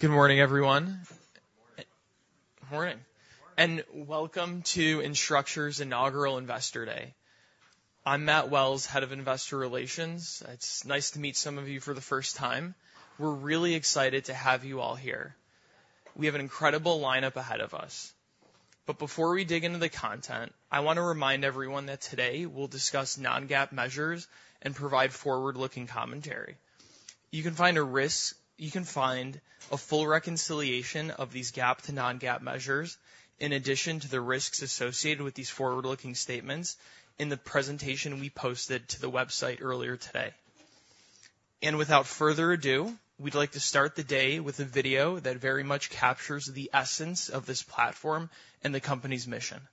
Good morning, everyone. Good morning, and welcome to Instructure's Inaugural Investor Day. I'm Matt Wells, Head of Investor Relations. It's nice to meet some of you for the first time. We're really excited to have you all here. We have an incredible lineup ahead of us. But before we dig into the content, I want to remind everyone that today we'll discuss non-GAAP measures and provide forward-looking commentary. You can find a full reconciliation of these GAAP to non-GAAP measures, in addition to the risks associated with these forward-looking statements in the presentation we posted to the website earlier today. And without further ado, we'd like to start the day with a video that very much captures the essence of this platform and the company's mission.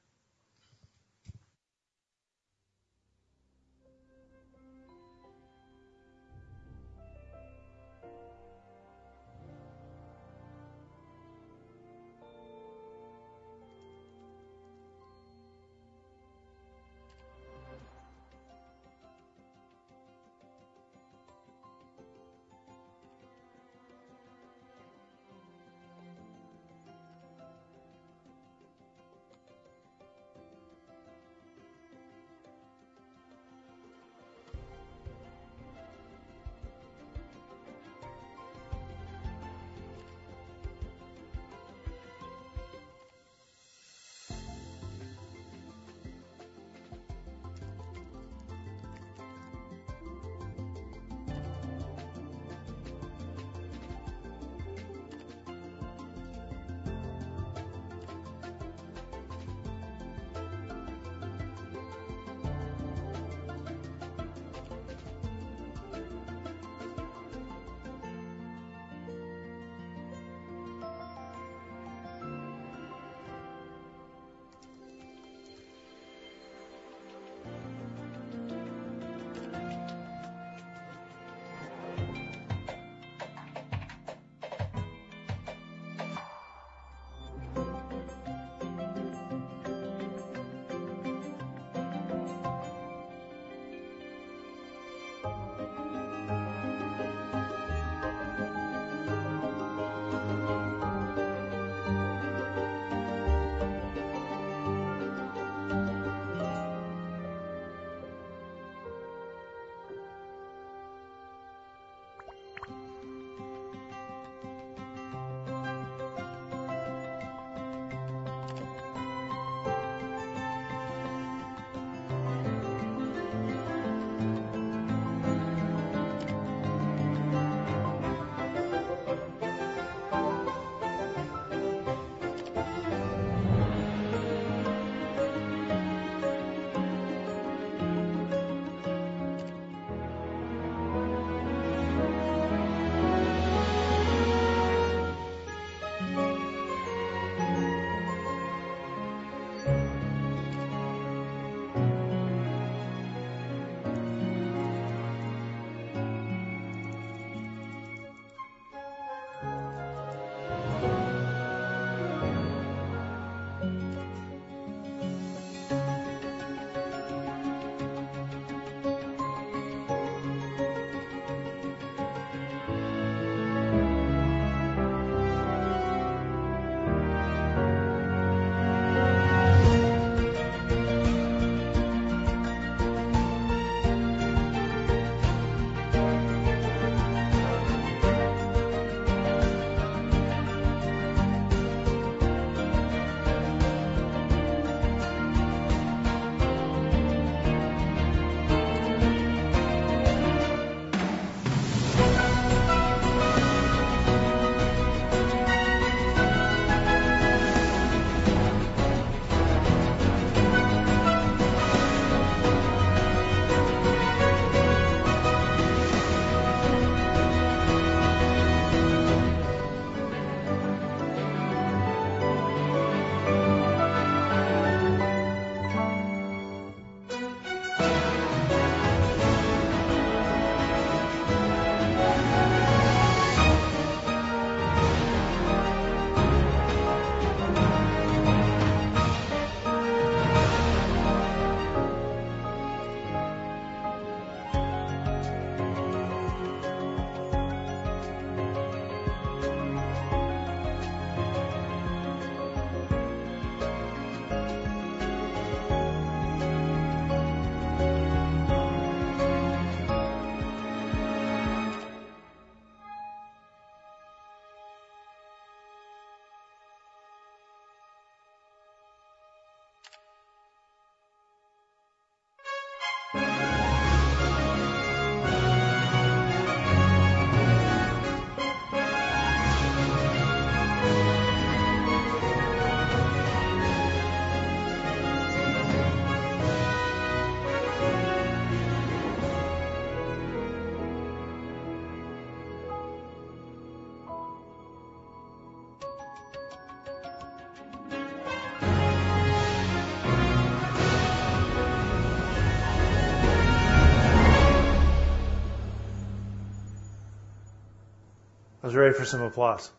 I was ready for some applause.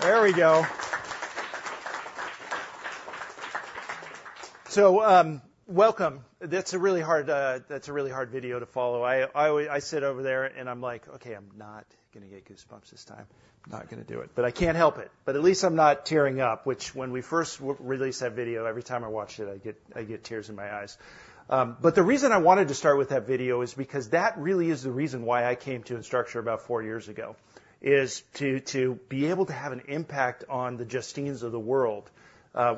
There we go! So, welcome! That's a really hard, that's a really hard video to follow. I sit over there, and I'm like: "Okay, I'm not gonna get goosebumps this time. Not gonna do it." But I can't help it. But at least I'm not tearing up, which, when we first released that video, every time I watched it, I'd get, I'd get tears in my eyes. But the reason I wanted to start with that video is because that really is the reason why I came to Instructure about four years ago, is to, to be able to have an impact on the Justines of the world,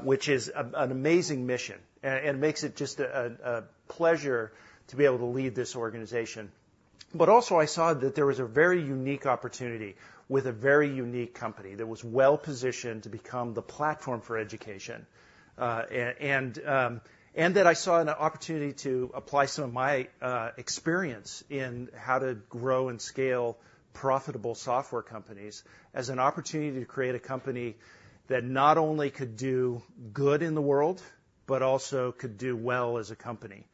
which is an amazing mission and makes it just a pleasure to be able to lead this organization. But also, I saw that there was a very unique opportunity with a very unique company that was well-positioned to become the platform for education. And then I saw an opportunity to apply some of my experience in how to grow and scale profitable software companies as an opportunity to create a company that not only could do good in the world but also could do well as a company.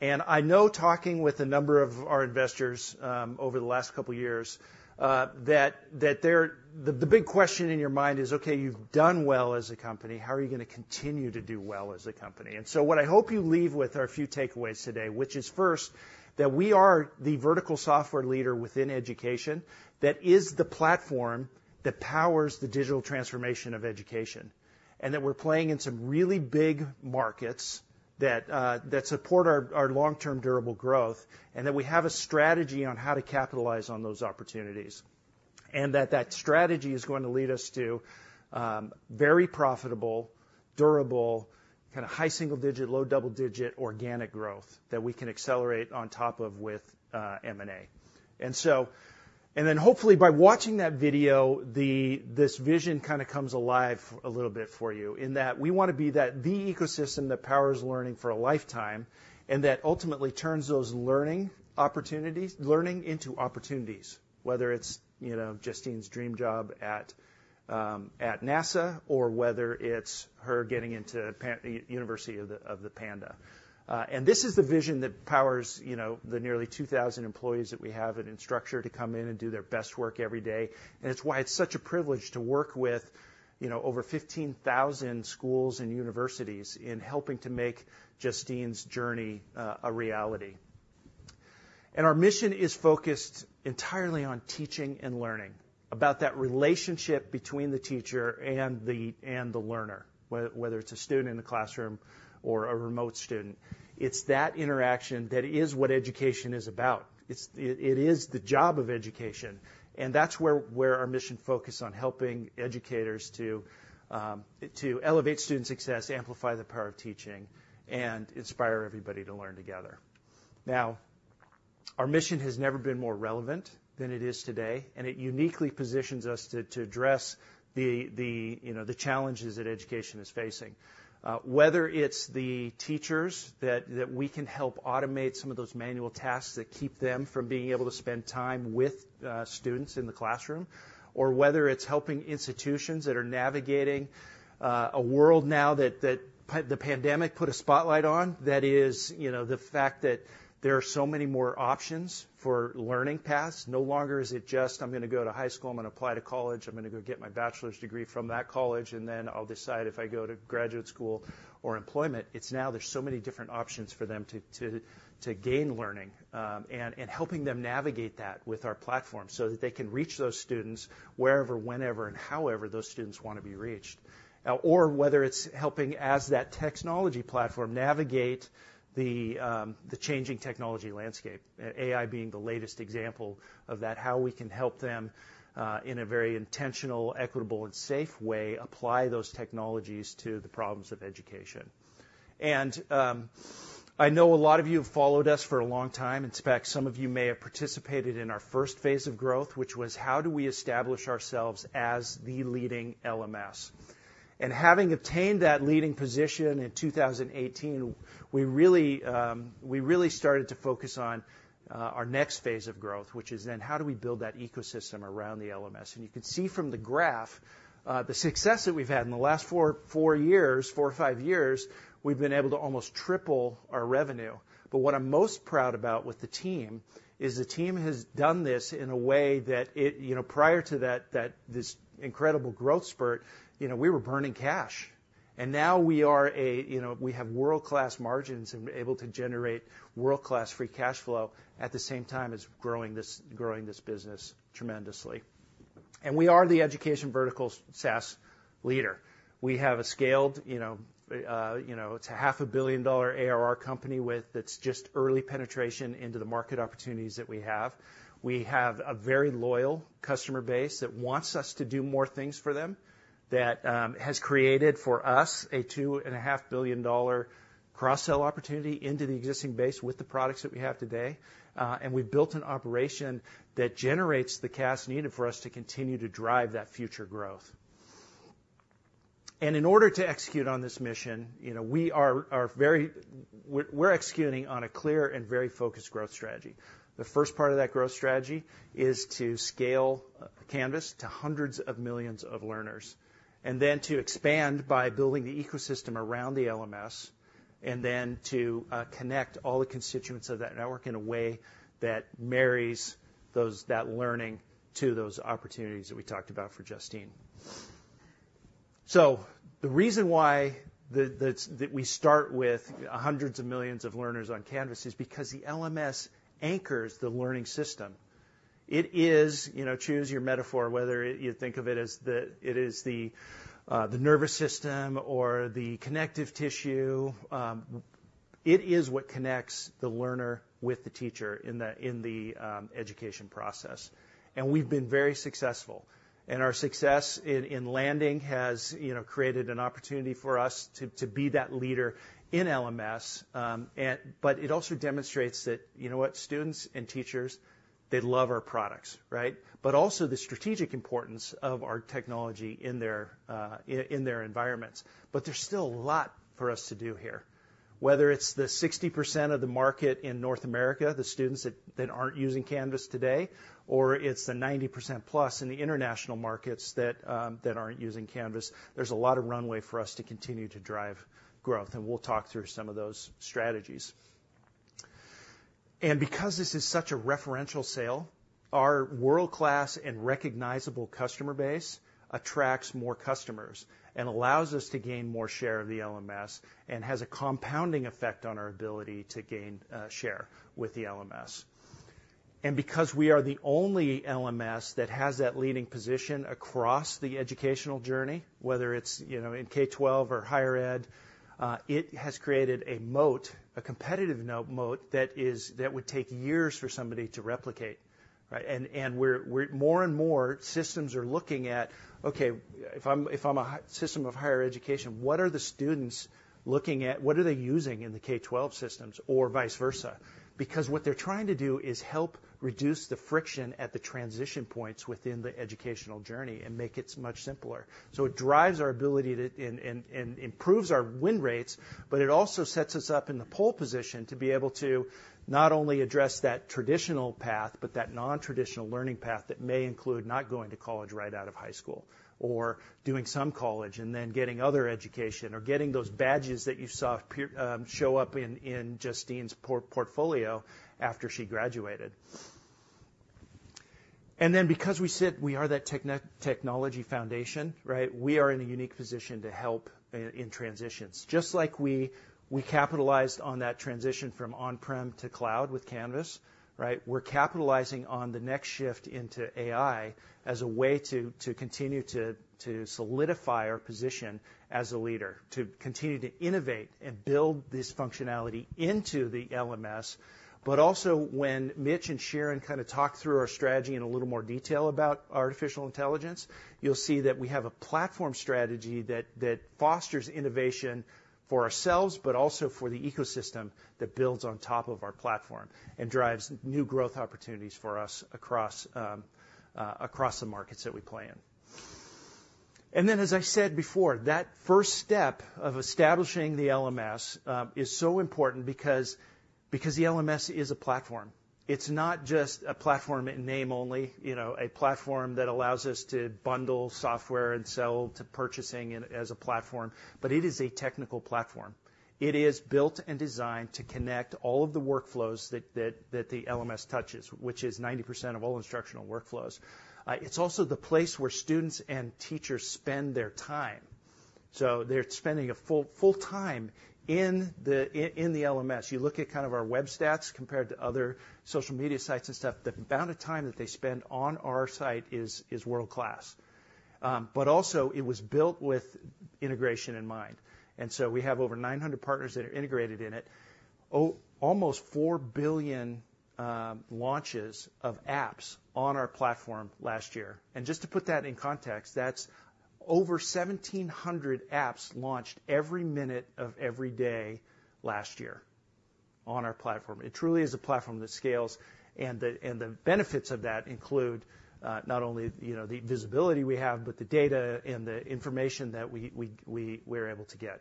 And I know talking with a number of our investors, over the last couple of years, that the big question in your mind is: "Okay, you've done well as a company, how are you gonna continue to do well as a company? So what I hope you leave with are a few takeaways today, which is, first, that we are the vertical software leader within education, that is the platform that powers the digital transformation of education, and that we're playing in some really big markets that that support our, our long-term durable growth, and that we have a strategy on how to capitalize on those opportunities. And that that strategy is going to lead us to very profitable, durable, kind of high single digit, low double digit organic growth that we can accelerate on top of with M&A. And then hopefully by watching that video, this vision kind of comes alive a little bit for you in that we wanna be that the ecosystem that powers learning for a lifetime, and that ultimately turns those learning opportunities, learning into opportunities, whether it's, you know, Justine's dream job at NASA, or whether it's her getting into University of the Panda. And this is the vision that powers, you know, the nearly 2,000 employees that we have at Instructure to come in and do their best work every day. And it's why it's such a privilege to work with, you know, over 15,000 schools and universities in helping to make Justine's journey a reality. Our mission is focused entirely on teaching and learning, about that relationship between the teacher and the, and the learner, whether it's a student in the classroom or a remote student. It's that interaction that is what education is about. It is the job of education, and that's where our mission focuses on helping educators to elevate student success, amplify the power of teaching, and inspire everybody to learn together. Now, our mission has never been more relevant than it is today, and it uniquely positions us to address the, you know, the challenges that education is facing. Whether it's the teachers that we can help automate some of those manual tasks that keep them from being able to spend time with students in the classroom, or whether it's helping institutions that are navigating a world now that the pandemic put a spotlight on, that is, you know, the fact that there are so many more options for learning paths. No longer is it just, I'm gonna go to high school, I'm gonna apply to college, I'm gonna go get my bachelor's degree from that college, and then I'll decide if I go to graduate school or employment. It's now there's so many different options for them to gain learning, and helping them navigate that with our platform so that they can reach those students wherever, whenever, and however those students wanna be reached. Or whether it's helping as that technology platform navigate the, the changing technology landscape, AI being the latest example of that, how we can help them, in a very intentional, equitable, and safe way, apply those technologies to the problems of education. I know a lot of you have followed us for a long time. In fact, some of you may have participated in our first phase of growth, which was: how do we establish ourselves as the leading LMS? And having obtained that leading position in 2018, we really, we really started to focus on, our next phase of growth, which is then how do we build that ecosystem around the LMS? And you can see from the graph, the success that we've had in the last four or five years, we've been able to almost triple our revenue. But what I'm most proud about with the team is the team has done this in a way that it. You know, prior to that, this incredible growth spurt, you know, we were burning cash, and now we are a, you know, we have world-class margins and able to generate world-class free cash flow at the same time as growing this business tremendously. And we are the education vertical SaaS leader. We have a scaled, you know, it's a $500 million ARR company with- that's just early penetration into the market opportunities that we have. We have a very loyal customer base that wants us to do more things for them, that has created for us a $2.5 billion cross-sell opportunity into the existing base with the products that we have today, and we've built an operation that generates the cash needed for us to continue to drive that future growth. In order to execute on this mission, you know, we're executing on a clear and very focused growth strategy. The first part of that growth strategy is to scale Canvas to hundreds of millions of learners, and then to expand by building the ecosystem around the LMS, and then to connect all the constituents of that network in a way that marries that learning to those opportunities that we talked about for Justine. So the reason why that we start with hundreds of millions of learners on Canvas is because the LMS anchors the learning system. It is, you know, choose your metaphor, whether you think of it as the nervous system or the connective tissue. It is what connects the learner with the teacher in the education process. And we've been very successful, and our success in landing has, you know, created an opportunity for us to be that leader in LMS. But it also demonstrates that you know what? Students and teachers, they love our products, right? But also the strategic importance of our technology in their environments. But there's still a lot for us to do here, whether it's the 60% of the market in North America, the students that that aren't using Canvas today, or it's the +90% in the international markets that that aren't using Canvas. There's a lot of runway for us to continue to drive growth, and we'll talk through some of those strategies. And because this is such a referential sale, our world-class and recognizable customer base attracts more customers and allows us to gain more share of the LMS and has a compounding effect on our ability to gain share with the LMS. Because we are the only LMS that has that leading position across the educational journey, whether it's, you know, in K-12 or higher ed, it has created a moat, a competitive moat, that would take years for somebody to replicate, right? And more and more systems are looking at, okay, if I'm a system of higher education, what are the students looking at? What are they using in the K-12 systems or vice versa? Because what they're trying to do is help reduce the friction at the transition points within the educational journey and make it much simpler. So it drives our ability to-- And improves our win rates, but it also sets us up in the pole position to be able to not only address that traditional path, but that nontraditional learning path that may include not going to college right out of high school, or doing some college and then getting other education, or getting those badges that you saw appear in Justine's portfolio after she graduated. And then, because we said we are that technology foundation, right? We are in a unique position to help in transitions. Just like we capitalized on that transition from on-prem to cloud with Canvas, right? We're capitalizing on the next shift into AI as a way to continue to solidify our position as a leader, to continue to innovate and build this functionality into the LMS. But also, when Mitch and Shiren kind of talk through our strategy in a little more detail about artificial intelligence, you'll see that we have a platform strategy that fosters innovation for ourselves, but also for the ecosystem that builds on top of our platform and drives new growth opportunities for us across the markets that we play in. And then, as I said before, that first step of establishing the LMS is so important because the LMS is a platform. It's not just a platform in name only, you know, a platform that allows us to bundle software and sell to purchasing it as a platform, but it is a technical platform. It is built and designed to connect all of the workflows that the LMS touches, which is 90% of all instructional workflows. It's also the place where students and teachers spend their time. So they're spending a full, full time in the LMS. You look at kind of our web stats compared to other social media sites and stuff, the amount of time that they spend on our site is world-class. But also it was built with integration in mind, and so we have over 900 partners that are integrated in it. Almost 4 billion launches of apps on our platform last year. And just to put that in context, that's over 1,700 apps launched every minute of every day last year on our platform. It truly is a platform that scales, and the benefits of that include not only, you know, the visibility we have, but the data and the information that we're able to get.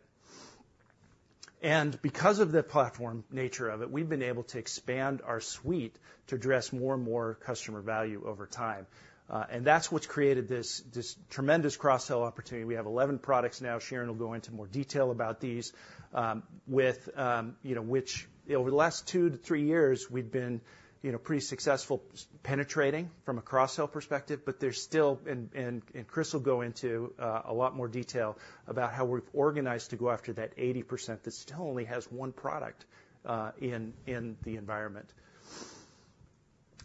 And because of the platform nature of it, we've been able to expand our suite to address more and more customer value over time, and that's what's created this tremendous cross-sell opportunity. We have 11 products now. Shiren will go into more detail about these, you know, which over the last two-three years, we've been, you know, pretty successful penetrating from a cross-sell perspective. But there's still--and Chris will go into a lot more detail about how we're organized to go after that 80% that still only has one product in the environment.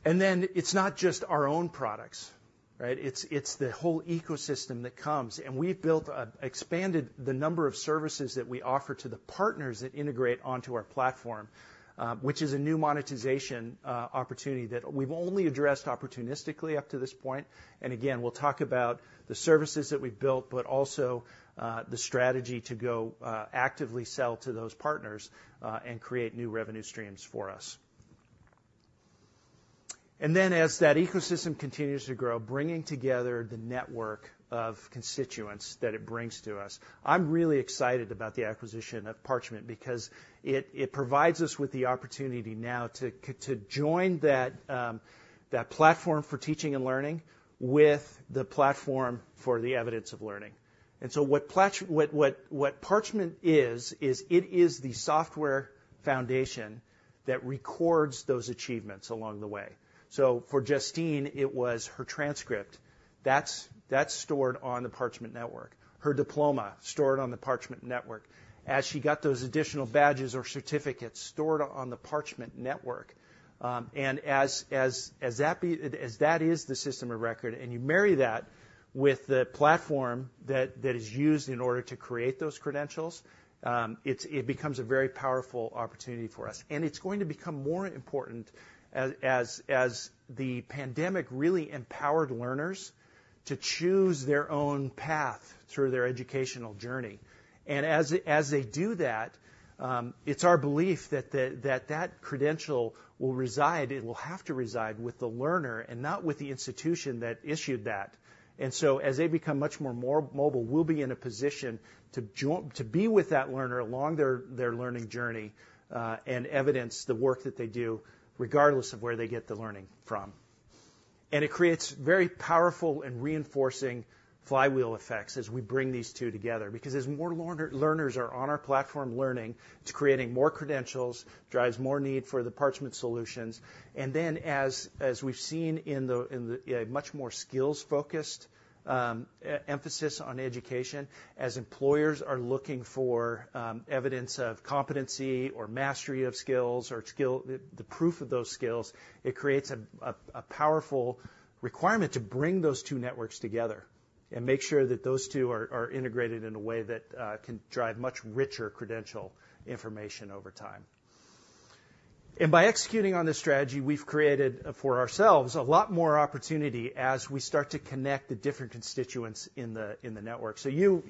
And then it's not just our own products, right? it's the whole ecosystem that comes, and we've built expanded the number of services that we offer to the partners that integrate onto our platform, which is a new monetization opportunity that we've only addressed opportunistically up to this point. And again, we'll talk about the services that we've built, but also the strategy to go actively sell to those partners and create new revenue streams for us. And then, as that ecosystem continues to grow, bringing together the network of constituents that it brings to us, I'm really excited about the acquisition of Parchment because it, it provides us with the opportunity now to to join that, that platform for teaching and learning with the platform for the evidence of learning. And so what parch-- What Parchment is, is it is the software foundation that records those achievements along the way. So for Justine, it was her transcript. That's stored on the Parchment network. Her diploma, stored on the Parchment network. As she got those additional badges or certificates, stored on the Parchment network. And as that is the system of record, and you marry that with the platform that is used in order to create those credentials, it becomes a very powerful opportunity for us. And it's going to become more important as the pandemic really empowered learners to choose their own path through their educational journey. As they do that, it's our belief that that credential will reside. It will have to reside with the learner and not with the institution that issued that. So, as they become much more mobile, we'll be in a position to join to be with that learner along their learning journey, and evidence the work that they do regardless of where they get the learning from. And it creates very powerful and reinforcing flywheel effects as we bring these two together, because as more learners are on our platform learning, it's creating more credentials, drives more need for the Parchment solutions. And then, as we've seen in a much more skills-focused emphasis on education, as employers are looking for evidence of competency or mastery of skills or the proof of those skills, it creates a powerful requirement to bring those two networks together and make sure that those two are integrated in a way that can drive much richer credential information over time. And by executing on this strategy, we've created, for ourselves, a lot more opportunity as we start to connect the different constituents in the network. So you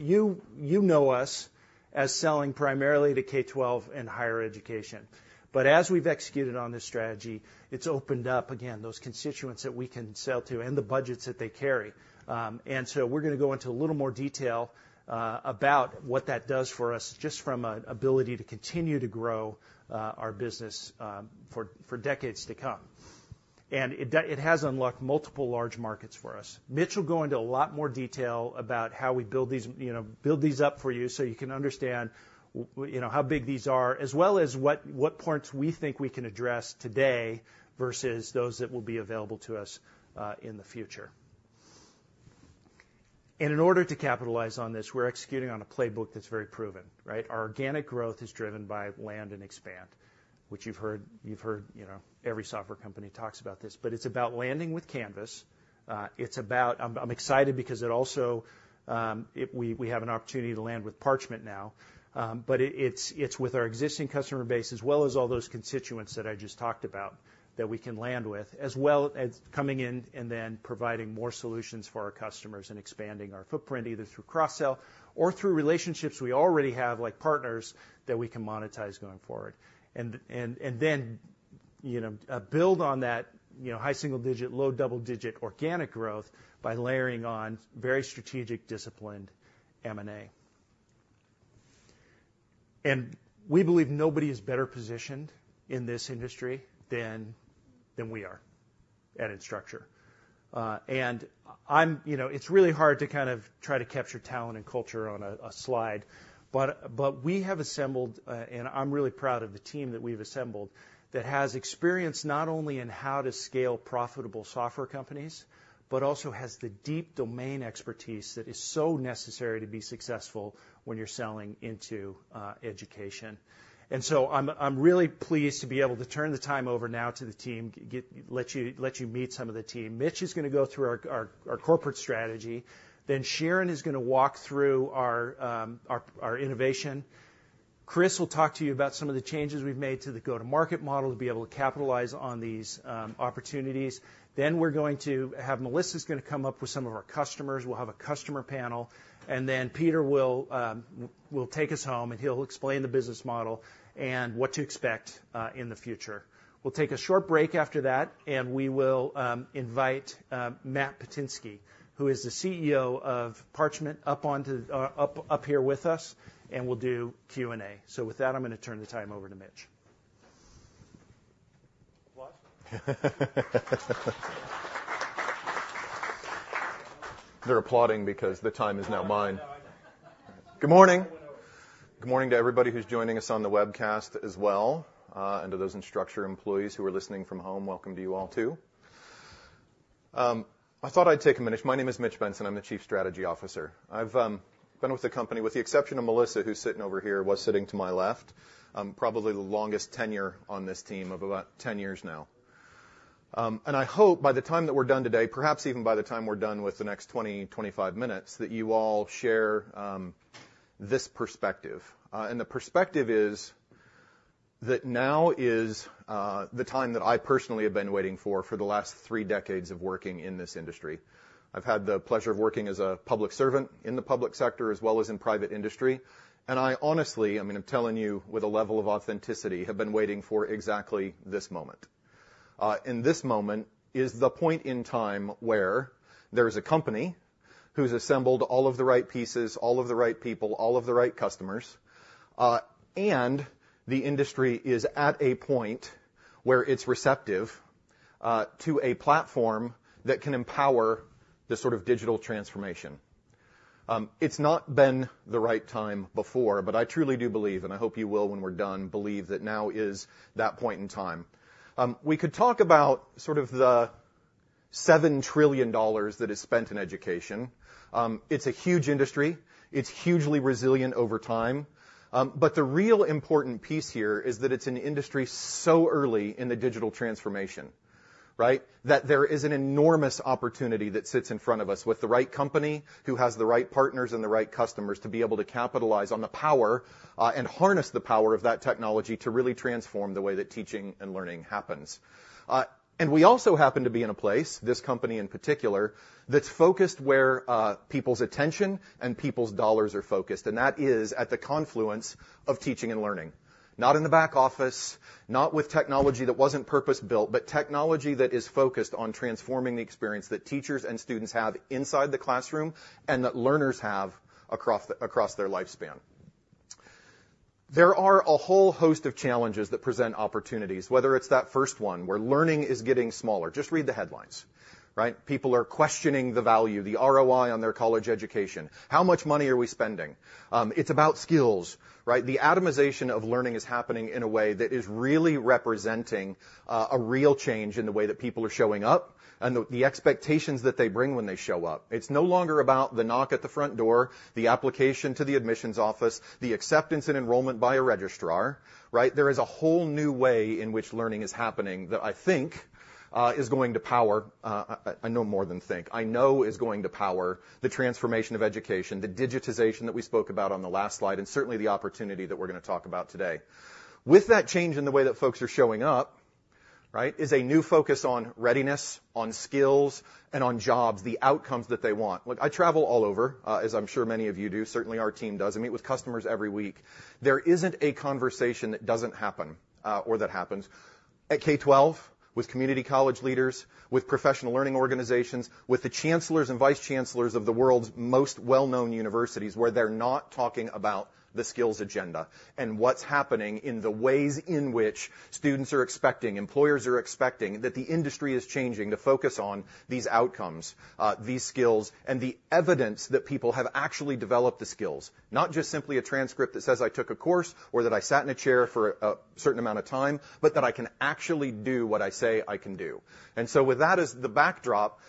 know us as selling primarily to K-12 and higher education. But as we've executed on this strategy, it's opened up, again, those constituents that we can sell to and the budgets that they carry. So we're gonna go into a little more detail about what that does for us, just from an ability to continue to grow our business for decades to come. It has unlocked multiple large markets for us. Mitch will go into a lot more detail about how we build these, you know, build these up for you so you can understand, you know, how big these are, as well as what parts we think we can address today versus those that will be available to us in the future. In order to capitalize on this, we're executing on a playbook that's very proven, right? Our organic growth is driven by land and expand, which you've heard. You know, every software company talks about this. But it's about landing with Canvas. It's about—I'm excited because it also, it—we have an opportunity to land with Parchment now. But it, it's with our existing customer base, as well as all those constituents that I just talked about, that we can land with, as well as coming in and then providing more solutions for our customers and expanding our footprint, either through cross-sell or through relationships we already have, like partners, that we can monetize going forward. And then, you know, build on that, you know, high single digit, low double digit organic growth by layering on very strategic, disciplined M&A. And we believe nobody is better positioned in this industry than we are at Instructure. And I'm, you know, it's really hard to kind of try to capture talent and culture on a slide, but we have assembled, and I'm really proud of the team that we've assembled, that has experience not only in how to scale profitable software companies, but also has the deep domain expertise that is so necessary to be successful when you're selling into education. And so I'm really pleased to be able to turn the time over now to the team, let you meet some of the team. Mitch is gonna go through our corporate strategy. Then Shiren is gonna walk through our innovation. Chris will talk to you about some of the changes we've made to the go-to-market model to be able to capitalize on these opportunities. Then we're going to have, Melissa's gonna come up with some of our customers. We'll have a customer panel, and then Peter will take us home, and he'll explain the business model and what to expect in the future. We'll take a short break after that, and we will invite Matt Pittinsky, who is the CEO of Parchment, up here with us, and we'll do Q&A. So with that, I'm gonna turn the time over to Mitch. Applause? They're applauding because the time is now mine. Good morning. Good morning to everybody who's joining us on the webcast as well, and to those Instructure employees who are listening from home, welcome to you all, too. I thought I'd take a minute. My name is Mitch Benson. I'm the Chief Strategy Officer. I've been with the company, with the exception of Melissa, who's sitting over here, was sitting to my left, probably the longest tenure on this team of about 10 years now. And I hope by the time that we're done today, perhaps even by the time we're done with the next 20-25 minutes, that you all share this perspective. And the perspective is that now is the time that I personally have been waiting for, for the last three decades of working in this industry. I've had the pleasure of working as a public servant in the public sector, as well as in private industry, and I honestly, I mean, I'm telling you with a level of authenticity, have been waiting for exactly this moment. And this moment is the point in time where there is a company who's assembled all of the right pieces, all of the right people, all of the right customers, and the industry is at a point where it's receptive to a platform that can empower this sort of digital transformation. It's not been the right time before, but I truly do believe, and I hope you will when we're done, believe that now is that point in time. We could talk about sort of the $7 trillion that is spent in education. It's a huge industry. It's hugely resilient over time. But the real important piece here is that it's an industry so early in the digital transformation, right? That there is an enormous opportunity that sits in front of us with the right company, who has the right partners and the right customers to be able to capitalize on the power, and harness the power of that technology to really transform the way that teaching and learning happens. And we also happen to be in a place, this company in particular, that's focused where people's attention and people's dollars are focused, and that is at the confluence of teaching and learning. Not in the back office, not with technology that wasn't purpose-built, but technology that is focused on transforming the experience that teachers and students have inside the classroom and that learners have across their lifespan. There are a whole host of challenges that present opportunities, whether it's that first one, where learning is getting smaller. Just read the headlines, right? People are questioning the value, the ROI on their college education. How much money are we spending? It's about skills, right? The atomization of learning is happening in a way that is really representing a real change in the way that people are showing up and the, the expectations that they bring when they show up. It's no longer about the knock at the front door, the application to the admissions office, the acceptance and enrollment by a registrar, right? There is a whole new way in which learning is happening that I think is going to power, I, I know more than think. I know is going to power the transformation of education, the digitization that we spoke about on the last slide, and certainly the opportunity that we're going to talk about today. With that change in the way that folks are showing up, right, is a new focus on readiness, on skills, and on jobs, the outcomes that they want. Look, I travel all over, as I'm sure many of you do. Certainly, our team does. I meet with customers every week. There isn't a conversation that doesn't happen, or that happens at K-12, with community college leaders, with professional learning organizations, with the chancellors and vice chancellors of the world's most well-known universities, where they're not talking about the skills agenda and what's happening in the ways in which students are expecting, employers are expecting, that the industry is changing to focus on these outcomes, these skills, and the evidence that people have actually developed the skills. Not just simply a transcript that says, "I took a course," or that "I sat in a chair for a certain amount of time," but that "I can actually do what I say I can do." And so with that as the backdrop,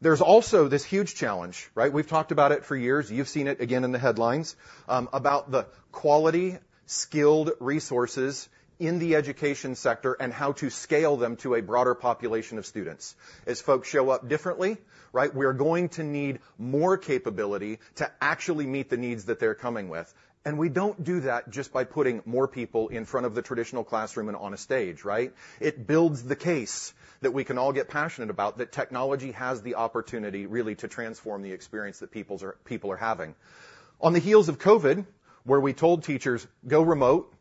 there's also this huge challenge, right? We've talked about it for years. You've seen it again in the headlines about the quality, skilled resources in the education sector and how to scale them to a broader population of students. As folks show up differently, right, we are going to need more capability to actually meet the needs that they're coming with, and we don't do that just by putting more people in front of the traditional classroom and on a stage, right? It builds the case that we can all get passionate about, that technology has the opportunity, really, to transform the experience that people are having. On the heels of COVID, where we told teachers, "Go remote,"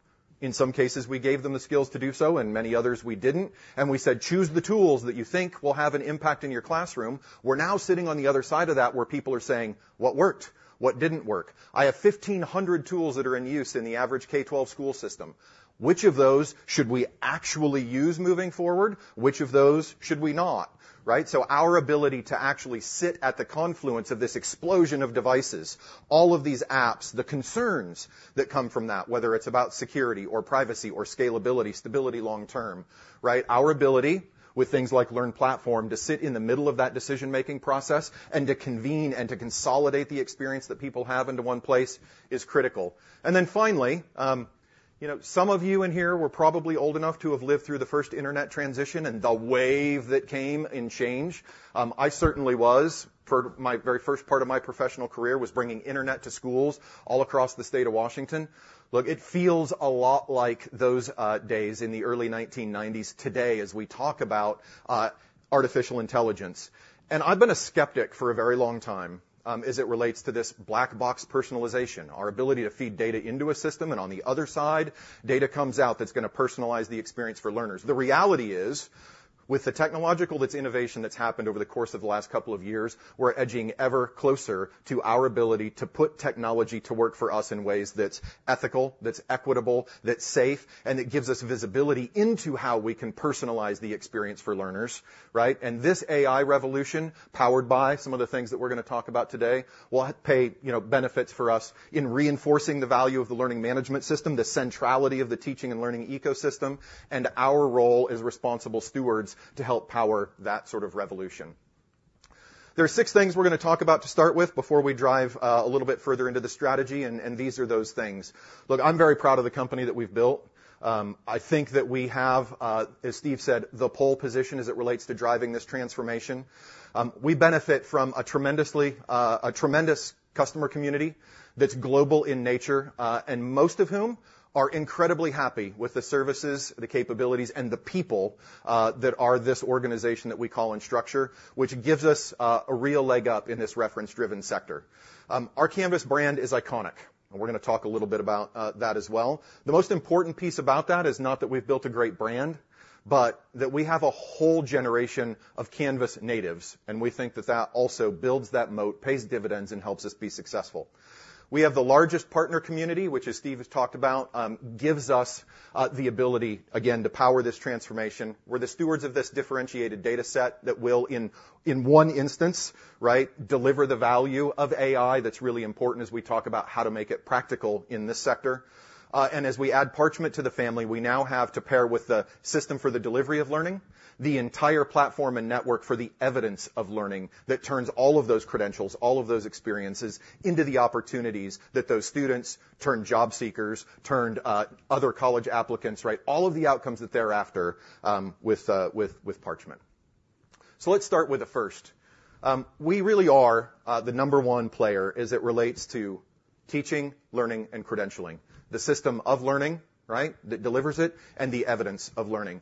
in some cases, we gave them the skills to do so, and many others we didn't, and we said, "Choose the tools that you think will have an impact in your classroom," we're now sitting on the other side of that, where people are saying, "What worked? What didn't work? I have 1,500 tools that are in use in the average K-12 school system. Which of those should we actually use moving forward? Which of those should we not?" Right? So our ability to actually sit at the confluence of this explosion of devices, all of these apps, the concerns that come from that, whether it's about security or privacy or scalability, stability long term, right? Our ability with things like LearnPlatform, to sit in the middle of that decision-making process and to convene and to consolidate the experience that people have into one place is critical. And then finally, you know, some of you in here were probably old enough to have lived through the first internet transition and the wave that came in change. I certainly was. My very first part of my professional career was bringing internet to schools all across the state of Washington. Look, it feels a lot like those days in the early 1990s today, as we talk about artificial intelligence. And I've been a skeptic for a very long time, as it relates to this black box personalization, our ability to feed data into a system, and on the other side, data comes out that's gonna personalize the experience for learners. The reality is, with the technological, that's innovation that's happened over the course of the last couple of years, we're edging ever closer to our ability to put technology to work for us in ways that's ethical, that's equitable, that's safe, and that gives us visibility into how we can personalize the experience for learners, right? And this AI revolution, powered by some of the things that we're going to talk about today, will pay, you know, benefits for us in reinforcing the value of the learning management system, the centrality of the teaching and learning ecosystem, and our role as responsible stewards to help power that sort of revolution. There are six things we're going to talk about to start with before we drive a little bit further into the strategy, and, and these are those things. Look, I'm very proud of the company that we've built. I think that we have, as Steve said, the pole position as it relates to driving this transformation. We benefit from a tremendous customer community that's global in nature, and most of whom are incredibly happy with the services, the capabilities, and the people that are this organization that we call Instructure, which gives us a real leg up in this reference-driven sector. Our Canvas brand is iconic, and we're going to talk a little bit about that as well. The most important piece about that is not that we've built a great brand, but that we have a whole generation of Canvas natives, and we think that that also builds that moat, pays dividends, and helps us be successful. We have the largest partner community, which, as Steve has talked about, gives us the ability, again, to power this transformation. We're the stewards of this differentiated data set that will, in one instance, right, deliver the value of AI. That's really important as we talk about how to make it practical in this sector. And as we add Parchment to the family, we now have to pair with the system for the delivery of learning, the entire platform and network for the evidence of learning, that turns all of those credentials, all of those experiences into the opportunities that those students turn job seekers, turned other college applicants, right? All of the outcomes that they're after, with Parchment. So let's start with the first. We really are the number one player as it relates to teaching, learning, and credentialing. The system of learning, right, that delivers it, and the evidence of learning.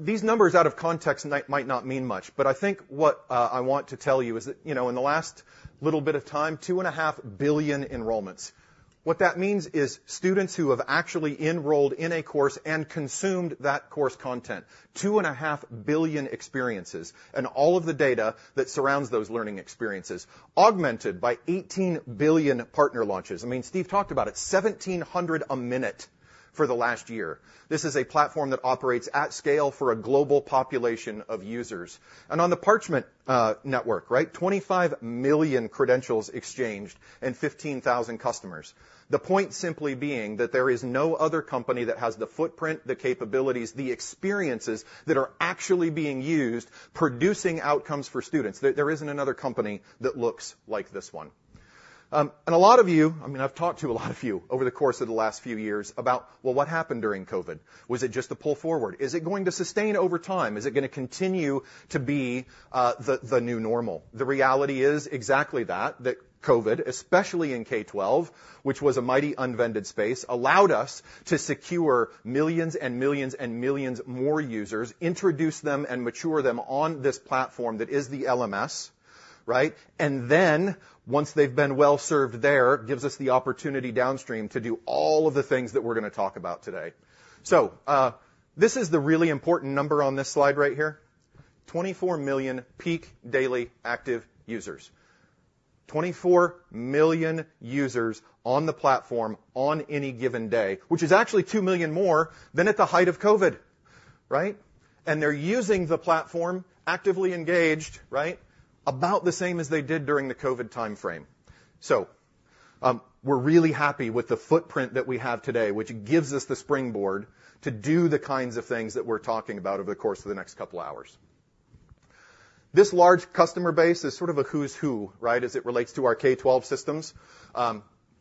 These numbers out of context might, might not mean much, but I think what, I want to tell you is that, you know, in the last little bit of time, 2.5 billion enrollments. What that means is students who have actually enrolled in a course and consumed that course content. 2.5 billion experiences, and all of the data that surrounds those learning experiences, augmented by 18 billion partner launches. I mean, Steve talked about it, 1,700 a minute for the last year. This is a platform that operates at scale for a global population of users. And on the Parchment network, right, 25 million credentials exchanged and 15,000 customers. The point simply being that there is no other company that has the footprint, the capabilities, the experiences that are actually being used, producing outcomes for students. There, there isn't another company that looks like this one. And a lot of you - I mean, I've talked to a lot of you over the course of the last few years about, well, what happened during COVID? Was it just a pull forward? Is it going to sustain over time? Is it gonna continue to be the new normal? The reality is exactly that, that COVID, especially in K-12, which was a mightily unpenetrated space, allowed us to secure millions and millions and millions more users, introduce them, and mature them on this platform that is the LMS, right? Then, once they've been well served there, gives us the opportunity downstream to do all of the things that we're gonna talk about today. So, this is the really important number on this slide right here, 24 million peak daily active users. 24 million users on the platform on any given day, which is actually 2 million more than at the height of COVID, right? And they're using the platform, actively engaged, right, about the same as they did during the COVID timeframe. So, we're really happy with the footprint that we have today, which gives us the springboard to do the kinds of things that we're talking about over the course of the next couple of hours. This large customer base is sort of a who's who, right, as it relates to our K-12 systems.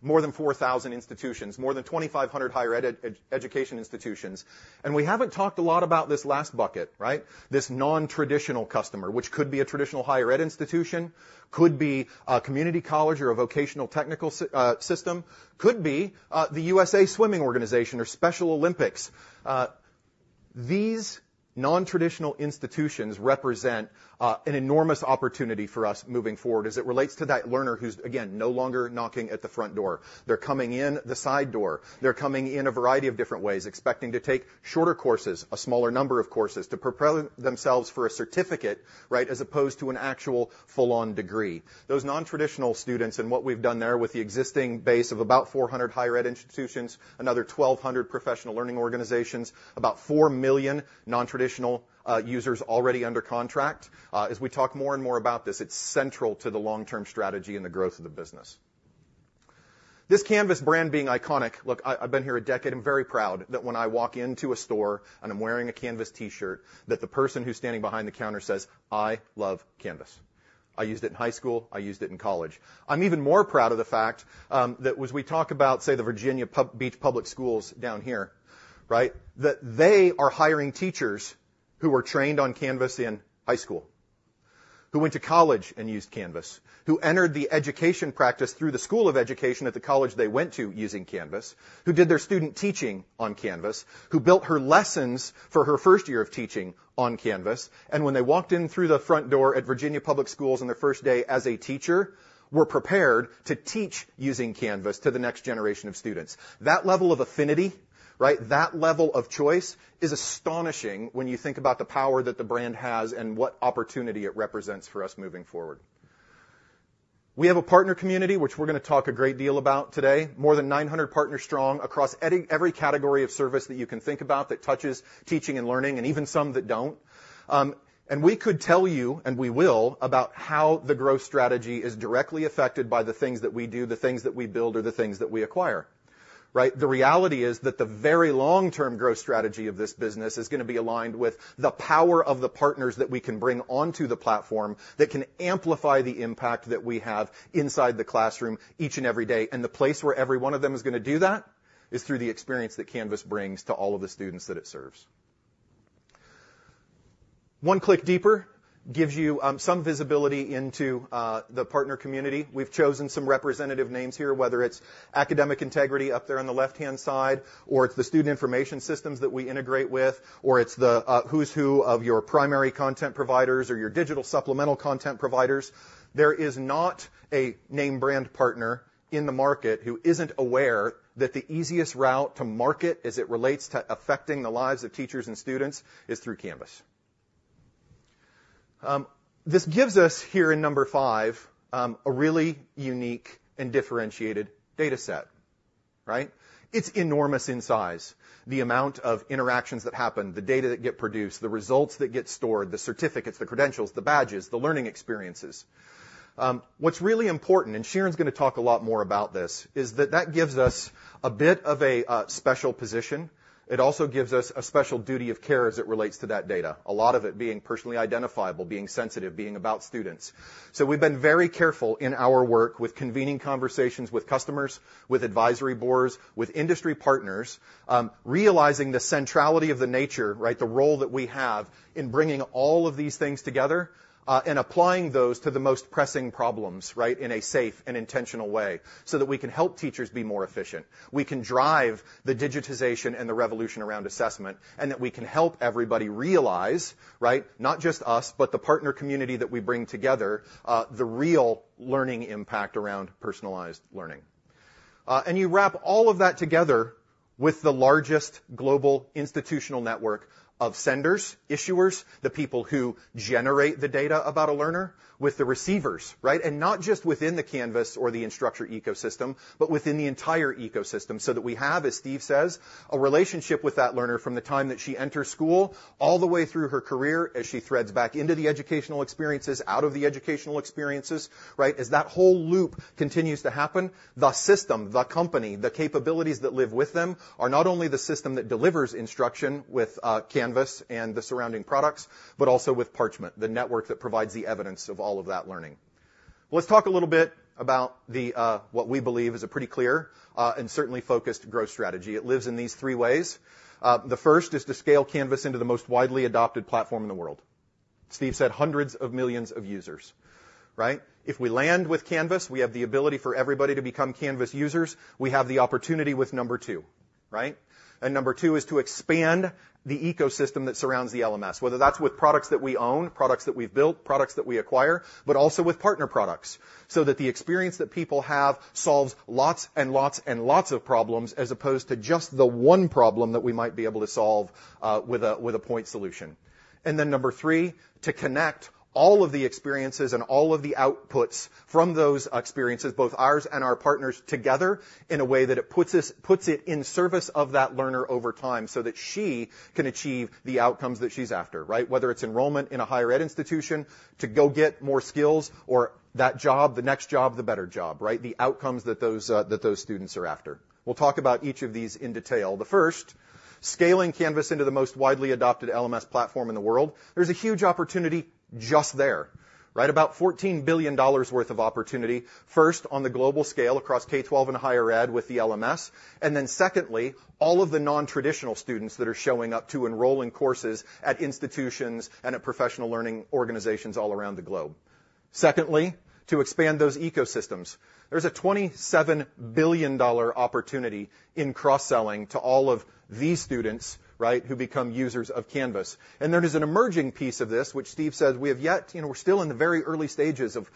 More than 4,000 institutions, more than 2,500 higher education institutions. We haven't talked a lot about this last bucket, right? This nontraditional customer, which could be a traditional higher ed institution, could be a community college or a vocational technical system, could be the USA Swimming organization or Special Olympics. These nontraditional institutions represent an enormous opportunity for us moving forward as it relates to that learner who's, again, no longer knocking at the front door. They're coming in the side door. They're coming in a variety of different ways, expecting to take shorter courses, a smaller number of courses, to propel themselves for a certificate, right, as opposed to an actual full-on degree. Those nontraditional students and what we've done there with the existing base of about 400 higher ed institutions, another 1,200 professional learning organizations, about 4 million nontraditional users already under contract. As we talk more and more about this, it's central to the long-term strategy and the growth of the business. This Canvas brand being iconic. Look, I, I've been here a decade. I'm very proud that when I walk into a store and I'm wearing a Canvas T-shirt, that the person who's standing behind the counter says, "I love Canvas. I used it in high school. I used it in college." I'm even more proud of the fact that as we talk about, say, the Virginia Beach Public Schools down here, right? That they are hiring teachers who were trained on Canvas in high school, who went to college and used Canvas, who entered the education practice through the school of education at the college they went to, using Canvas, who did their student teaching on Canvas, who built her lessons for her first year of teaching on Canvas, and when they walked in through the front door at Virginia Beach Public Schools on their first day as a teacher, were prepared to teach using Canvas to the next generation of students. That level of affinity, right, that level of choice is astonishing when you think about the power that the brand has and what opportunity it represents for us moving forward. We have a partner community, which we're going to talk a great deal about today. More than 900 partners strong across every category of service that you can think about that touches teaching and learning, and even some that don't. We could tell you, and we will, about how the growth strategy is directly affected by the things that we do, the things that we build, or the things that we acquire, right? The reality is that the very long-term growth strategy of this business is going to be aligned with the power of the partners that we can bring onto the platform, that can amplify the impact that we have inside the classroom each and every day. The place where every one of them is going to do that is through the experience that Canvas brings to all of the students that it serves. One click deeper gives you some visibility into the partner community. We've chosen some representative names here, whether it's academic integrity up there on the left-hand side, or it's the student information systems that we integrate with, or it's the who's who of your primary content providers or your digital supplemental content providers. There is not a name brand partner in the market who isn't aware that the easiest route to market as it relates to affecting the lives of teachers and students, is through Canvas. This gives us, here in number five, a really unique and differentiated data set, right? It's enormous in size, the amount of interactions that happen, the data that get produced, the results that get stored, the certificates, the credentials, the badges, the learning experiences. What's really important, and Shiren's going to talk a lot more about this, is that that gives us a bit of a special position. It also gives us a special duty of care as it relates to that data, a lot of it being personally identifiable, being sensitive, being about students. So we've been very careful in our work with convening conversations with customers, with advisory boards, with industry partners, realizing the centrality of the nature, right, the role that we have in bringing all of these things together, and applying those to the most pressing problems, right, in a safe and intentional way, so that we can help teachers be more efficient. We can drive the digitization and the revolution around assessment, and that we can help everybody realize, right, not just us, but the partner community that we bring together, the real learning impact around personalized learning. And you wrap all of that together with the largest global institutional network of senders, issuers, the people who generate the data about a learner, with the receivers, right? And not just within the Canvas or the Instructure ecosystem, but within the entire ecosystem, so that we have, as Steve says, a relationship with that learner from the time that she enters school, all the way through her career, as she threads back into the educational experiences, out of the educational experiences, right? As that whole loop continues to happen, the system, the company, the capabilities that live with them, are not only the system that delivers instruction with Canvas and the surrounding products, but also with Parchment, the network that provides the evidence of all of that learning. Let's talk a little bit about the what we believe is a pretty clear and certainly focused growth strategy. It lives in these three ways. The first is to scale Canvas into the most widely adopted platform in the world. Steve said hundreds of millions of users, right? If we land with Canvas, we have the ability for everybody to become Canvas users. We have the opportunity with number two, right? And number two is to expand the ecosystem that surrounds the LMS, whether that's with products that we own, products that we've built, products that we acquire, but also with partner products, so that the experience that people have solves lots and lots and lots of problems, as opposed to just the one problem that we might be able to solve with a point solution. And then number three, to connect all of the experiences and all of the outputs from those experiences, both ours and our partners, together in a way that it puts us- puts it in service of that learner over time, so that she can achieve the outcomes that she's after, right? Whether it's enrollment in a higher ed institution to go get more skills or that job, the next job, the better job, right? The outcomes that those, that those students are after. We'll talk about each of these in detail. The first, scaling Canvas into the most widely adopted LMS platform in the world. There's a huge opportunity just there, right? About $14 billion worth of opportunity, first on the global scale across K-12 and higher ed with the LMS, and then secondly, all of the non-traditional students that are showing up to enroll in courses at institutions and at professional learning organizations all around the globe. Secondly, to expand those ecosystems. There's a $27 billion dollar opportunity in cross-selling to all of these students, right, who become users of Canvas. And there is an emerging piece of this, which Steve says we have yet—you know, we're still in the very early stages of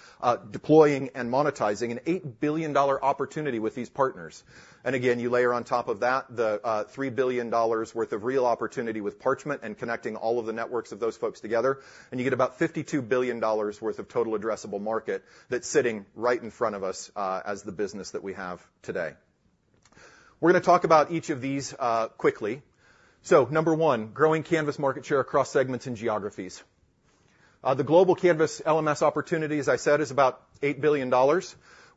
deploying and monetizing an $8 billion dollar opportunity with these partners. And again, you layer on top of that the $3 billion worth of real opportunity with Parchment and connecting all of the networks of those folks together, and you get about $52 billion worth of total addressable market that's sitting right in front of us, as the business that we have today. We're going to talk about each of these, quickly. So number one, growing Canvas market share across segments and geographies. The global Canvas LMS opportunity, as I said, is about $8 billion.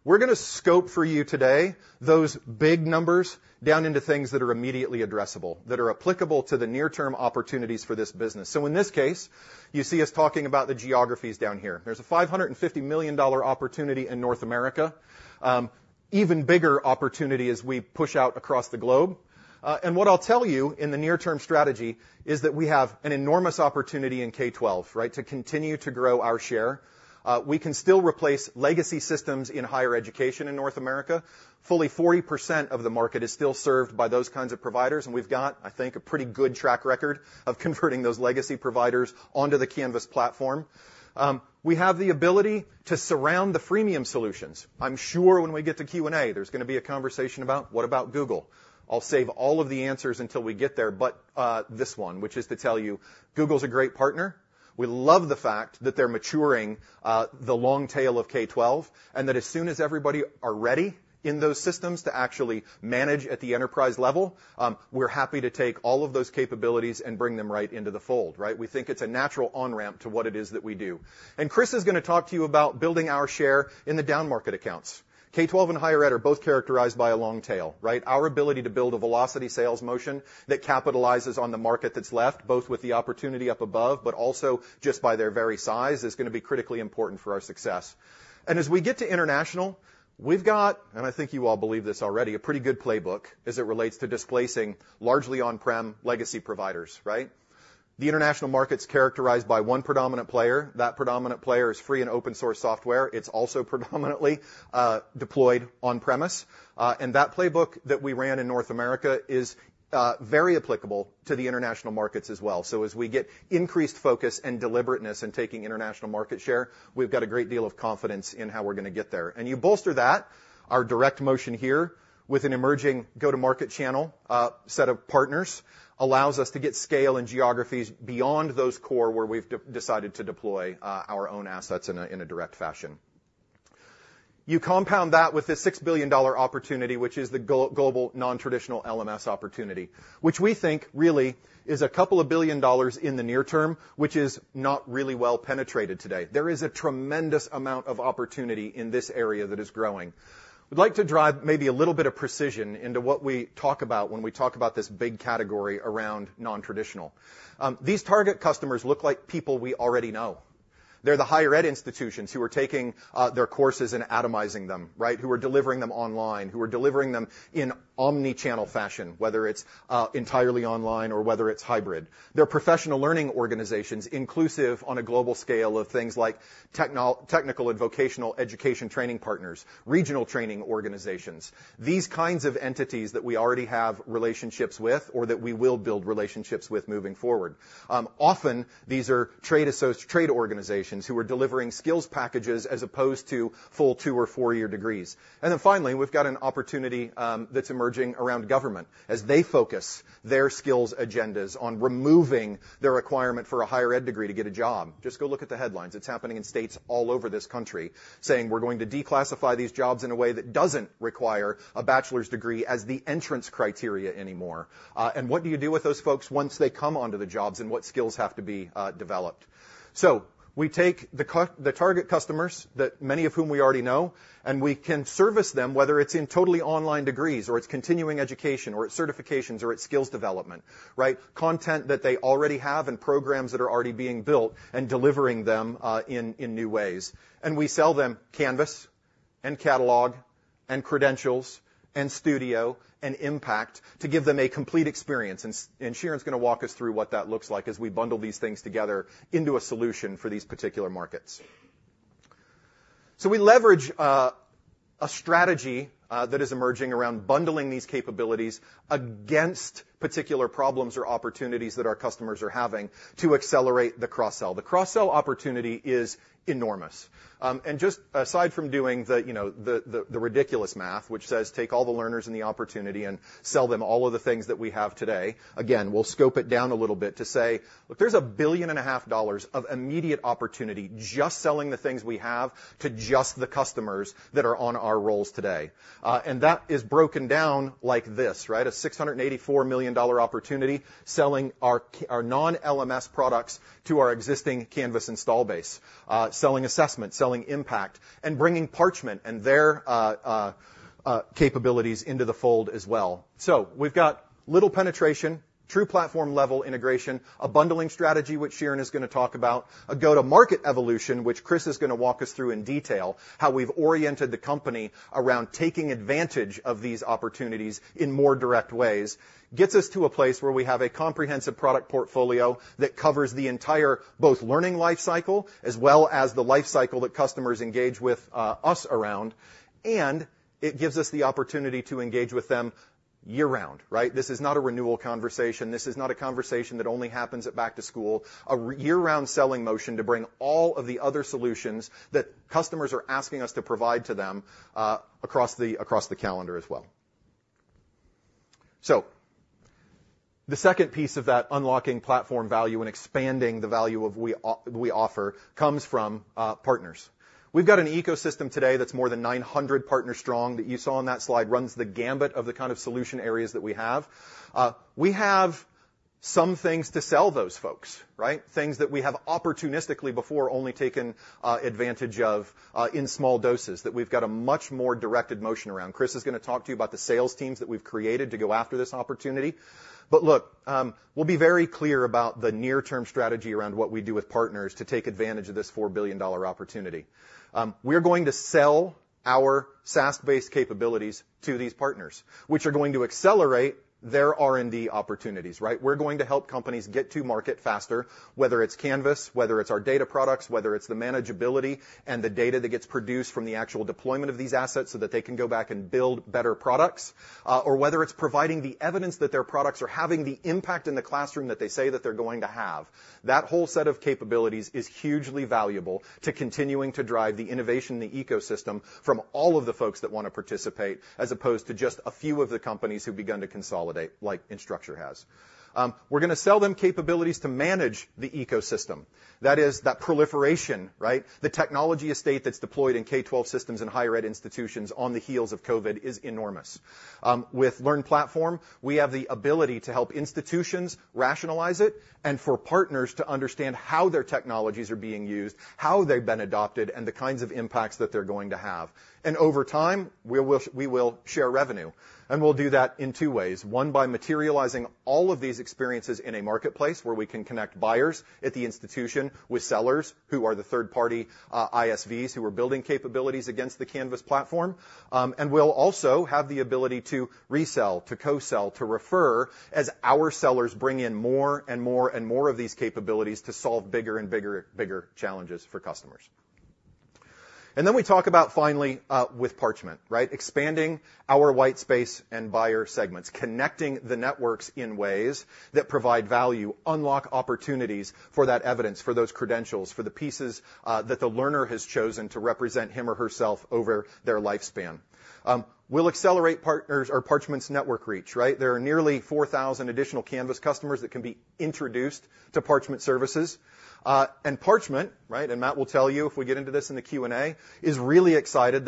We're going to scope for you today those big numbers down into things that are immediately addressable, that are applicable to the near-term opportunities for this business. So in this case, you see us talking about the geographies down here. There's a $550 million opportunity in North America. Even bigger opportunity as we push out across the globe. And what I'll tell you in the near-term strategy is that we have an enormous opportunity in K-12, right? To continue to grow our share. We can still replace legacy systems in higher education in North America. Fully 40% of the market is still served by those kinds of providers, and we've got, I think, a pretty good track record of converting those legacy providers onto the Canvas platform. We have the ability to surround the freemium solutions. I'm sure when we get to Q&A, there's going to be a conversation about, "What about Google?" I'll save all of the answers until we get there, but this one, which is to tell you, Google's a great partner. We love the fact that they're maturing, the long tail of K-12, and that as soon as everybody are ready in those systems to actually manage at the enterprise level, we're happy to take all of those capabilities and bring them right into the fold, right? We think it's a natural on-ramp to what it is that we do. And Chris is going to talk to you about building our share in the downmarket accounts. K-12 and higher ed are both characterized by a long tail, right? Our ability to build a velocity sales motion that capitalizes on the market that's left, both with the opportunity up above, but also just by their very size, is going to be critically important for our success. As we get to international, we've got, and I think you all believe this already, a pretty good playbook as it relates to displacing largely on-prem legacy providers, right? The international market's characterized by one predominant player. That predominant player is free and open-source software. It's also predominantly deployed on premise. And that playbook that we ran in North America is very applicable to the international markets as well. As we get increased focus and deliberateness in taking international market share, we've got a great deal of confidence in how we're going to get there. And you bolster that, our direct motion here, with an emerging go-to-market channel set of partners, allows us to get scale and geographies beyond those core where we've decided to deploy our own assets in a direct fashion. You compound that with the $6 billion opportunity, which is the go-global nontraditional LMS opportunity, which we think really is a couple of billion dollars in the near term, which is not really well penetrated today. There is a tremendous amount of opportunity in this area that is growing. We'd like to drive maybe a little bit of precision into what we talk about when we talk about this big category around nontraditional. These target customers look like people we already know. They're the higher ed institutions who are taking their courses and atomizing them, right? Who are delivering them online, who are delivering them in omni-channel fashion, whether it's entirely online or whether it's hybrid. They're professional learning organizations, inclusive on a global scale of things like technical and vocational education training partners, regional training organizations. These kinds of entities that we already have relationships with or that we will build relationships with moving forward. Often, these are trade organizations who are delivering skills packages as opposed to full two or four-year degrees. And then finally, we've got an opportunity that's emerging around government as they focus their skills agendas on removing the requirement for a higher ed degree to get a job. Just go look at the headlines. It's happening in states all over this country, saying, "We're going to declassify these jobs in a way that doesn't require a bachelor's degree as the entrance criteria anymore." And what do you do with those folks once they come onto the jobs, and what skills have to be developed? So we take the target customers that many of whom we already know, and we can service them, whether it's in totally online degrees or it's continuing education or it's certifications or it's skills development, right? Content that they already have and programs that are already being built and delivering them in new ways. And we sell them Canvas and Catalog and Credentials and Studio and Impact to give them a complete experience. And Shiren's gonna walk us through what that looks like as we bundle these things together into a solution for these particular markets. So we leverage a strategy that is emerging around bundling these capabilities against particular problems or opportunities that our customers are having to accelerate the cross-sell. The cross-sell opportunity is enormous. And just aside from doing the, you know, the ridiculous math, which says, take all the learners in the opportunity and sell them all of the things that we have today, again, we'll scope it down a little bit to say: Look, there's $1.5 billion of immediate opportunity just selling the things we have to just the customers that are on our rolls today. And that is broken down like this, right? A $684 million opportunity selling our non-LMS products to our existing Canvas installed base, selling assessment, selling Impact, and bringing Parchment and their capabilities into the fold as well. So we've got little penetration, true platform-level integration, a bundling strategy, which Shiren is gonna talk about, a go-to-market evolution, which Chris is gonna walk us through in detail, how we've oriented the company around taking advantage of these opportunities in more direct ways, gets us to a place where we have a comprehensive product portfolio that covers the entire both learning life cycle as well as the life cycle that customers engage with us around, and it gives us the opportunity to engage with them year-round, right? This is not a renewal conversation. This is not a conversation that only happens at back to school. Year-round selling motion to bring all of the other solutions that customers are asking us to provide to them across the calendar as well. So the second piece of that unlocking platform value and expanding the value of we offer, comes from partners. We've got an ecosystem today that's more than 900 partners strong, that you saw on that slide, runs the gamut of the kind of solution areas that we have. We have some things to sell those folks, right? Things that we have opportunistically before only taken advantage of in small doses, that we've got a much more directed motion around. Chris is gonna talk to you about the sales teams that we've created to go after this opportunity. But look, we'll be very clear about the near-term strategy around what we do with partners to take advantage of this $4 billion opportunity. We're going to sell our SaaS-based capabilities to these partners, which are going to accelerate their R&D opportunities, right? We're going to help companies get to market faster, whether it's Canvas, whether it's our data products, whether it's the manageability and the data that gets produced from the actual deployment of these assets so that they can go back and build better products, or whether it's providing the evidence that their products are having the impact in the classroom that they say that they're going to have. That whole set of capabilities is hugely valuable to continuing to drive the innovation in the ecosystem from all of the folks that want to participate, as opposed to just a few of the companies who've begun to consolidate, like Instructure has. We're gonna sell them capabilities to manage the ecosystem. That is, that proliferation, right? The technology estate that's deployed in K-12 systems and higher ed institutions on the heels of COVID is enormous. With LearnPlatform, we have the ability to help institutions rationalize it and for partners to understand how their technologies are being used, how they've been adopted, and the kinds of impacts that they're going to have. And over time, we will, we will share revenue, and we'll do that in two ways. One, by materializing all of these experiences in a marketplace where we can connect buyers at the institution with sellers who are the third-party ISVs, who are building capabilities against the Canvas platform. And we'll also have the ability to resell, to co-sell, to refer, as our sellers bring in more and more and more of these capabilities to solve bigger and bigger, bigger challenges for customers. Then we talk about finally with Parchment, right? Expanding our white space and buyer segments, connecting the networks in ways that provide value, unlock opportunities for that evidence, for those credentials, for the pieces, that the learner has chosen to represent him or herself over their lifespan. We'll accelerate partners or Parchment's network reach, right? There are nearly 4,000 additional Canvas customers that can be introduced to Parchment services. And Parchment, right, and Matt will tell you if we get into this in the Q&A, is really excited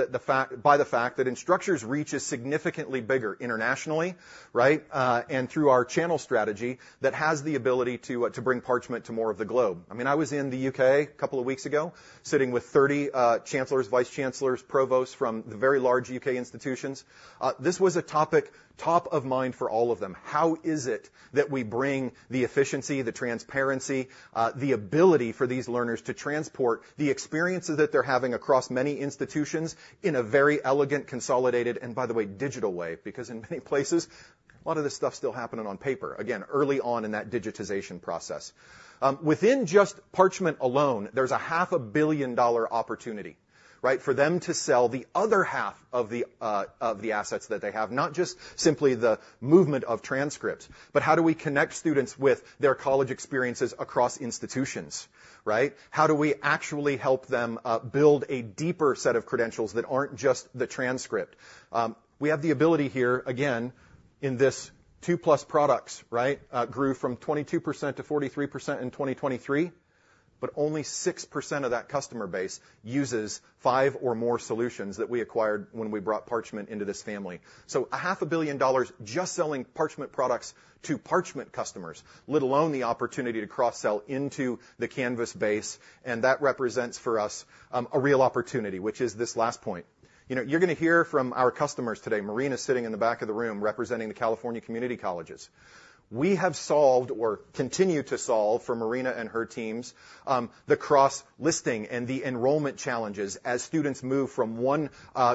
by the fact that Instructure's reach is significantly bigger internationally, right? And through our channel strategy, that has the ability to bring Parchment to more of the globe. I mean, I was in the U.K. a couple of weeks ago, sitting with 30 chancellors, vice chancellors, provosts from the very large U.K. institutions. This was a topic top of mind for all of them. How is it that we bring the efficiency, the transparency, the ability for these learners to transport the experiences that they're having across many institutions in a very elegant, consolidated, and by the way, digital way? Because in many places, a lot of this stuff's still happening on paper. Again, early on in that digitization process. Within just Parchment alone, there's a $500 million opportunity, right? For them to sell the other half of the assets that they have, not just simply the movement of transcripts, but how do we connect students with their college experiences across institutions, right? How do we actually help them build a deeper set of credentials that aren't just the transcript? We have the ability here, again, in this two-plus products, right? Grew from 22% to 43% in 2023, but only 6% of that customer base uses five or more solutions that we acquired when we brought Parchment into this family. So $500 million just selling Parchment products to Parchment customers, let alone the opportunity to cross-sell into the Canvas base, and that represents for us a real opportunity, which is this last point. You know, you're going to hear from our customers today. Marina is sitting in the back of the room representing the California Community Colleges. We have solved or continue to solve for Marina and her teams the cross-listing and the enrollment challenges as students move from one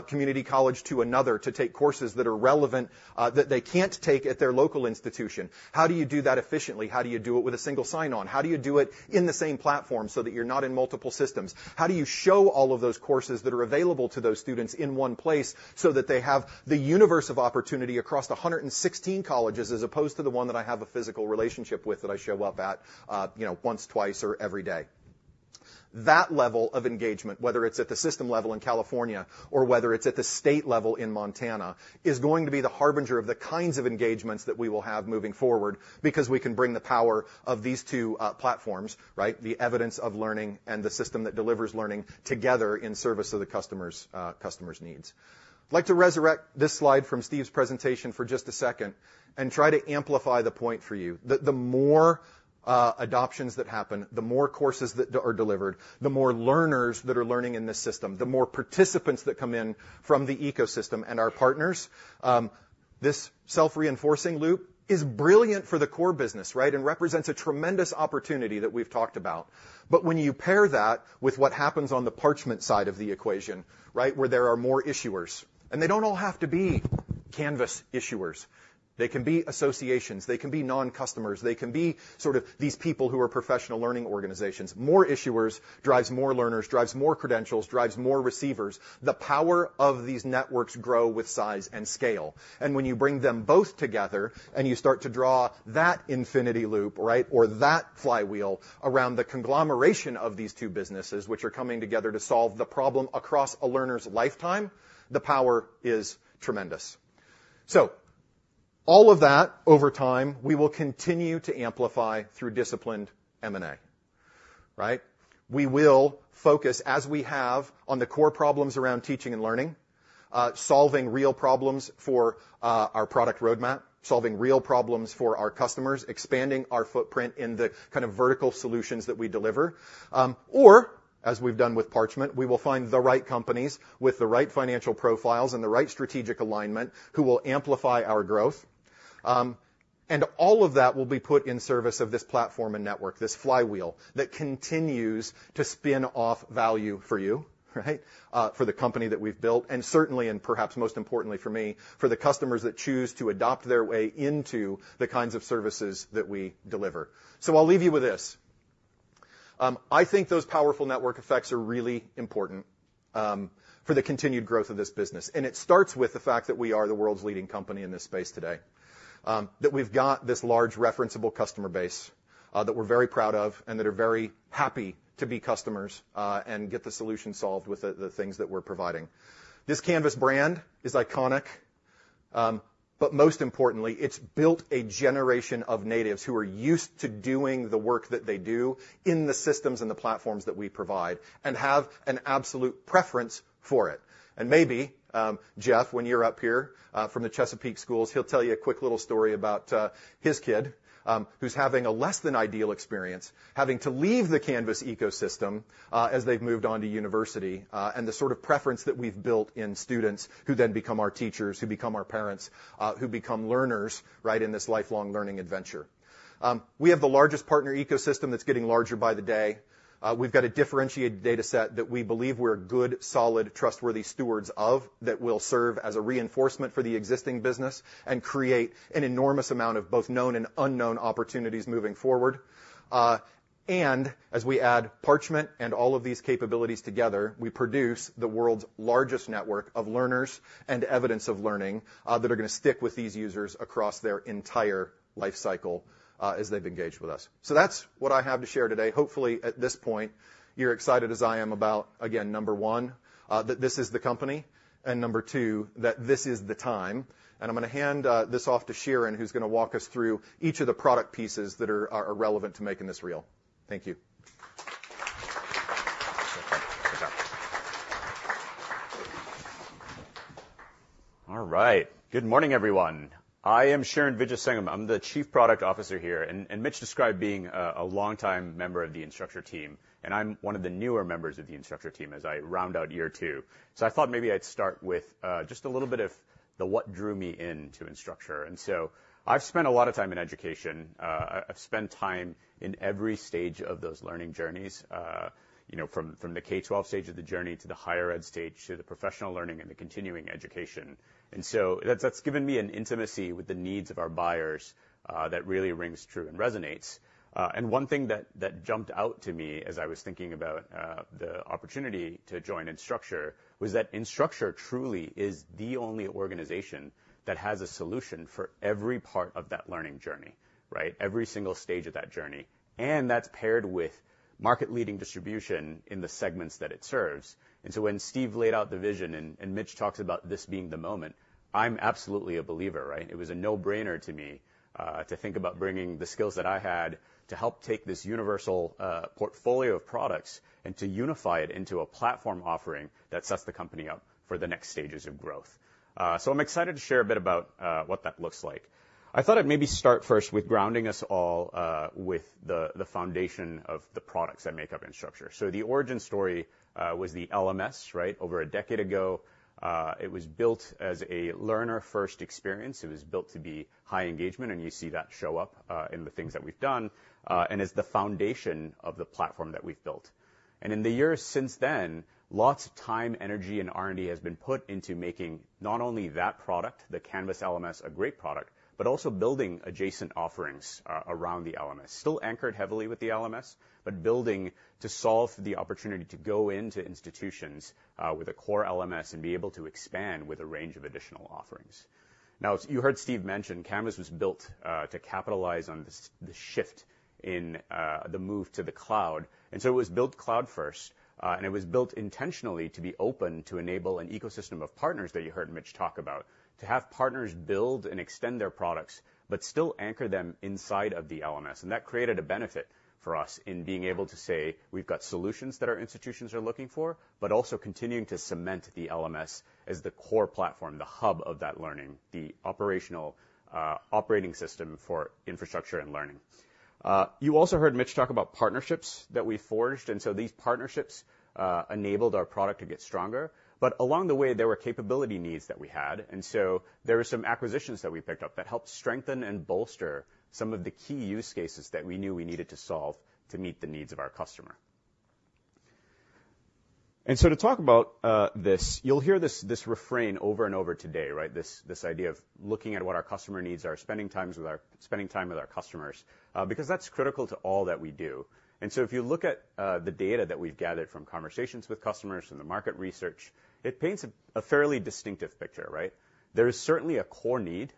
community college to another to take courses that are relevant that they can't take at their local institution. How do you do that efficiently? How do you do it with a single sign-on? How do you do it in the same platform so that you're not in multiple systems? How do you show all of those courses that are available to those students in one place so that they have the universe of opportunity across the 116 colleges, as opposed to the one that I have a physical relationship with, that I show up at, you know, once, twice, or every day? That level of engagement, whether it's at the system level in California or whether it's at the state level in Montana, is going to be the harbinger of the kinds of engagements that we will have moving forward, because we can bring the power of these two platforms, right? The evidence of learning and the system that delivers learning together in service of the customer's customer's needs. I'd like to resurrect this slide from Steve's presentation for just a second and try to amplify the point for you. The more adoptions that happen, the more courses that are delivered, the more learners that are learning in this system, the more participants that come in from the ecosystem and our partners, this self-reinforcing loop is brilliant for the core business, right? And represents a tremendous opportunity that we've talked about. But when you pair that with what happens on the Parchment side of the equation, right, where there are more issuers. And they don't all have to be Canvas issuers. They can be associations, they can be non-customers, they can be sort of these people who are professional learning organizations. More issuers drives more learners, drives more credentials, drives more receivers. The power of these networks grow with size and scale. And when you bring them both together, and you start to draw that infinity loop, right, or that flywheel around the conglomeration of these two businesses, which are coming together to solve the problem across a learner's lifetime, the power is tremendous. So all of that over time, we will continue to amplify through disciplined M&A, right? We will focus, as we have, on the core problems around teaching and learning, solving real problems for our product roadmap, solving real problems for our customers, expanding our footprint in the kind of vertical solutions that we deliver. Or as we've done with Parchment, we will find the right companies with the right financial profiles and the right strategic alignment, who will amplify our growth. And all of that will be put in service of this platform and network, this flywheel, that continues to spin off value for you, right? For the company that we've built, and certainly and perhaps most importantly for me, for the customers that choose to adopt their way into the kinds of services that we deliver. So I'll leave you with this. I think those powerful network effects are really important, for the continued growth of this business, and it starts with the fact that we are the world's leading company in this space today. That we've got this large referenceable customer base, that we're very proud of and that are very happy to be customers, and get the solution solved with the, the things that we're providing. This Canvas brand is iconic, but most importantly, it's built a generation of natives who are used to doing the work that they do in the systems and the platforms that we provide and have an absolute preference for it. And maybe, Jeff, when you're up here, from the Chesapeake Schools, he'll tell you a quick little story about, his kid, who's having a less than ideal experience, having to leave the Canvas ecosystem, as they've moved on to university, and the sort of preference that we've built in students who then become our teachers, who become our parents, who become learners, right, in this lifelong learning adventure. We have the largest partner ecosystem that's getting larger by the day. We've got a differentiated data set that we believe we're good, solid, trustworthy stewards of, that will serve as a reinforcement for the existing business and create an enormous amount of both known and unknown opportunities moving forward. And as we add Parchment and all of these capabilities together, we produce the world's largest network of learners and evidence of learning, that are gonna stick with these users across their entire life cycle, as they've engaged with us. So that's what I have to share today. Hopefully, at this point, you're excited as I am about, again, number one, that this is the company, and number two, that this is the time. And I'm gonna hand this off to Shiren, who's gonna walk us through each of the product pieces that are relevant to making this real. Thank you. All right. Good morning, everyone. I am Shiren Vijiasingam. I'm the Chief Product Officer here, and Mitch described being a long-time member of the Instructure team, and I'm one of the newer members of the Instructure team as I round out year two. So I thought maybe I'd start with just a little bit of the what drew me in to Instructure. And so I've spent a lot of time in education. I've spent time in every stage of those learning journeys, you know, from the K-12 stage of the journey to the higher ed stage, to the professional learning and the continuing education. And so that's given me an intimacy with the needs of our buyers that really rings true and resonates. And one thing that jumped out to me as I was thinking about the opportunity to join Instructure was that Instructure truly is the only organization that has a solution for every part of that learning journey, right? Every single stage of that journey. And that's paired with market-leading distribution in the segments that it serves. And so when Steve laid out the vision, and Mitch talks about this being the moment, I'm absolutely a believer, right? It was a no-brainer to me to think about bringing the skills that I had to help take this universal portfolio of products and to unify it into a platform offering that sets the company up for the next stages of growth. So I'm excited to share a bit about what that looks like. I thought I'd maybe start first with grounding us all with the foundation of the products that make up Instructure. So the origin story was the LMS, right? Over a decade ago, it was built as a learner-first experience. It was built to be high engagement, and you see that show up in the things that we've done, and is the foundation of the platform that we've built. And in the years since then, lots of time, energy, and R&D has been put into making not only that product, the Canvas LMS, a great product, but also building adjacent offerings around the LMS. Still anchored heavily with the LMS, but building to solve the opportunity to go into institutions with a core LMS and be able to expand with a range of additional offerings. Now, you heard Steve mention, Canvas was built to capitalize on this, the shift in the move to the cloud, and so it was built cloud first. It was built intentionally to be open, to enable an ecosystem of partners that you heard Mitch talk about, to have partners build and extend their products, but still anchor them inside of the LMS. That created a benefit for us in being able to say: We've got solutions that our institutions are looking for, but also continuing to cement the LMS as the core platform, the hub of that learning, the operational operating system for infrastructure and learning. You also heard Mitch talk about partnerships that we forged, and so these partnerships enabled our product to get stronger, but along the way, there were capability needs that we had. And so there were some acquisitions that we picked up that helped strengthen and bolster some of the key use cases that we knew we needed to solve to meet the needs of our customer. And so to talk about this, you'll hear this refrain over and over today, right? This idea of looking at what our customer needs are, spending time with our customers, because that's critical to all that we do. And so if you look at the data that we've gathered from conversations with customers, from the market research, it paints a fairly distinctive picture, right? There is certainly a core need,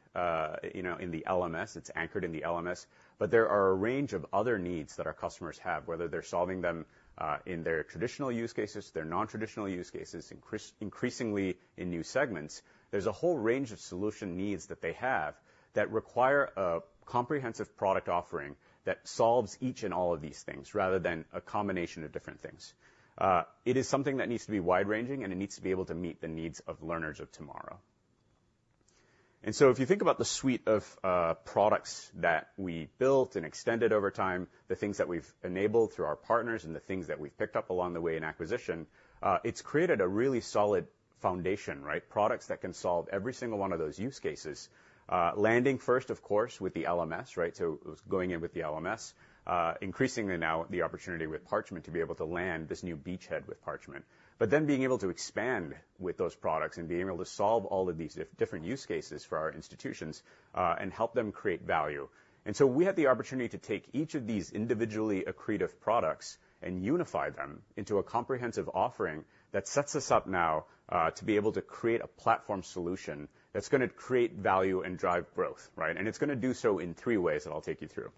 you know, in the LMS. It's anchored in the LMS, but there are a range of other needs that our customers have, whether they're solving them in their traditional use cases, their non-traditional use cases, increasingly in new segments. There's a whole range of solution needs that they have that require a comprehensive product offering that solves each and all of these things, rather than a combination of different things. It is something that needs to be wide-ranging, and it needs to be able to meet the needs of learners of tomorrow. And so if you think about the suite of products that we built and extended over time, the things that we've enabled through our partners, and the things that we've picked up along the way in acquisition, it's created a really solid foundation, right? Products that can solve every single one of those use cases. Landing first, of course, with the LMS, right? So it was going in with the LMS. Increasingly now, the opportunity with Parchment to be able to land this new beachhead with Parchment, but then being able to expand with those products and being able to solve all of these different use cases for our institutions, and help them create value. And so we had the opportunity to take each of these individually accretive products and unify them into a comprehensive offering that sets us up now, to be able to create a platform solution that's gonna create value and drive growth, right? And it's gonna do so in three ways, that I'll take you through.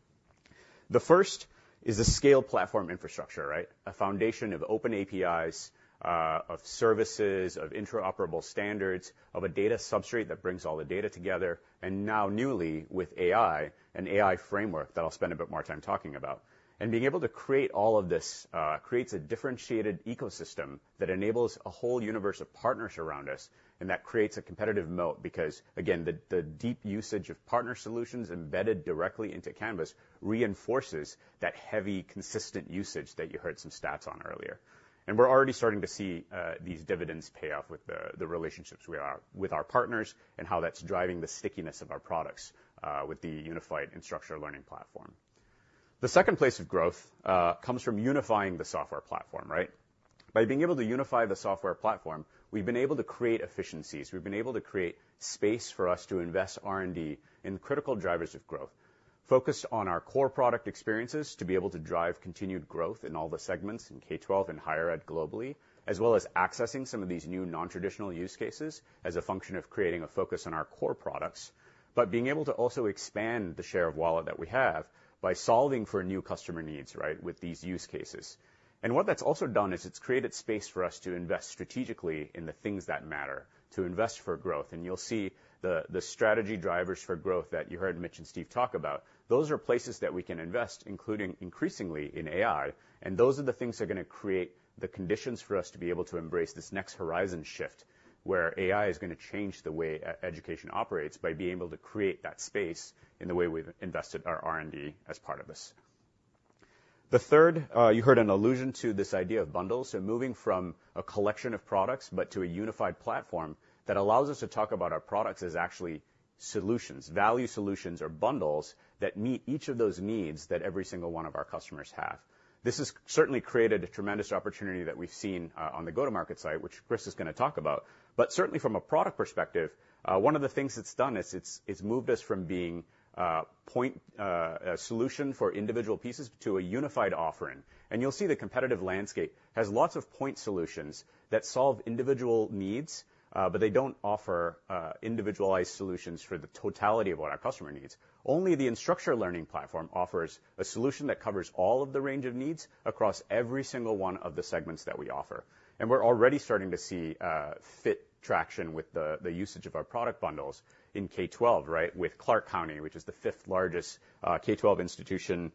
The first is the scale platform infrastructure, right? A foundation of open APIs, of services, of interoperable standards, of a data substrate that brings all the data together, and now newly, with AI, an AI framework that I'll spend a bit more time talking about. Being able to create all of this creates a differentiated ecosystem that enables a whole universe of partners around us, and that creates a competitive moat. Because, again, the deep usage of partner solutions embedded directly into Canvas reinforces that heavy, consistent usage that you heard some stats on earlier. And we're already starting to see these dividends pay off with the relationships with our partners and how that's driving the stickiness of our products with the unified Instructure Learning Platform. The second place of growth comes from unifying the software platform, right? By being able to unify the software platform, we've been able to create efficiencies. We've been able to create space for us to invest R&D in critical drivers of growth, focused on our core product experiences, to be able to drive continued growth in all the segments in K-12 and higher ed globally, as well as accessing some of these new non-traditional use cases as a function of creating a focus on our core products. But being able to also expand the share of wallet that we have by solving for new customer needs, right, with these use cases. And what that's also done is it's created space for us to invest strategically in the things that matter, to invest for growth. And you'll see the strategy drivers for growth that you heard Mitch and Steve talk about. Those are places that we can invest, including increasingly in AI, and those are the things that are going to create the conditions for us to be able to embrace this next horizon shift, where AI is going to change the way education operates by being able to create that space in the way we've invested our R&D as part of this. The third, you heard an allusion to this idea of bundles, so moving from a collection of products, but to a unified platform that allows us to talk about our products as actually solutions, value solutions or bundles that meet each of those needs that every single one of our customers have. This has certainly created a tremendous opportunity that we've seen on the go-to-market side, which Chris is going to talk about. But certainly from a product perspective, one of the things it's done is it's moved us from being a point solution for individual pieces to a unified offering. And you'll see the competitive landscape has lots of point solutions that solve individual needs, but they don't offer individualized solutions for the totality of what our customer needs. Only the Instructure Learning Platform offers a solution that covers all of the range of needs across every single one of the segments that we offer. And we're already starting to see good traction with the usage of our product bundles in K-12, right? With Clark County, which is the fifth largest K-12 institution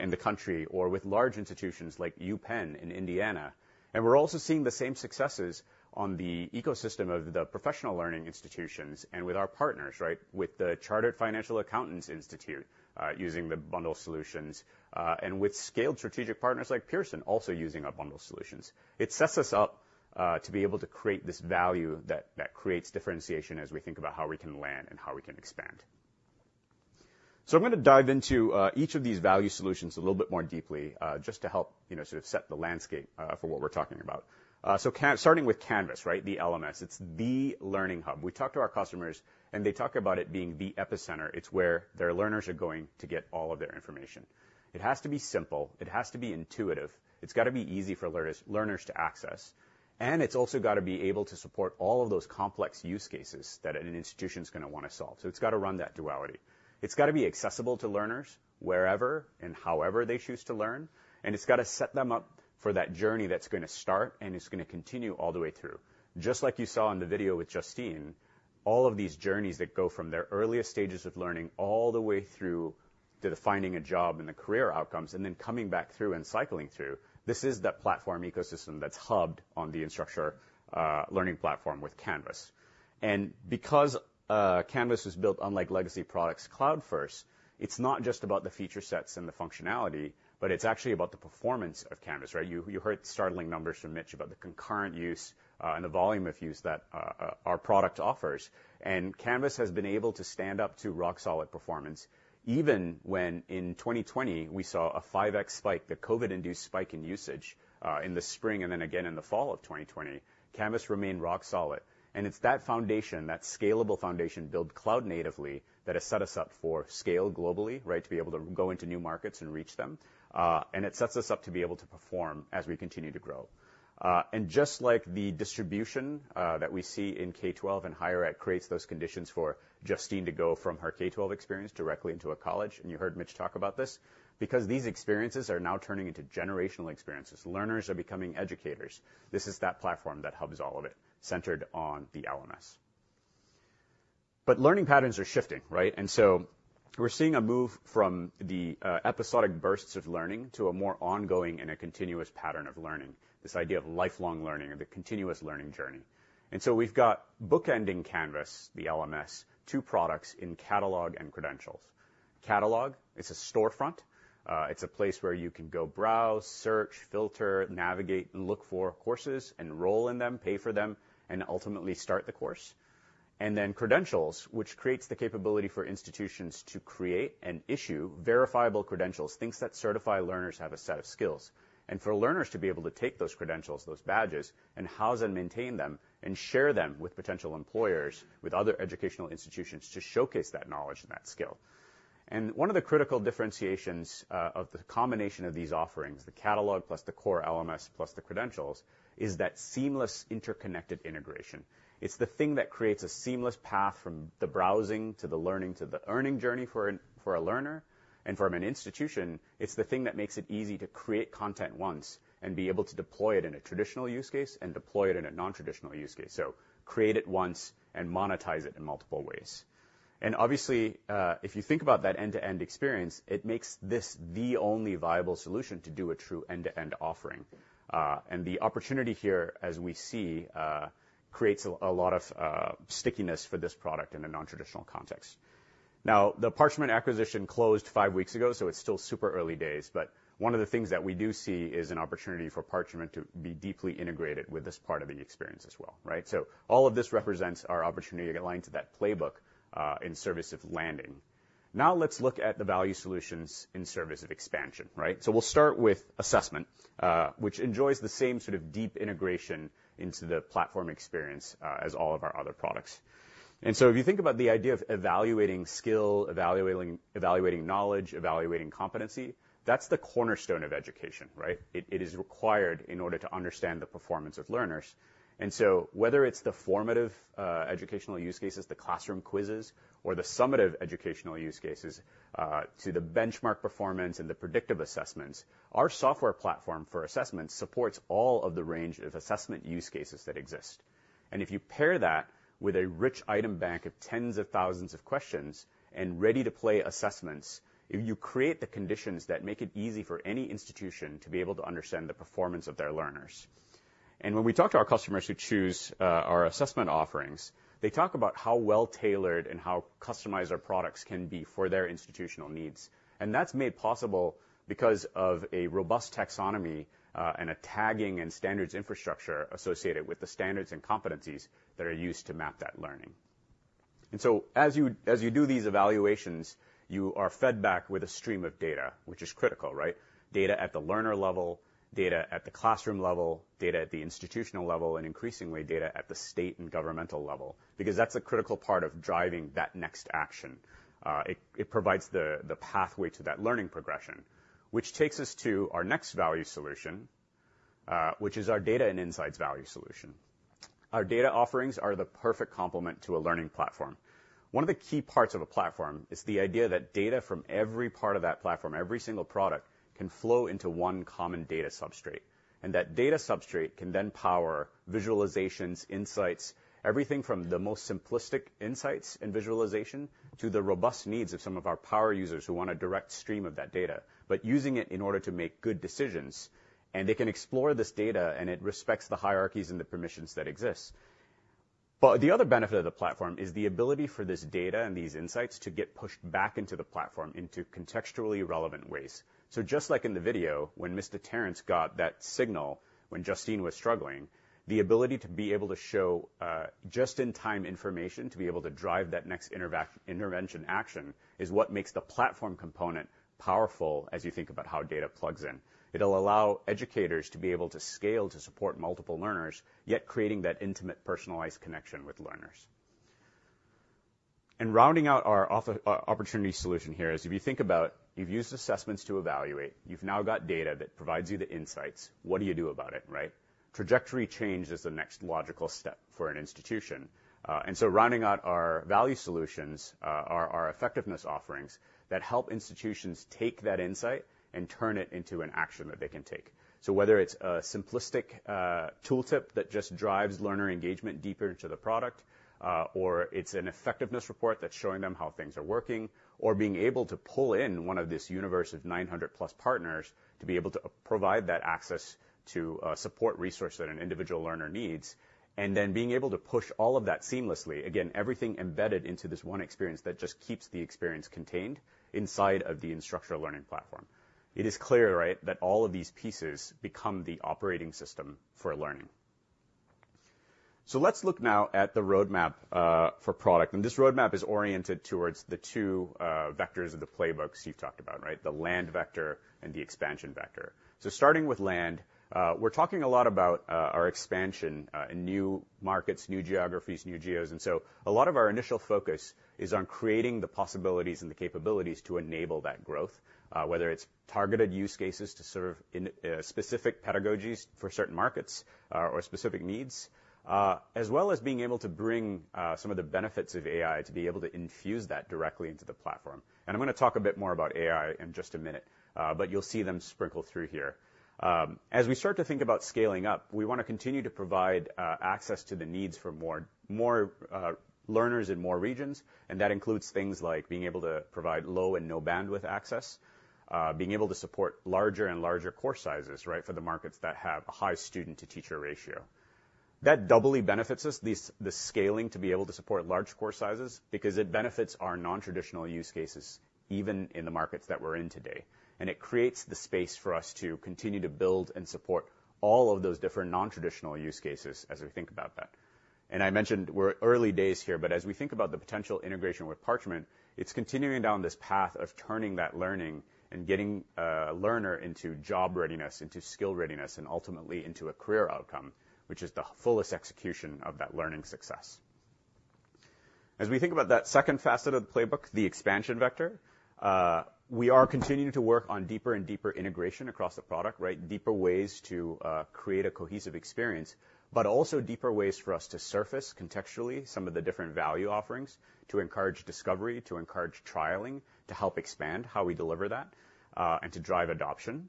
in the country, or with large institutions like UPenn and Indiana. We're also seeing the same successes on the ecosystem of the professional learning institutions and with our partners, right? With the Chartered Financial Accountants Institute using the bundle solutions, and with scaled strategic partners like Pearson, also using our bundle solutions. It sets us up to be able to create this value that creates differentiation as we think about how we can land and how we can expand. I'm going to dive into each of these value solutions a little bit more deeply, just to help, you know, sort of set the landscape for what we're talking about. Starting with Canvas, right? The LMS. It's the learning hub. We talk to our customers, and they talk about it being the epicenter. It's where their learners are going to get all of their information. It has to be simple, it has to be intuitive, it's got to be easy for learners to access, and it's also got to be able to support all of those complex use cases that an institution is going to want to solve. So it's got to run that duality. It's got to be accessible to learners wherever and however they choose to learn, and it's got to set them up for that journey that's going to start and is going to continue all the way through. Just like you saw in the video with Justine, all of these journeys that go from their earliest stages of learning all the way through to the finding a job and the career outcomes, and then coming back through and cycling through, this is that platform ecosystem that's hubbed on the Instructure Learning Platform with Canvas. Because Canvas was built unlike legacy products, cloud first, it's not just about the feature sets and the functionality, but it's actually about the performance of Canvas, right? You heard startling numbers from Mitch about the concurrent use and the volume of use that our product offers. Canvas has been able to stand up to rock-solid performance, even when in 2020, we saw a 5x spike, the COVID-induced spike in usage, in the spring and then again in the fall of 2020. Canvas remained rock solid, and it's that foundation, that scalable foundation, built cloud natively, that has set us up for scale globally, right, to be able to go into new markets and reach them. It sets us up to be able to perform as we continue to grow. And just like the distribution that we see in K-12 and higher ed creates those conditions for Justine to go from her K-12 experience directly into a college, and you heard Mitch talk about this, because these experiences are now turning into generational experiences. Learners are becoming educators. This is that platform that hubs all of it, centered on the LMS. But learning patterns are shifting, right? And so we're seeing a move from the episodic bursts of learning to a more ongoing and a continuous pattern of learning, this idea of lifelong learning or the continuous learning journey. And so we've got bookending Canvas, the LMS, two products in Catalog and Credentials. Catalog, it's a storefront. It's a place where you can go browse, search, filter, navigate, and look for courses, enroll in them, pay for them, and ultimately start the course. And then credentials, which creates the capability for institutions to create and issue verifiable credentials, things that certify learners have a set of skills. And for learners to be able to take those credentials, those badges, and house and maintain them and share them with potential employers, with other educational institutions to showcase that knowledge and that skill. And one of the critical differentiations of the combination of these offerings, the catalog plus the core LMS plus the credentials, is that seamless, interconnected integration. It's the thing that creates a seamless path from the browsing to the learning to the earning journey for an, for a learner. And from an institution, it's the thing that makes it easy to create content once and be able to deploy it in a traditional use case and deploy it in a non-traditional use case. Create it once and monetize it in multiple ways. Obviously, if you think about that end-to-end experience, it makes this the only viable solution to do a true end-to-end offering. The opportunity here, as we see, creates a lot of stickiness for this product in a non-traditional context. Now, the Parchment acquisition closed five weeks ago, so it's still super early days, but one of the things that we do see is an opportunity for Parchment to be deeply integrated with this part of the experience as well, right? All of this represents our opportunity aligned to that playbook, in service of landing. Now let's look at the value solutions in service of expansion, right? We'll start with assessment, which enjoys the same sort of deep integration into the platform experience, as all of our other products. If you think about the idea of evaluating skill, evaluating knowledge, evaluating competency, that's the cornerstone of education, right? It is required in order to understand the performance of learners. Whether it's the formative educational use cases, the classroom quizzes, or the summative educational use cases to the benchmark performance and the predictive assessments, our software platform for assessment supports all of the range of assessment use cases that exist. If you pair that with a rich item bank of tens of thousands of questions and ready-to-play assessments, you create the conditions that make it easy for any institution to be able to understand the performance of their learners. When we talk to our customers who choose our assessment offerings, they talk about how well-tailored and how customized our products can be for their institutional needs. And that's made possible because of a robust taxonomy, and a tagging and standards infrastructure associated with the standards and competencies that are used to map that learning. And so as you, as you do these evaluations, you are fed back with a stream of data, which is critical, right? Data at the learner level, data at the classroom level, data at the institutional level, and increasingly, data at the state and governmental level, because that's a critical part of driving that next action. It provides the pathway to that learning progression. Which takes us to our next value solution, which is our data and insights value solution. Our data offerings are the perfect complement to a LearnPlatform. One of the key parts of a platform is the idea that data from every part of that platform, every single product, can flow into one common data substrate, and that data substrate can then power visualizations, insights, everything from the most simplistic insights and visualization to the robust needs of some of our power users who want a direct stream of that data, but using it in order to make good decisions. And they can explore this data, and it respects the hierarchies and the permissions that exist. But the other benefit of the platform is the ability for this data and these insights to get pushed back into the platform into contextually relevant ways. So just like in the video, when Mr. Terence got that signal when Justine was struggling, the ability to be able to show, just-in-time information, to be able to drive that next intervention action, is what makes the platform component powerful as you think about how data plugs in. It'll allow educators to be able to scale to support multiple learners, yet creating that intimate, personalized connection with learners. Rounding out our opportunity solution here is, if you think about, you've used assessments to evaluate, you've now got data that provides you the insights. What do you do about it, right? Trajectory change is the next logical step for an institution. And so rounding out our value solutions, are our effectiveness offerings that help institutions take that insight and turn it into an action that they can take. So whether it's a simplistic tool tip that just drives learner engagement deeper into the product, or it's an effectiveness report that's showing them how things are working, or being able to pull in one of this universe of 900+ partners to be able to provide that access to a support resource that an individual learner needs, and then being able to push all of that seamlessly. Again, everything embedded into this one experience that just keeps the experience contained inside of the Instructure Learning Platform. It is clear, right, that all of these pieces become the operating system for learning. So let's look now at the roadmap for product. And this roadmap is oriented towards the two vectors of the playbooks Steve talked about, right? The land vector and the expansion vector. So starting with land, we're talking a lot about our expansion in new markets, new geographies, new geos. So a lot of our initial focus is on creating the possibilities and the capabilities to enable that growth, whether it's targeted use cases to serve in specific pedagogies for certain markets or, or specific needs, as well as being able to bring some of the benefits of AI to be able to infuse that directly into the platform. I'm gonna talk a bit more about AI in just a minute, but you'll see them sprinkled through here. As we start to think about scaling up, we wanna continue to provide access to the needs for more, more learners in more regions, and that includes things like being able to provide low and no bandwidth access, being able to support larger and larger course sizes, right, for the markets that have a high student-to-teacher ratio. That doubly benefits us, this, this scaling, to be able to support large course sizes because it benefits our non-traditional use cases, even in the markets that we're in today. And it creates the space for us to continue to build and support all of those different non-traditional use cases as we think about that. I mentioned we're early days here, but as we think about the potential integration with Parchment, it's continuing down this path of turning that learning and getting a learner into job readiness, into skill readiness, and ultimately into a career outcome, which is the fullest execution of that learning success. As we think about that second facet of the playbook, the expansion vector, we are continuing to work on deeper and deeper integration across the product, right? Deeper ways to create a cohesive experience, but also deeper ways for us to surface, contextually, some of the different value offerings, to encourage discovery, to encourage trialing, to help expand how we deliver that, and to drive adoption.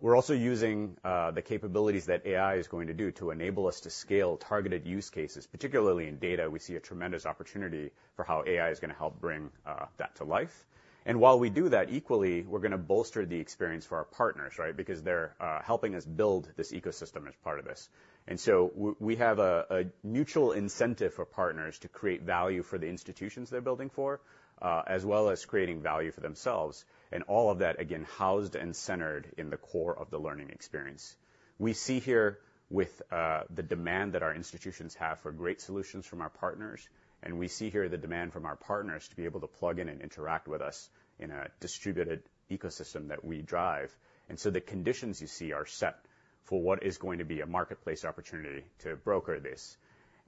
We're also using the capabilities that AI is going to do to enable us to scale targeted use cases. Particularly in data, we see a tremendous opportunity for how AI is gonna help bring that to life. And while we do that, equally, we're gonna bolster the experience for our partners, right? Because they're helping us build this ecosystem as part of this. And so we have a mutual incentive for partners to create value for the institutions they're building for, as well as creating value for themselves, and all of that, again, housed and centered in the core of the learning experience. We see here with the demand that our institutions have for great solutions from our partners, and we see here the demand from our partners to be able to plug in and interact with us in a distributed ecosystem that we drive. And so the conditions you see are set for what is going to be a marketplace opportunity to broker this.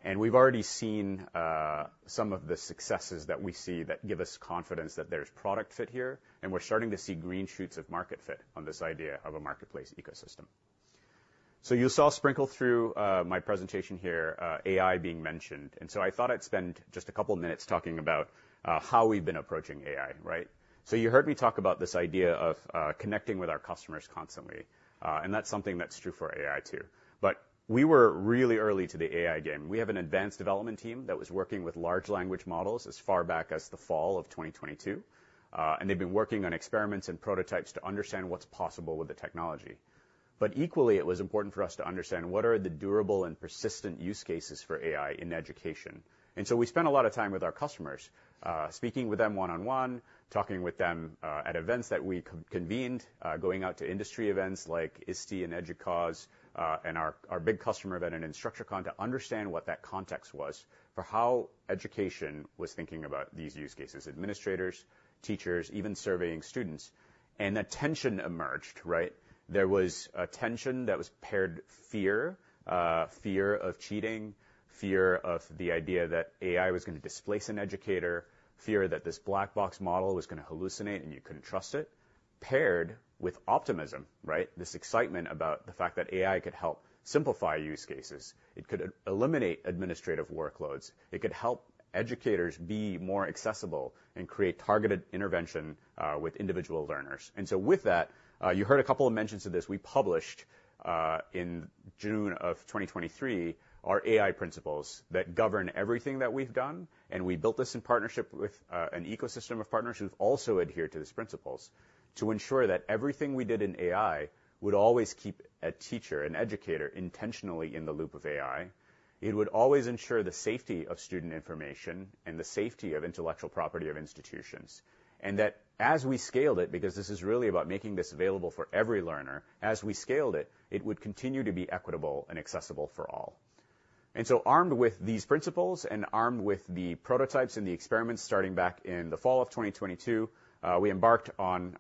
And we've already seen some of the successes that we see that give us confidence that there's product fit here, and we're starting to see green shoots of market fit on this idea of a marketplace ecosystem. So you saw sprinkled through my presentation here AI being mentioned, and so I thought I'd spend just a couple of minutes talking about how we've been approaching AI, right? So you heard me talk about this idea of connecting with our customers constantly, and that's something that's true for AI, too. But we were really early to the AI game. We have an advanced development team that was working with large language models as far back as the fall of 2022, and they've been working on experiments and prototypes to understand what's possible with the technology. But equally, it was important for us to understand what are the durable and persistent use cases for AI in education. And so we spent a lot of time with our customers, speaking with them one-on-one, talking with them, at events that we convened, going out to industry events like ISTE and EDUCAUSE, and our big customer event in InstructureCon, to understand what that context was for how education was thinking about these use cases: administrators, teachers, even surveying students. And a tension emerged, right? There was a tension that was paired fear, fear of cheating, fear of the idea that AI was going to displace an educator, fear that this black box model was going to hallucinate, and you couldn't trust it, paired with optimism, right? This excitement about the fact that AI could help simplify use cases. It could eliminate administrative workloads. It could help educators be more accessible and create targeted intervention with individual learners. And so with that, you heard a couple of mentions of this. We published in June of 2023, our AI principles that govern everything that we've done, and we built this in partnership with an ecosystem of partners who've also adhered to these principles to ensure that everything we did in AI would always keep a teacher and educator intentionally in the loop of AI. It would always ensure the safety of student information and the safety of intellectual property of institutions, and that as we scaled it, because this is really about making this available for every learner, as we scaled it, it would continue to be equitable and accessible for all. So armed with these principles and armed with the prototypes and the experiments starting back in the fall of 2022, we embarked on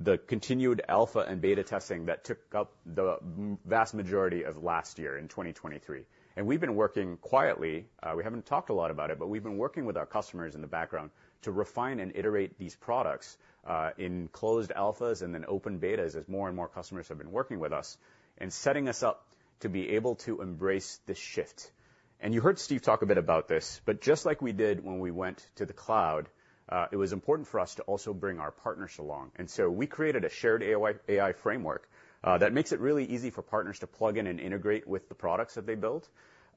the continued alpha and beta testing that took up the vast majority of last year in 2023. And we've been working quietly, we haven't talked a lot about it, but we've been working with our customers in the background to refine and iterate these products, in closed alphas and then open betas as more and more customers have been working with us and setting us up to be able to embrace this shift. And you heard Steve talk a bit about this, but just like we did when we went to the cloud, it was important for us to also bring our partners along. And so we created a shared AI, AI framework, that makes it really easy for partners to plug in and integrate with the products that they built.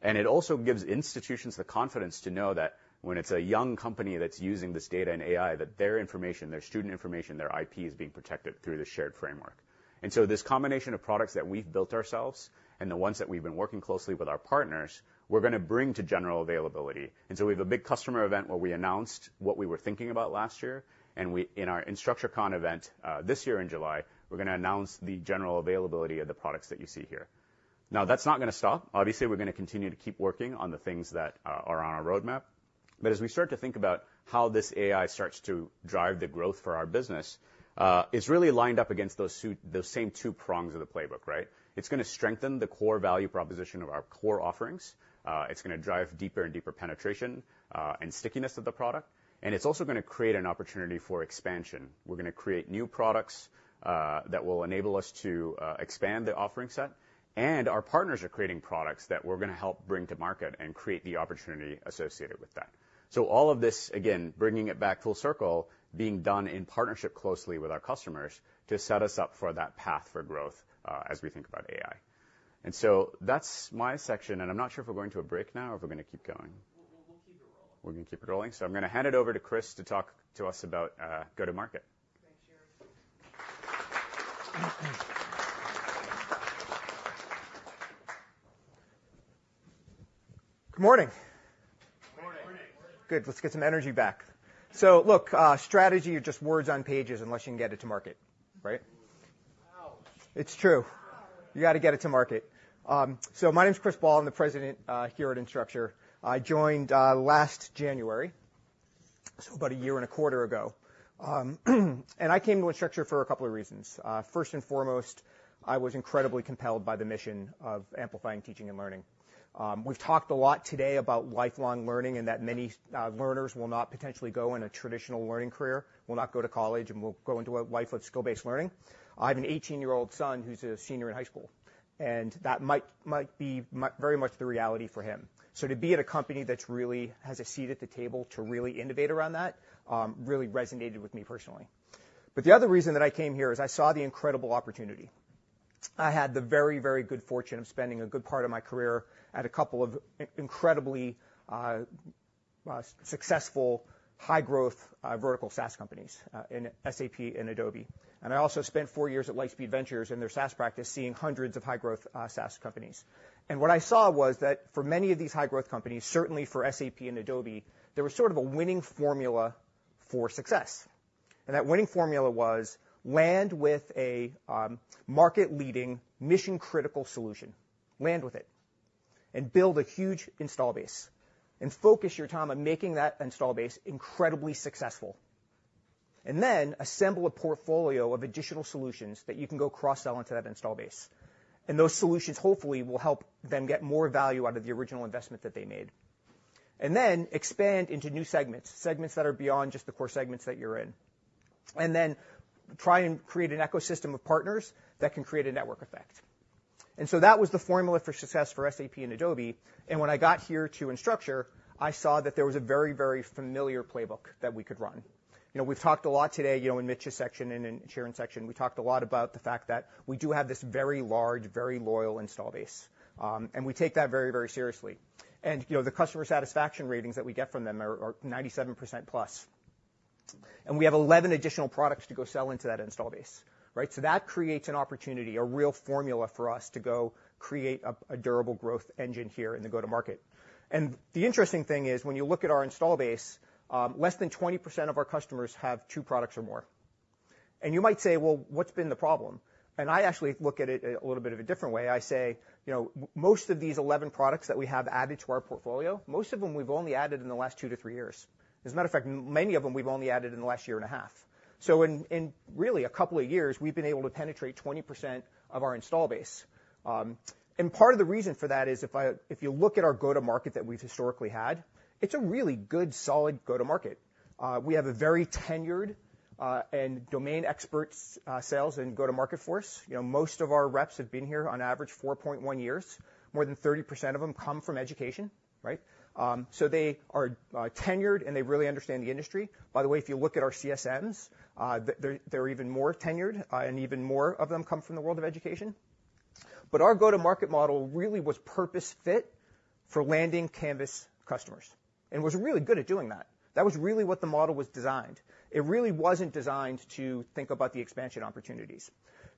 It also gives institutions the confidence to know that when it's a young company that's using this data and AI, that their information, their student information, their IP, is being protected through this shared framework. So this combination of products that we've built ourselves and the ones that we've been working closely with our partners, we're going to bring to general availability. We have a big customer event where we announced what we were thinking about last year, and we in our InstructureCon event, this year in July, we're going to announce the general availability of the products that you see here. Now, that's not going to stop. Obviously, we're going to continue to keep working on the things that are on our roadmap. But as we start to think about how this AI starts to drive the growth for our business, it's really lined up against those same two prongs of the playbook, right? It's going to strengthen the core value proposition of our core offerings. It's going to drive deeper and deeper penetration, and stickiness of the product, and it's also going to create an opportunity for expansion. We're going to create new products that will enable us to expand the offering set, and our partners are creating products that we're going to help bring to market and create the opportunity associated with that. So all of this, again, bringing it back full circle, being done in partnership closely with our customers to set us up for that path for growth, as we think about AI. And so that's my section, and I'm not sure if we're going to a break now or if we're going to keep going. We'll keep it rolling. We're going to keep it rolling? So I'm going to hand it over to Chris to talk to us about go-to-market. Good morning. Good morning. Good. Let's get some energy back. So look, strategy is just words on pages unless you can get it to market, right? Wow! It's true. You got to get it to market. So my name is Chris Ball. I'm the President here at Instructure. I joined last January, so about a year and a quarter ago. And I came to Instructure for a couple of reasons. First and foremost, I was incredibly compelled by the mission of amplifying teaching and learning. We've talked a lot today about lifelong learning and that many learners will not potentially go in a traditional learning career, will not go to college, and will go into a life of skill-based learning. I have an 18-year-old son who's a senior in high school, and that might be very much the reality for him. So to be at a company that's really has a seat at the table to really innovate around that, really resonated with me personally. But the other reason that I came here is I saw the incredible opportunity. I had the very, very good fortune of spending a good part of my career at a couple of incredibly successful, high-growth vertical SaaS companies in SAP and Adobe. I also spent four years at Lightspeed Ventures in their SaaS practice, seeing hundreds of high-growth SaaS companies. What I saw was that for many of these high-growth companies, certainly for SAP and Adobe, there was sort of a winning formula for success. That winning formula was land with a market-leading, mission-critical solution. Land with it and build a huge install base and focus your time on making that install base incredibly successful. And then assemble a portfolio of additional solutions that you can go cross-sell into that install base. Those solutions, hopefully, will help them get more value out of the original investment that they made. Then expand into new segments, segments that are beyond just the core segments that you're in. Then try and create an ecosystem of partners that can create a network effect. So that was the formula for success for SAP and Adobe, and when I got here to Instructure, I saw that there was a very, very familiar playbook that we could run. You know, we've talked a lot today, you know, in Mitch's section and in Shiren's section, we talked a lot about the fact that we do have this very large, very loyal install base, and we take that very, very seriously. You know, the customer satisfaction ratings that we get from them are +97%. We have 11 additional products to go sell into that installed base, right? So that creates an opportunity, a real formula for us to go create a durable growth engine here in the go-to-market. The interesting thing is, when you look at our installed base, less than 20% of our customers have two products or more. You might say, "Well, what's been the problem?" I actually look at it a little bit of a different way. I say: You know, most of these 11 products that we have added to our portfolio, most of them we've only added in the last two-three years. As a matter of fact, many of them we've only added in the last year and a half. So in really a couple of years, we've been able to penetrate 20% of our install base. Part of the reason for that is if you look at our go-to-market that we've historically had, it's a really good, solid go-to-market. We have a very tenured and domain experts sales and go-to-market force. You know, most of our reps have been here on average 4.1 years. More than 30% of them come from education, right? So they are tenured, and they really understand the industry. By the way, if you look at our CSMs, they're even more tenured, and even more of them come from the world of education. But our go-to-market model really was purpose-fit for landing Canvas customers and was really good at doing that. That was really what the model was designed. It really wasn't designed to think about the expansion opportunities.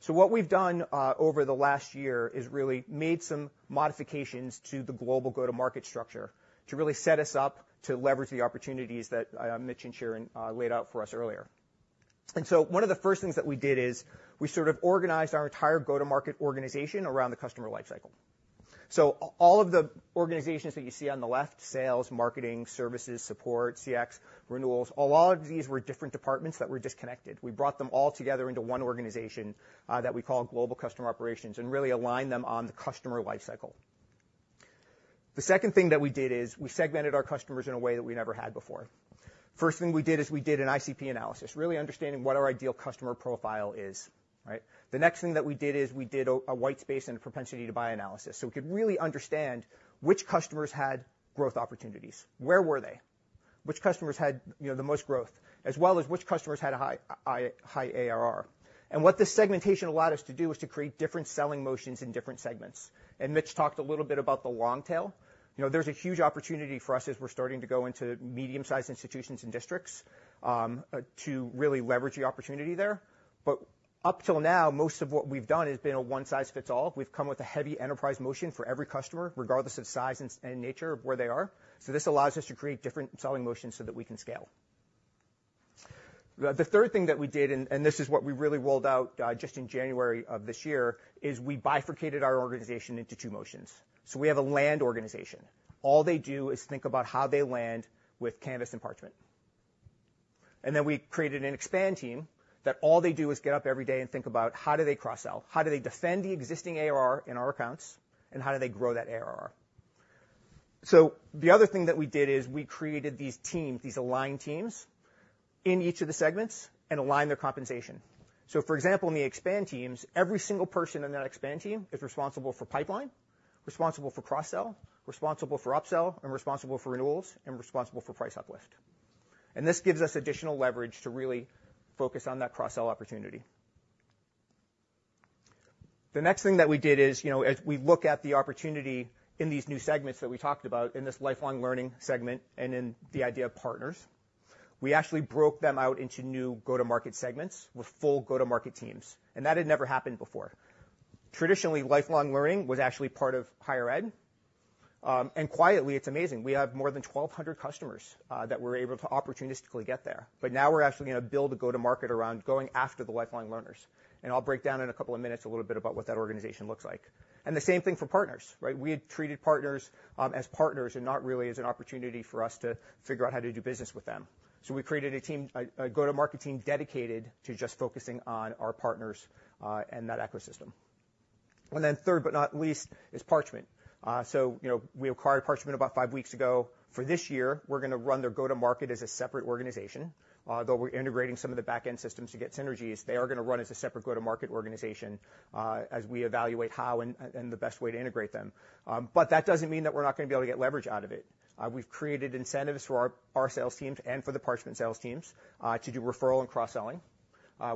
So what we've done over the last year is really made some modifications to the global go-to-market structure to really set us up to leverage the opportunities that Mitch and Shiren laid out for us earlier. And so one of the first things that we did is we sort of organized our entire go-to-market organization around the customer lifecycle. So all of the organizations that you see on the left, sales, marketing, services, support, CX, renewals, all of these were different departments that were disconnected. We brought them all together into one organization that we call Global Customer Operations, and really aligned them on the customer lifecycle. The second thing that we did is we segmented our customers in a way that we never had before. First thing we did is we did an ICP analysis, really understanding what our ideal customer profile is, right? The next thing that we did is we did a white space and propensity to buy analysis, so we could really understand which customers had growth opportunities. Where were they? Which customers had, you know, the most growth, as well as which customers had a high ARR. And what this segmentation allowed us to do was to create different selling motions in different segments. And Mitch talked a little bit about the long tail. You know, there's a huge opportunity for us as we're starting to go into medium-sized institutions and districts, to really leverage the opportunity there. But up till now, most of what we've done has been a one-size-fits-all. We've come with a heavy enterprise motion for every customer, regardless of size and nature of where they are. So this allows us to create different selling motions so that we can scale. The third thing that we did, and this is what we really rolled out, just in January of this year, is we bifurcated our organization into two motions. So we have a land organization. All they do is think about how they land with Canvas and Parchment. And then we created an expand team, that all they do is get up every day and think about how do they cross-sell? How do they defend the existing ARR in our accounts, and how do they grow that ARR? So the other thing that we did is we created these teams, these aligned teams, in each of the segments and aligned their compensation. So, for example, in the expand teams, every single person on that expand team is responsible for pipeline, responsible for cross-sell, responsible for upsell, and responsible for renewals, and responsible for price uplift. And this gives us additional leverage to really focus on that cross-sell opportunity. The next thing that we did is, you know, as we look at the opportunity in these new segments that we talked about, in this lifelong learning segment and in the idea of partners, we actually broke them out into new go-to-market segments with full go-to-market teams, and that had never happened before. Traditionally, lifelong learning was actually part of higher ed, and quietly, it's amazing, we have more than 1,200 customers that we're able to opportunistically get there. But now we're actually going to build a go-to-market around going after the lifelong learners. I'll break down in a couple of minutes a little bit about what that organization looks like. The same thing for partners, right? We had treated partners as partners and not really as an opportunity for us to figure out how to do business with them. So we created a team. A go-to-market team dedicated to just focusing on our partners and that ecosystem. And then third, but not least, is Parchment. So, you know, we acquired Parchment about five weeks ago. For this year, we're going to run their go-to-market as a separate organization. Though we're integrating some of the back-end systems to get synergies, they are going to run as a separate go-to-market organization as we evaluate how and the best way to integrate them. But that doesn't mean that we're not going to be able to get leverage out of it. We've created incentives for our, our sales teams and for the Parchment sales teams, to do referral and cross-selling.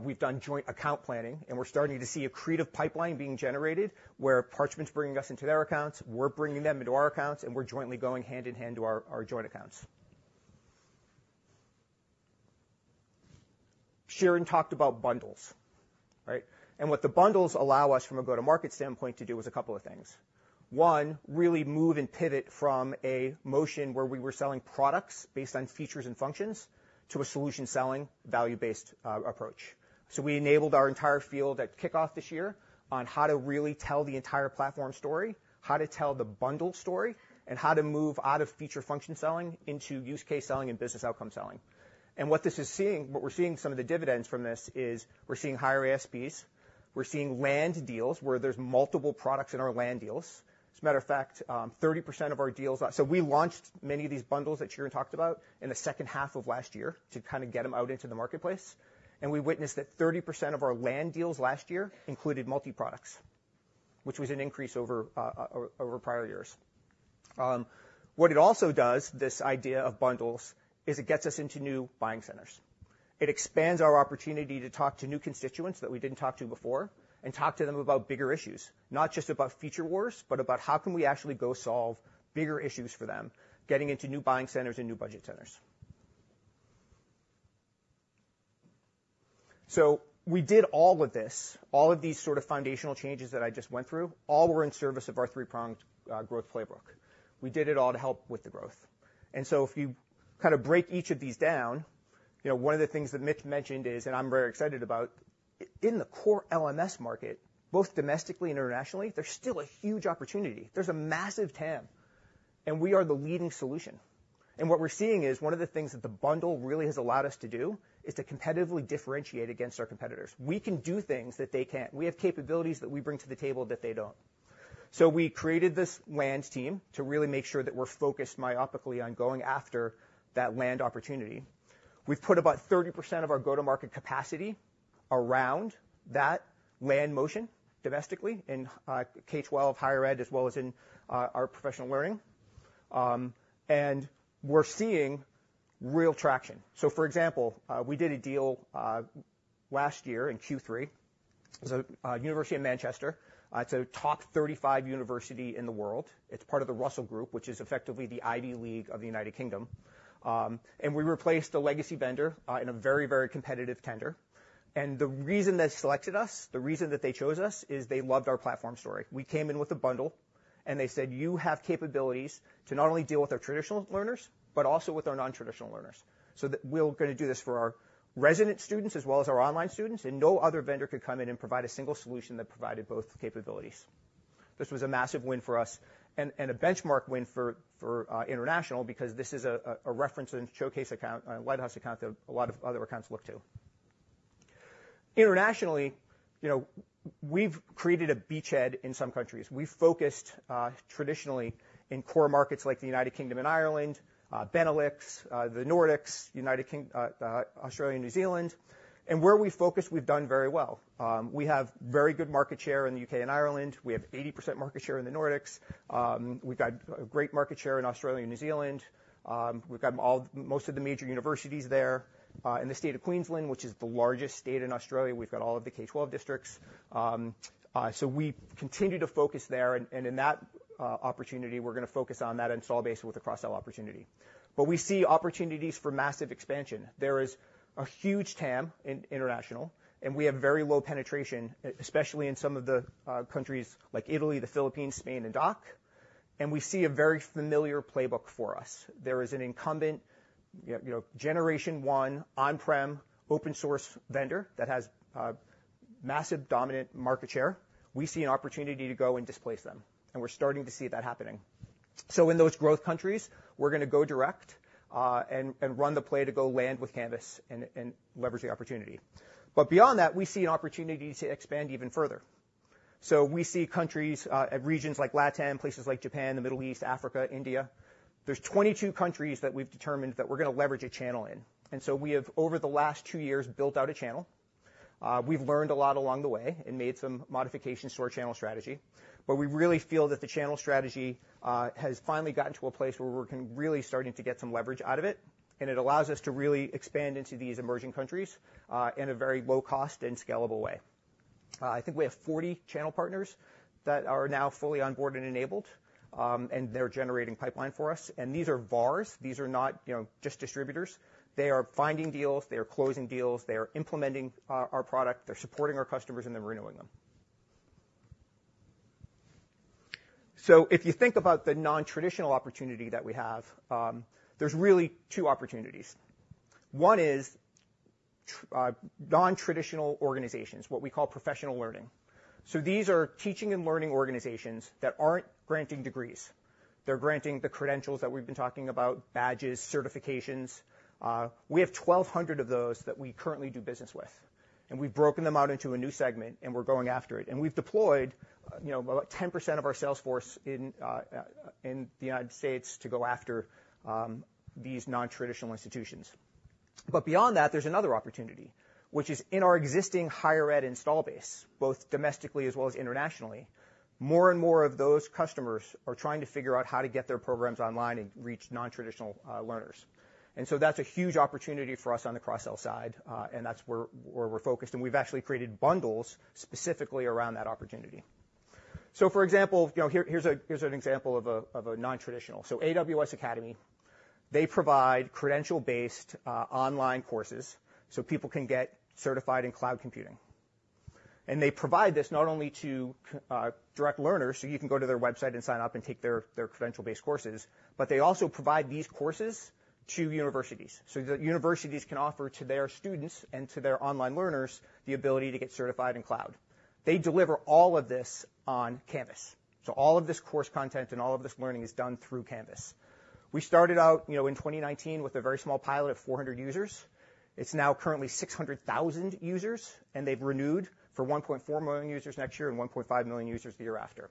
We've done joint account planning, and we're starting to see a creative pipeline being generated, where Parchment's bringing us into their accounts, we're bringing them into our accounts, and we're jointly going hand in hand to our, our joint accounts. Shiren talked about bundles, right? And what the bundles allow us from a go-to-market standpoint to do is a couple of things. One, really move and pivot from a motion where we were selling products based on features and functions, to a solution-selling, value-based, approach. So we enabled our entire field at kickoff this year on how to really tell the entire platform story, how to tell the bundle story, and how to move out of feature function selling into use case selling and business outcome selling. And what we're seeing some of the dividends from this is: we're seeing higher ASPs, we're seeing land deals where there's multiple products in our land deals. As a matter of fact, 30% of our deals are— So we launched many of these bundles that Shiren talked about in the second half of last year to kind of get them out into the marketplace, and we witnessed that 30% of our land deals last year included multi-products, which was an increase over prior years. What it also does, this idea of bundles, is it gets us into new buying centers. It expands our opportunity to talk to new constituents that we didn't talk to before and talk to them about bigger issues, not just about feature wars, but about how can we actually go solve bigger issues for them, getting into new buying centers and new budget centers. So we did all of this, all of these sort of foundational changes that I just went through, all were in service of our three-pronged, growth playbook. We did it all to help with the growth. And so if you kind of break each of these down, you know, one of the things that Mitch mentioned is, and I'm very excited about, in the core LMS market, both domestically and internationally, there's still a huge opportunity. There's a massive TAM, and we are the leading solution. And what we're seeing is, one of the things that the bundle really has allowed us to do is to competitively differentiate against our competitors. We can do things that they can't. We have capabilities that we bring to the table that they don't. So we created this land team to really make sure that we're focused myopically on going after that land opportunity. We've put about 30% of our go-to-market capacity around that land motion domestically in, K-12, higher ed, as well as in, our professional learning. And we're seeing real traction. So for example, we did a deal, last year in Q3. It was, University of Manchester. It's a top 35 university in the world. It's part of the Russell Group, which is effectively the Ivy League of the United Kingdom. And we replaced the legacy vendor in a very, very competitive tender. And the reason they selected us, the reason that they chose us, is they loved our platform story. We came in with a bundle, and they said, "You have capabilities to not only deal with our traditional learners, but also with our non-traditional learners." So that we're gonna do this for our resident students as well as our online students, and no other vendor could come in and provide a single solution that provided both capabilities. This was a massive win for us and a benchmark win for international, because this is a reference and showcase account, a lighthouse account that a lot of other accounts look to. Internationally, you know, we've created a beachhead in some countries. We focused traditionally in core markets like the United Kingdom and Ireland, Benelux, the Nordics, Australia and New Zealand. And where we focus, we've done very well. We have very good market share in the U.K. and Ireland. We have 80% market share in the Nordics. We've got a great market share in Australia and New Zealand. We've got almost all of the major universities there. In the state of Queensland, which is the largest state in Australia, we've got all of the K-12 districts. So we continue to focus there, and in that opportunity, we're gonna focus on that install base with a cross-sell opportunity. But we see opportunities for massive expansion. There is a huge TAM in international, and we have very low penetration, especially in some of the countries like Italy, the Philippines, Spain, and DACH, and we see a very familiar playbook for us. There is an incumbent, you know, generation one, on-prem, open source vendor that has massive, dominant market share. We see an opportunity to go and displace them, and we're starting to see that happening. So in those growth countries, we're gonna go direct, and run the play to go land with Canvas and leverage the opportunity. But beyond that, we see an opportunity to expand even further. So we see countries and regions like Latin, places like Japan, the Middle East, Africa, India. There's 22 countries that we've determined that we're gonna leverage a channel in. And so we have, over the last two years, built out a channel. We've learned a lot along the way and made some modifications to our channel strategy. But we really feel that the channel strategy has finally gotten to a place where we can really start to get some leverage out of it, and it allows us to really expand into these emerging countries in a very low cost and scalable way. I think we have 40 channel partners that are now fully on board and enabled, and they're generating pipeline for us, and these are VARs. These are not, you know, just distributors. They are finding deals, they are closing deals, they are implementing our product, they're supporting our customers, and they're renewing them. So if you think about the non-traditional opportunity that we have, there's really two opportunities. One is non-traditional organizations, what we call professional learning. So these are teaching and learning organizations that aren't granting degrees. They're granting the credentials that we've been talking about, badges, certifications. We have 1,200 of those that we currently do business with, and we've broken them out into a new segment, and we're going after it. We've deployed, you know, about 10% of our sales force in the United States to go after these non-traditional institutions. But beyond that, there's another opportunity, which is in our existing higher ed install base, both domestically as well as internationally. More and more of those customers are trying to figure out how to get their programs online and reach non-traditional learners. So that's a huge opportunity for us on the cross-sell side, and that's where we're focused, and we've actually created bundles specifically around that opportunity. So for example, you know, here, here's an example of a non-traditional. So AWS Academy. They provide credential-based online courses, so people can get certified in cloud computing. And they provide this not only to direct learners, so you know you can go to their website and sign up and take their credential-based courses, but they also provide these courses to universities. So the universities can offer to their students and to their online learners the ability to get certified in cloud. They deliver all of this on Canvas. So all of this course content and all of this learning is done through Canvas. We started out, you know, in 2019 with a very small pilot of 400 users. It's now currently 600,000 users, and they've renewed for 1.4 million users next year and 1.5 million users the year after.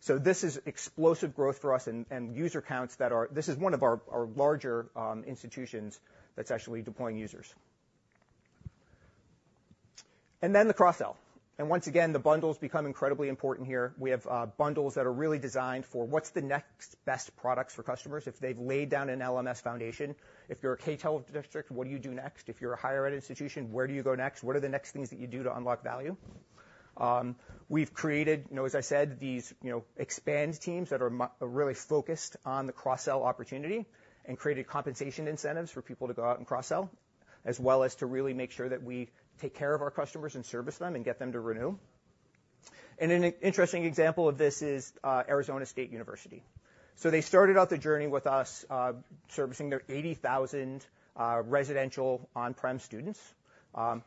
So this is explosive growth for us and user counts that are—this is one of our larger institutions that's actually deploying users. And then the cross-sell, and once again, the bundles become incredibly important here. We have bundles that are really designed for what's the next best products for customers if they've laid down an LMS foundation. If you're a K-12 district, what do you do next? If you're a higher ed institution, where do you go next? What are the next things that you do to unlock value? We've created, you know, as I said, these, you know, expand teams that are really focused on the cross-sell opportunity and created compensation incentives for people to go out and cross-sell, as well as to really make sure that we take care of our customers and service them and get them to renew. An interesting example of this is Arizona State University. So they started out their journey with us, servicing their 80,000 residential on-prem students.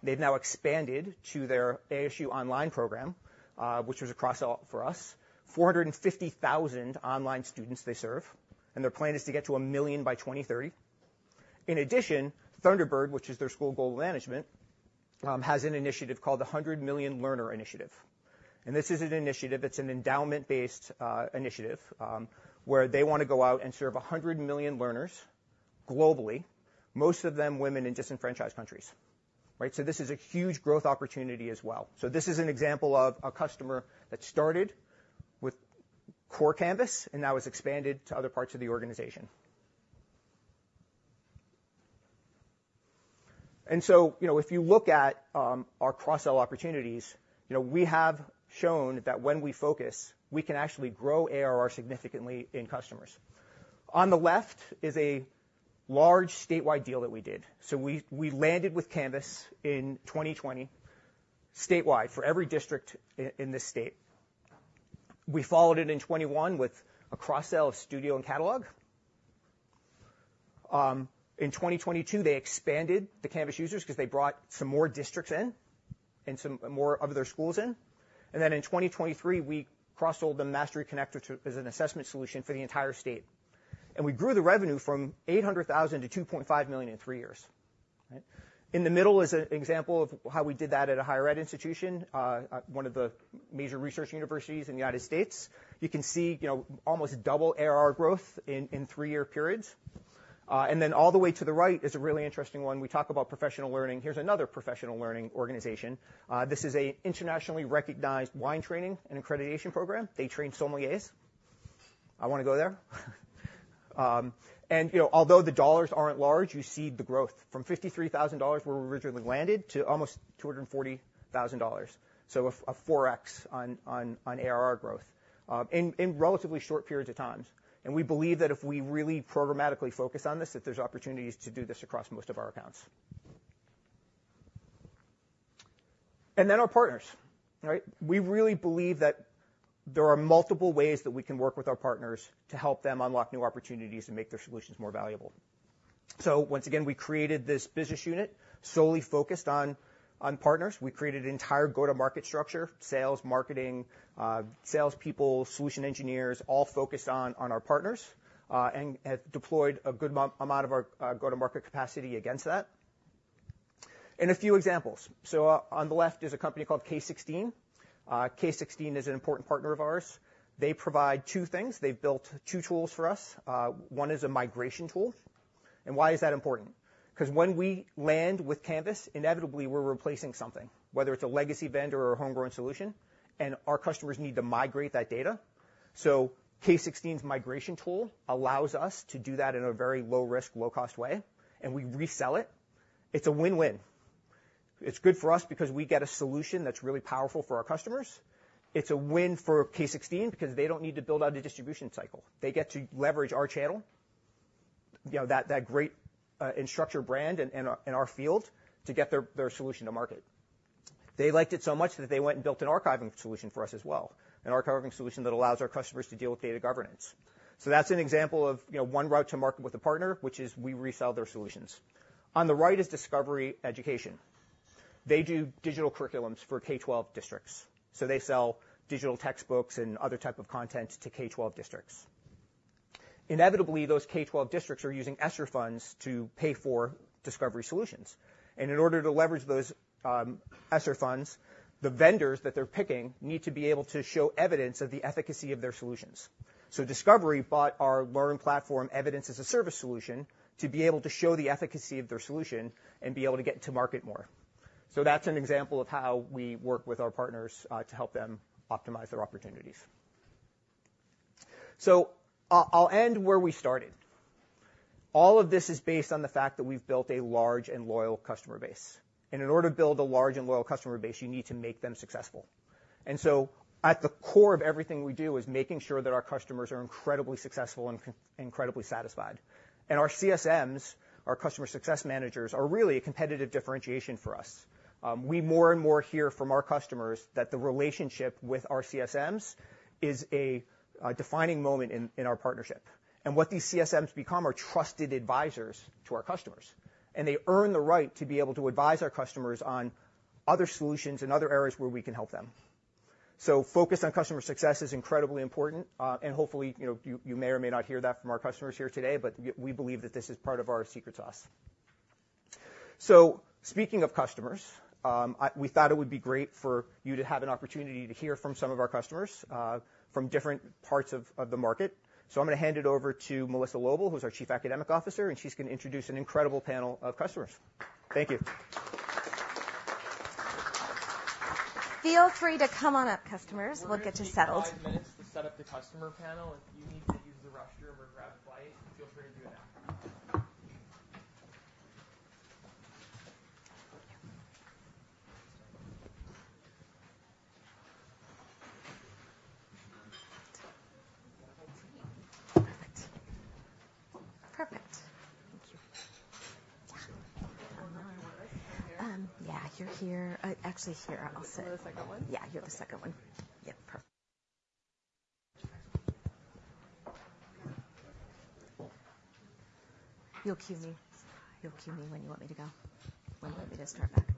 They've now expanded to their ASU online program, which was a cross-sell for us. 450,000 online students they serve, and their plan is to get to 1 million by 2030. In addition, Thunderbird, which is their school of global management, has an initiative called the 100 Million Learners Initiative, and this is an initiative that's an endowment-based initiative, where they wanna go out and serve 100 million learners globally, most of them women in disenfranchised countries. Right? So this is a huge growth opportunity as well. So this is an example of a customer that started with core Canvas and now has expanded to other parts of the organization. And so, you know, if you look at our cross-sell opportunities, you know, we have shown that when we focus, we can actually grow ARR significantly in customers. On the left is a large statewide deal that we did. So we landed with Canvas in 2020, statewide, for every district in this state. We followed it in 2021 with a cross-sell of Studio and Catalog. In 2022, they expanded the Canvas users because they brought some more districts in and some more of their schools in, and then in 2023, we cross-sold them Mastery Connect as an assessment solution for the entire state. And we grew the revenue from $800,000 to $2.5 million in three years, right? In the middle is an example of how we did that at a higher ed institution at one of the major research universities in the United States. You can see, you know, almost double ARR growth in three-year periods. And then all the way to the right is a really interesting one. We talk about professional learning. Here's another professional learning organization. This is an internationally recognized wine training and accreditation program. They train sommeliers. I wanna go there. And, you know, although the dollars aren't large, you see the growth from $53,000, where we originally landed, to almost $240,000. So a 4x on ARR growth, in relatively short periods of times. And we believe that if we really programmatically focus on this, that there's opportunities to do this across most of our accounts. And then our partners, right? We really believe that there are multiple ways that we can work with our partners to help them unlock new opportunities and make their solutions more valuable. So once again, we created this business unit solely focused on partners. We created an entire go-to-market structure, sales, marketing, salespeople, solution engineers, all focused on our partners, and have deployed a good amount of our go-to-market capacity against that. A few examples: so, on the left is a company called K16. K16 is an important partner of ours. They provide two things. They've built two tools for us. One is a migration tool. And why is that important? Because when we land with Canvas, inevitably we're replacing something, whether it's a legacy vendor or a homegrown solution, and our customers need to migrate that data. So K16's migration tool allows us to do that in a very low-risk, low-cost way, and we resell it. It's a win-win. It's good for us because we get a solution that's really powerful for our customers. It's a win for K16 because they don't need to build out a distribution cycle. They get to leverage our channel, you know, that, that great Instructure brand and, and our, in our field to get their, their solution to market. They liked it so much that they went and built an archiving solution for us as well, an archiving solution that allows our customers to deal with data governance. So that's an example of, you know, one route to market with a partner, which is we resell their solutions. On the right is Discovery Education. They do digital curriculums for K-12 districts, so they sell digital textbooks and other type of content to K-12 districts. Inevitably, those K-12 districts are using ESSER funds to pay for Discovery solutions, and in order to leverage those ESSER funds, the vendors that they're picking need to be able to show evidence of the efficacy of their solutions. So Discovery bought our LearnPlatform Evidence-as-a-Service solution to be able to show the efficacy of their solution and be able to get to market more. So that's an example of how we work with our partners to help them optimize their opportunities. So I'll end where we started. All of this is based on the fact that we've built a large and loyal customer base, and in order to build a large and loyal customer base, you need to make them successful. And so at the core of everything we do is making sure that our customers are incredibly successful and incredibly satisfied. Our CSMs, our customer success managers, are really a competitive differentiation for us. We more and more hear from our customers that the relationship with our CSMs is a defining moment in our partnership. And what these CSMs become are trusted advisors to our customers, and they earn the right to be able to advise our customers on other solutions and other areas where we can help them. So focus on customer success is incredibly important. And hopefully, you know, you may or may not hear that from our customers here today, but we believe that this is part of our secret sauce. So speaking of customers, we thought it would be great for you to have an opportunity to hear from some of our customers from different parts of the market. I'm going to hand it over to Melissa Loble, who's our Chief Academic Officer, and she's going to introduce an incredible panel of customers. Thank you. Feel free to come on up, customers. We'll get you settled. We're going to take five minutes to set up the customer panel. If you need to use the restroom or grab a bite, feel free to do that.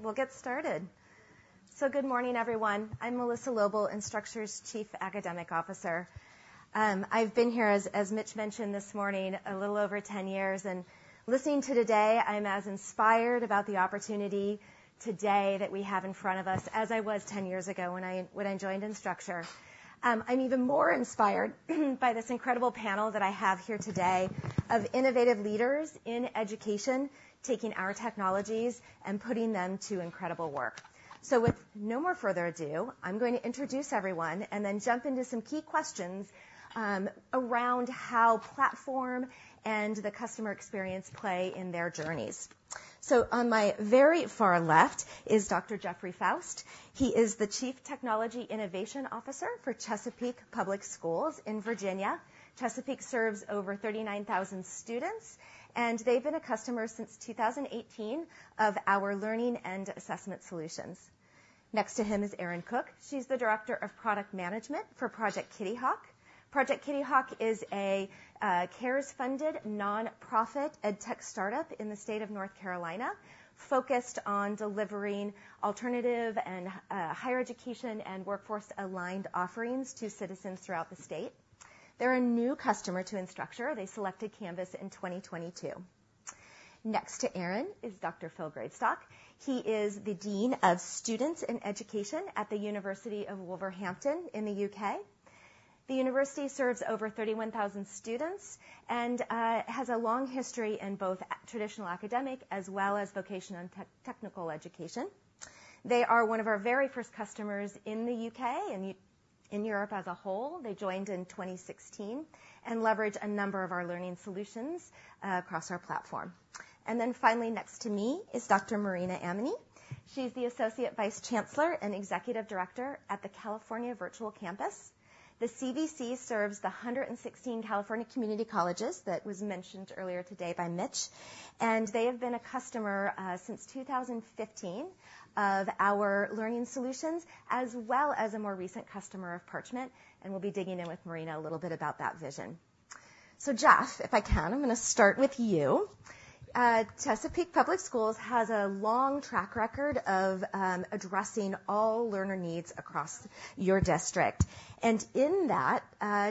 We'll get started. Good morning, everyone. I'm Melissa Loble, Instructure's Chief Academic Officer. I've been here, as Mitch mentioned this morning, a little over 10 years, and listening to today, I'm as inspired about the opportunity today that we have in front of us as I was 10 years ago when I joined Instructure. I'm even more inspired by this incredible panel that I have here today of innovative leaders in education, taking our technologies and putting them to incredible work. With no more further ado, I'm going to introduce everyone and then jump into some key questions around how platform and the customer experience play in their journeys. On my very far left is Dr. Jeffrey Faust. He is the Chief Technology Innovation Officer for Chesapeake Public Schools in Virginia. Chesapeake serves over 39,000 students, and they've been a customer since 2018 of our learning and assessment solutions. Next to him is Erin Cook. She's the Director of Product Management for Project Kitty Hawk. Project Kitty Hawk is a CARES-funded nonprofit edtech startup in the state of North Carolina, focused on delivering alternative and higher education and workforce-aligned offerings to citizens throughout the state. They're a new customer to Instructure. They selected Canvas in 2022. Next to Erin is Dr. Phil Gravestock. He is the Dean of Students and Education at the University of Wolverhampton in the U.K. The university serves over 31,000 students and has a long history in both traditional academic as well as vocational and technical education. They are one of our very first customers in the U.K., and in Europe as a whole. They joined in 2016 and leverage a number of our learning solutions across our platform. And then finally, next to me is Dr. Marina Aminy. She's the Associate Vice Chancellor and Executive Director at the California Virtual Campus. The CVC serves the 116 California community colleges that was mentioned earlier today by Mitch, and they have been a customer since 2015 of our learning solutions, as well as a more recent customer of Parchment, and we'll be digging in with Marina a little bit about that vision. So Jeff, if I can, I'm gonna start with you. Chesapeake Public Schools has a long track record of addressing all learner needs across your district. And in that,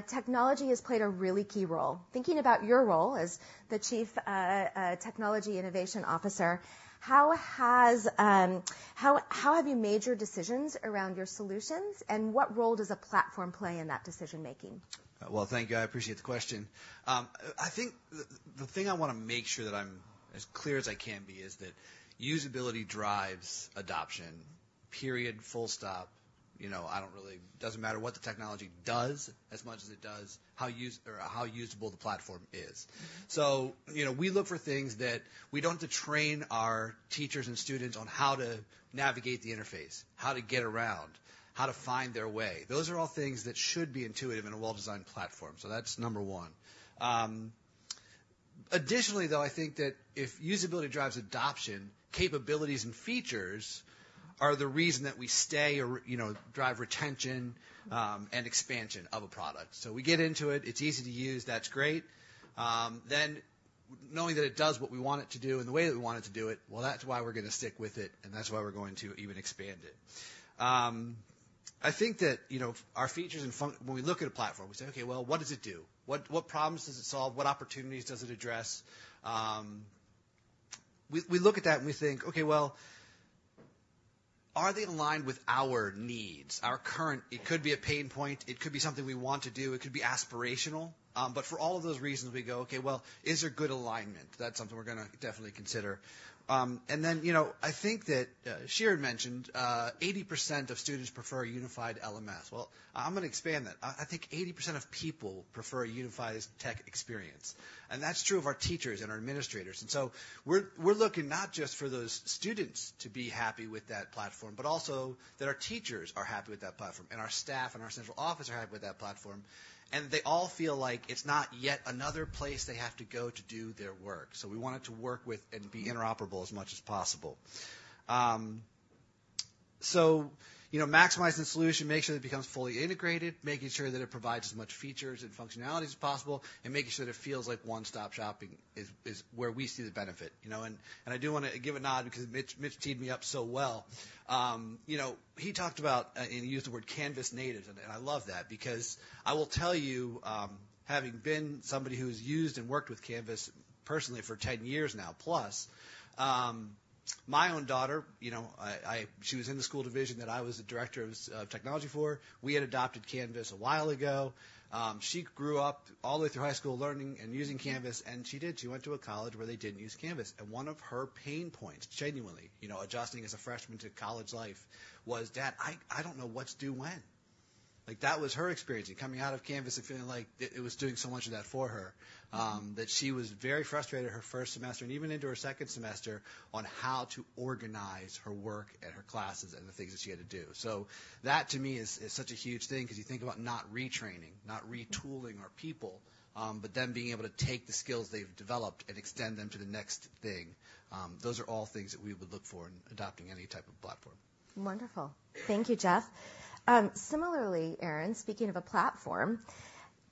technology has played a really key role. Thinking about your role as the Chief Technology Innovation Officer, how have you made your decisions around your solutions, and what role does a platform play in that decision-making? Well, thank you. I appreciate the question. I think the thing I wanna make sure that I'm as clear as I can be is that usability drives adoption, period, full stop. You know, doesn't matter what the technology does, as much as it does, how usable the platform is. So, you know, we look for things that we don't have to train our teachers and students on how to navigate the interface, how to get around, how to find their way. Those are all things that should be intuitive in a well-designed platform, so that's number one. Additionally, though, I think that if usability drives adoption, capabilities and features are the reason that we stay or, you know, drive retention, and expansion of a product. So we get into it. It's easy to use. That's great. Then, knowing that it does what we want it to do in the way that we want it to do it, well, that's why we're gonna stick with it, and that's why we're going to even expand it. I think that, you know. When we look at a platform, we say: Okay, well, what does it do? What problems does it solve? What opportunities does it address? We look at that and we think: Okay, well, are they in line with our needs, our current... It could be a pain point, it could be something we want to do, it could be aspirational. But for all of those reasons, we go, okay, well, is there good alignment? That's something we're gonna definitely consider. And then, you know, I think that Shiren mentioned 80% of students prefer a unified LMS. Well, I'm gonna expand that. I think 80% of people prefer a unified tech experience, and that's true of our teachers and our administrators. And so we're looking not just for those students to be happy with that platform, but also that our teachers are happy with that platform, and our staff and our central office are happy with that platform, and they all feel like it's not yet another place they have to go to do their work. So we want it to work with and be interoperable as much as possible. So, you know, maximizing the solution, making sure it becomes fully integrated, making sure that it provides as much features and functionality as possible, and making sure that it feels like one-stop shopping is where we see the benefit, you know. And I do wanna give a nod because Mitch teed me up so well. You know, he talked about, and he used the word Canvas native, and I love that because I will tell you, having been somebody who's used and worked with Canvas personally for 10 years now plus, my own daughter, you know, I--She was in the school division that I was the director of technology for. We had adopted Canvas a while ago. She grew up all the way through high school, learning and using Canvas, and she did. She went to a college where they didn't use Canvas, and one of her pain points, genuinely, you know, adjusting as a freshman to college life, was: "Dad, I don't know what's due when." Like, that was her experience, coming out of Canvas and feeling like it was doing so much of that for her, that she was very frustrated her first semester, and even into her second semester, on how to organize her work and her classes and the things that she had to do. So that, to me, is such a huge thing because you think about not retraining, not retooling our people, but them being able to take the skills they've developed and extend them to the next thing. Those are all things that we would look for in adopting any type of platform. Wonderful. Thank you, Jeff. Similarly, Erin, speaking of a platform,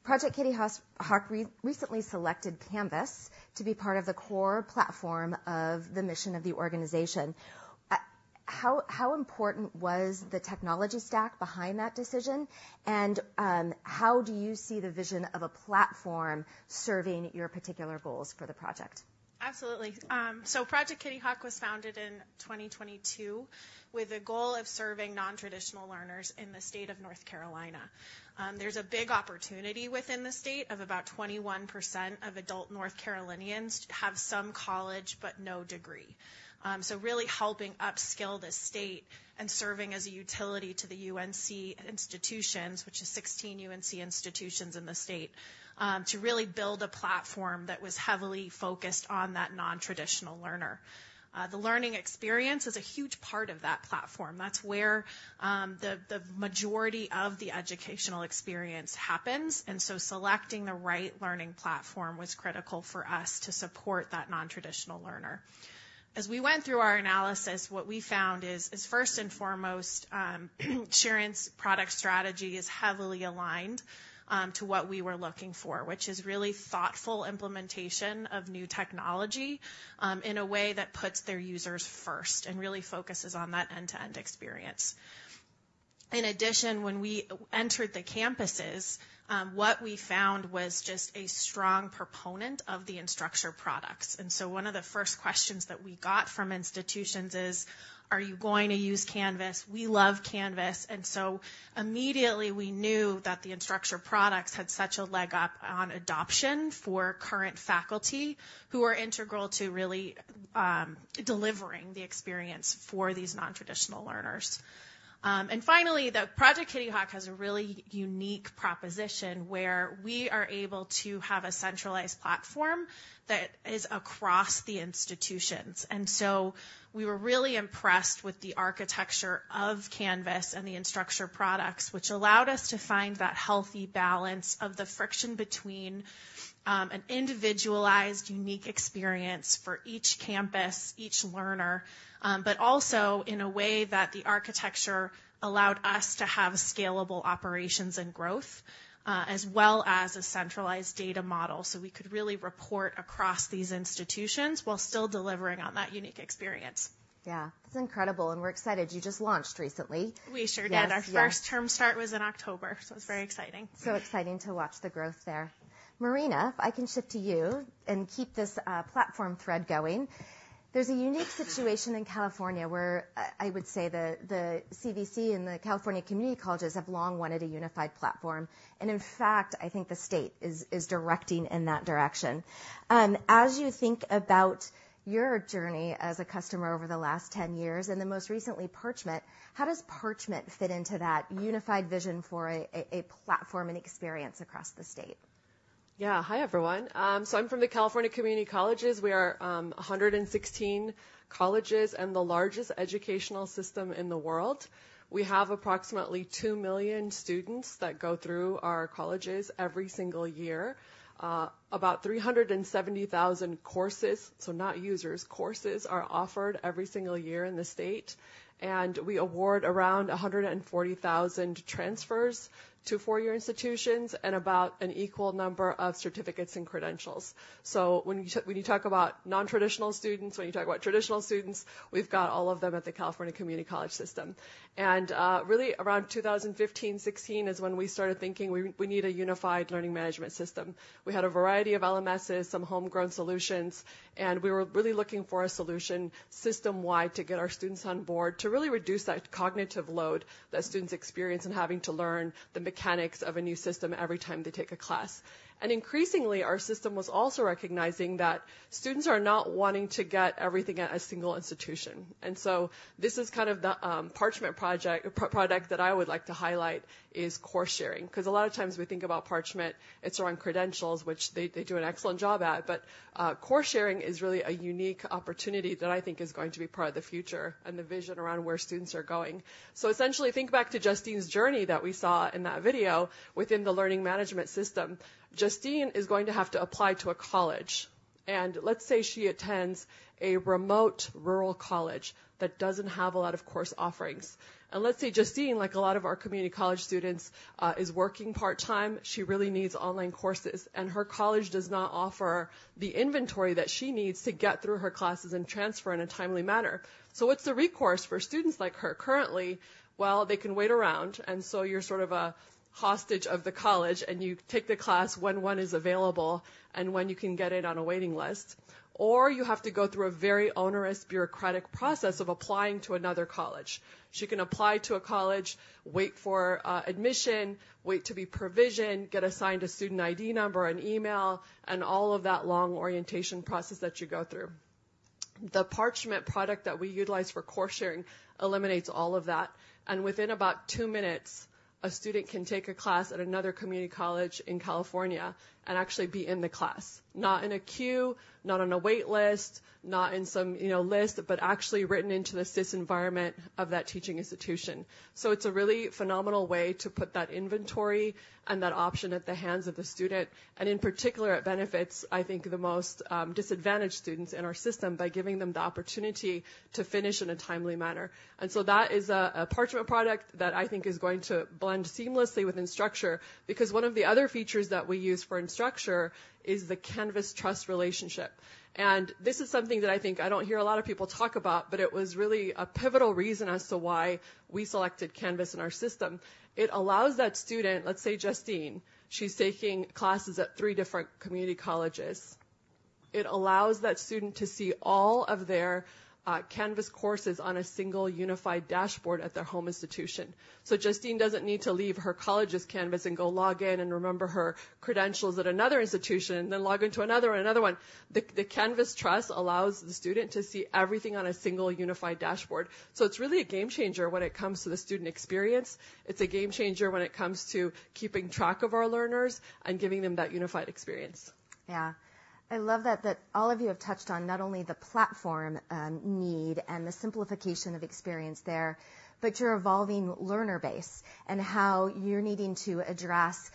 Project Kitty Hawk recently selected Canvas to be part of the core platform of the mission of the organization. How important was the technology stack behind that decision, and how do you see the vision of a platform serving your particular goals for the project? Absolutely. So Project Kitty Hawk was founded in 2022 with a goal of serving nontraditional learners in the state of North Carolina. There's a big opportunity within the state of about 21% of adult North Carolinians have some college but no degree. So really helping upskill the state and serving as a utility to the UNC institutions, which is 16 UNC institutions in the state, to really build a platform that was heavily focused on that nontraditional learner. The learning experience is a huge part of that platform. That's where the majority of the educational experience happens, and so selecting the right LearnPlatform was critical for us to support that nontraditional learner. As we went through our analysis, what we found is first and foremost, Shiren's product strategy is heavily aligned to what we were looking for, which is really thoughtful implementation of new technology in a way that puts their users first and really focuses on that end-to-end experience. In addition, when we entered the campuses, what we found was just a strong proponent of the Instructure products. And so one of the first questions that we got from institutions is: Are you going to use Canvas? We love Canvas. And so immediately, we knew that the Instructure products had such a leg up on adoption for current faculty, who are integral to really delivering the experience for these non-traditional learners. And finally, the Project Kitty Hawk has a really unique proposition where we are able to have a centralized platform that is across the institutions. And so we were really impressed with the architecture of Canvas and the Instructure products, which allowed us to find that healthy balance of the friction between an individualized, unique experience for each campus, each learner, but also in a way that the architecture allowed us to have scalable operations and growth, as well as a centralized data model. So we could really report across these institutions while still delivering on that unique experience. Yeah, it's incredible, and we're excited. You just launched recently. We sure did. Yes, yes. Our first term start was in October, so it's very exciting. So exciting to watch the growth there. Marina, if I can shift to you and keep this platform thread going. There's a unique situation in California where I would say the CVC and the California Community Colleges have long wanted a unified platform, and in fact, I think the state is directing in that direction. As you think about your journey as a customer over the last 10 years, and then most recently, Parchment, how does Parchment fit into that unified vision for a platform and experience across the state? Yeah. Hi, everyone. So I'm from the California Community Colleges. We are 116 colleges and the largest educational system in the world. We have approximately 2 million students that go through our colleges every single year. About 370,000 courses, so not users, courses are offered every single year in the state, and we award around 140,000 transfers to four-year institutions and about an equal number of certificates and credentials. So when you talk about non-traditional students, when you talk about traditional students, we've got all of them at the California Community College system. And really, around 2015, 2016, is when we started thinking we need a unified learning management system. We had a variety of LMSes, some homegrown solutions, and we were really looking for a solution system-wide to get our students on board, to really reduce that cognitive load that students experience in having to learn the mechanics of a new system every time they take a class. Increasingly, our system was also recognizing that students are not wanting to get everything at a single institution. So this is kind of the Parchment product that I would like to highlight is course sharing. 'Cause a lot of times we think about Parchment, it's around credentials, which they do an excellent job at, but course sharing is really a unique opportunity that I think is going to be part of the future and the vision around where students are going. So essentially, think back to Justine's journey that we saw in that video within the learning management system. Justine is going to have to apply to a college, and let's say she attends a remote rural college that doesn't have a lot of course offerings. And let's say, Justine, like a lot of our community college students, is working part-time. She really needs online courses, and her college does not offer the inventory that she needs to get through her classes and transfer in a timely manner. So what's the recourse for students like her currently? Well, they can wait around, and so you're sort of a hostage of the college, and you take the class when one is available and when you can get it on a waiting list, or you have to go through a very onerous, bureaucratic process of applying to another college. She can apply to a college, wait for admission, wait to be provisioned, get assigned a student ID number, an email, and all of that long orientation process that you go through. The Parchment product that we utilize for course sharing eliminates all of that, and within about two minutes, a student can take a class at another community college in California and actually be in the class. Not in a queue, not on a wait list, not in some, you know, list, but actually written into the SIS environment of that teaching institution. So it's a really phenomenal way to put that inventory and that option at the hands of the student, and in particular, it benefits, I think, the most disadvantaged students in our system by giving them the opportunity to finish in a timely manner. And so that is a Parchment product that I think is going to blend seamlessly with Instructure, because one of the other features that we use for Instructure is the Canvas Trust relationship. And this is something that I think I don't hear a lot of people talk about, but it was really a pivotal reason as to why we selected Canvas in our system. It allows that student, let's say Justine, she's taking classes at three different community colleges. It allows that student to see all of their Canvas courses on a single unified dashboard at their home institution. So Justine doesn't need to leave her college's Canvas and go log in and remember her credentials at another institution, then log into another and another one. The Canvas Trust allows the student to see everything on a single unified dashboard. It's really a game changer when it comes to the student experience. It's a game changer when it comes to keeping track of our learners and giving them that unified experience. Yeah, I love that, that all of you have touched on not only the platform need and the simplification of experience there, but your evolving learner base and how you're needing to address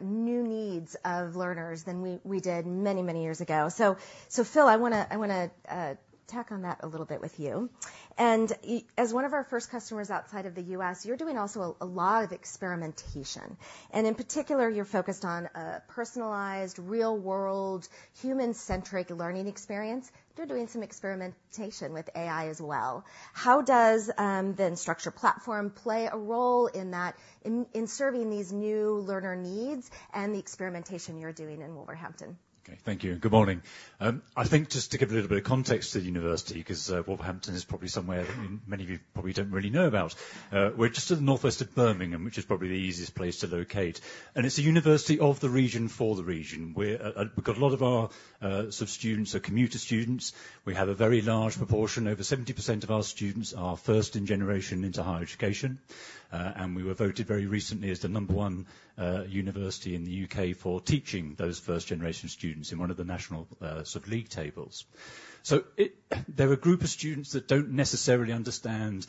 new needs of learners than we did many, many years ago. So, Phil, I want to tack on that a little bit with you. And as one of our first customers outside of the U.S., you're doing also a lot of experimentation, and in particular, you're focused on a personalized, real-world, human-centric learning experience. You're doing some experimentation with AI as well. How does the Instructure platform play a role in that, in serving these new learner needs and the experimentation you're doing in Wolverhampton? Okay. Thank you, and good morning. I think just to give a little bit of context to the university, 'cause Wolverhampton is probably somewhere that many of you probably don't really know about. We're just to the northwest of Birmingham, which is probably the easiest place to locate, and it's a university of the region for the region, where we've got a lot of our sort of students are commuter students. We have a very large proportion, over 70% of our students are first-generation into higher education. And we were voted very recently as the number one university in the U.K. for teaching those first-generation students in one of the national sort of league tables. So they're a group of students that don't necessarily understand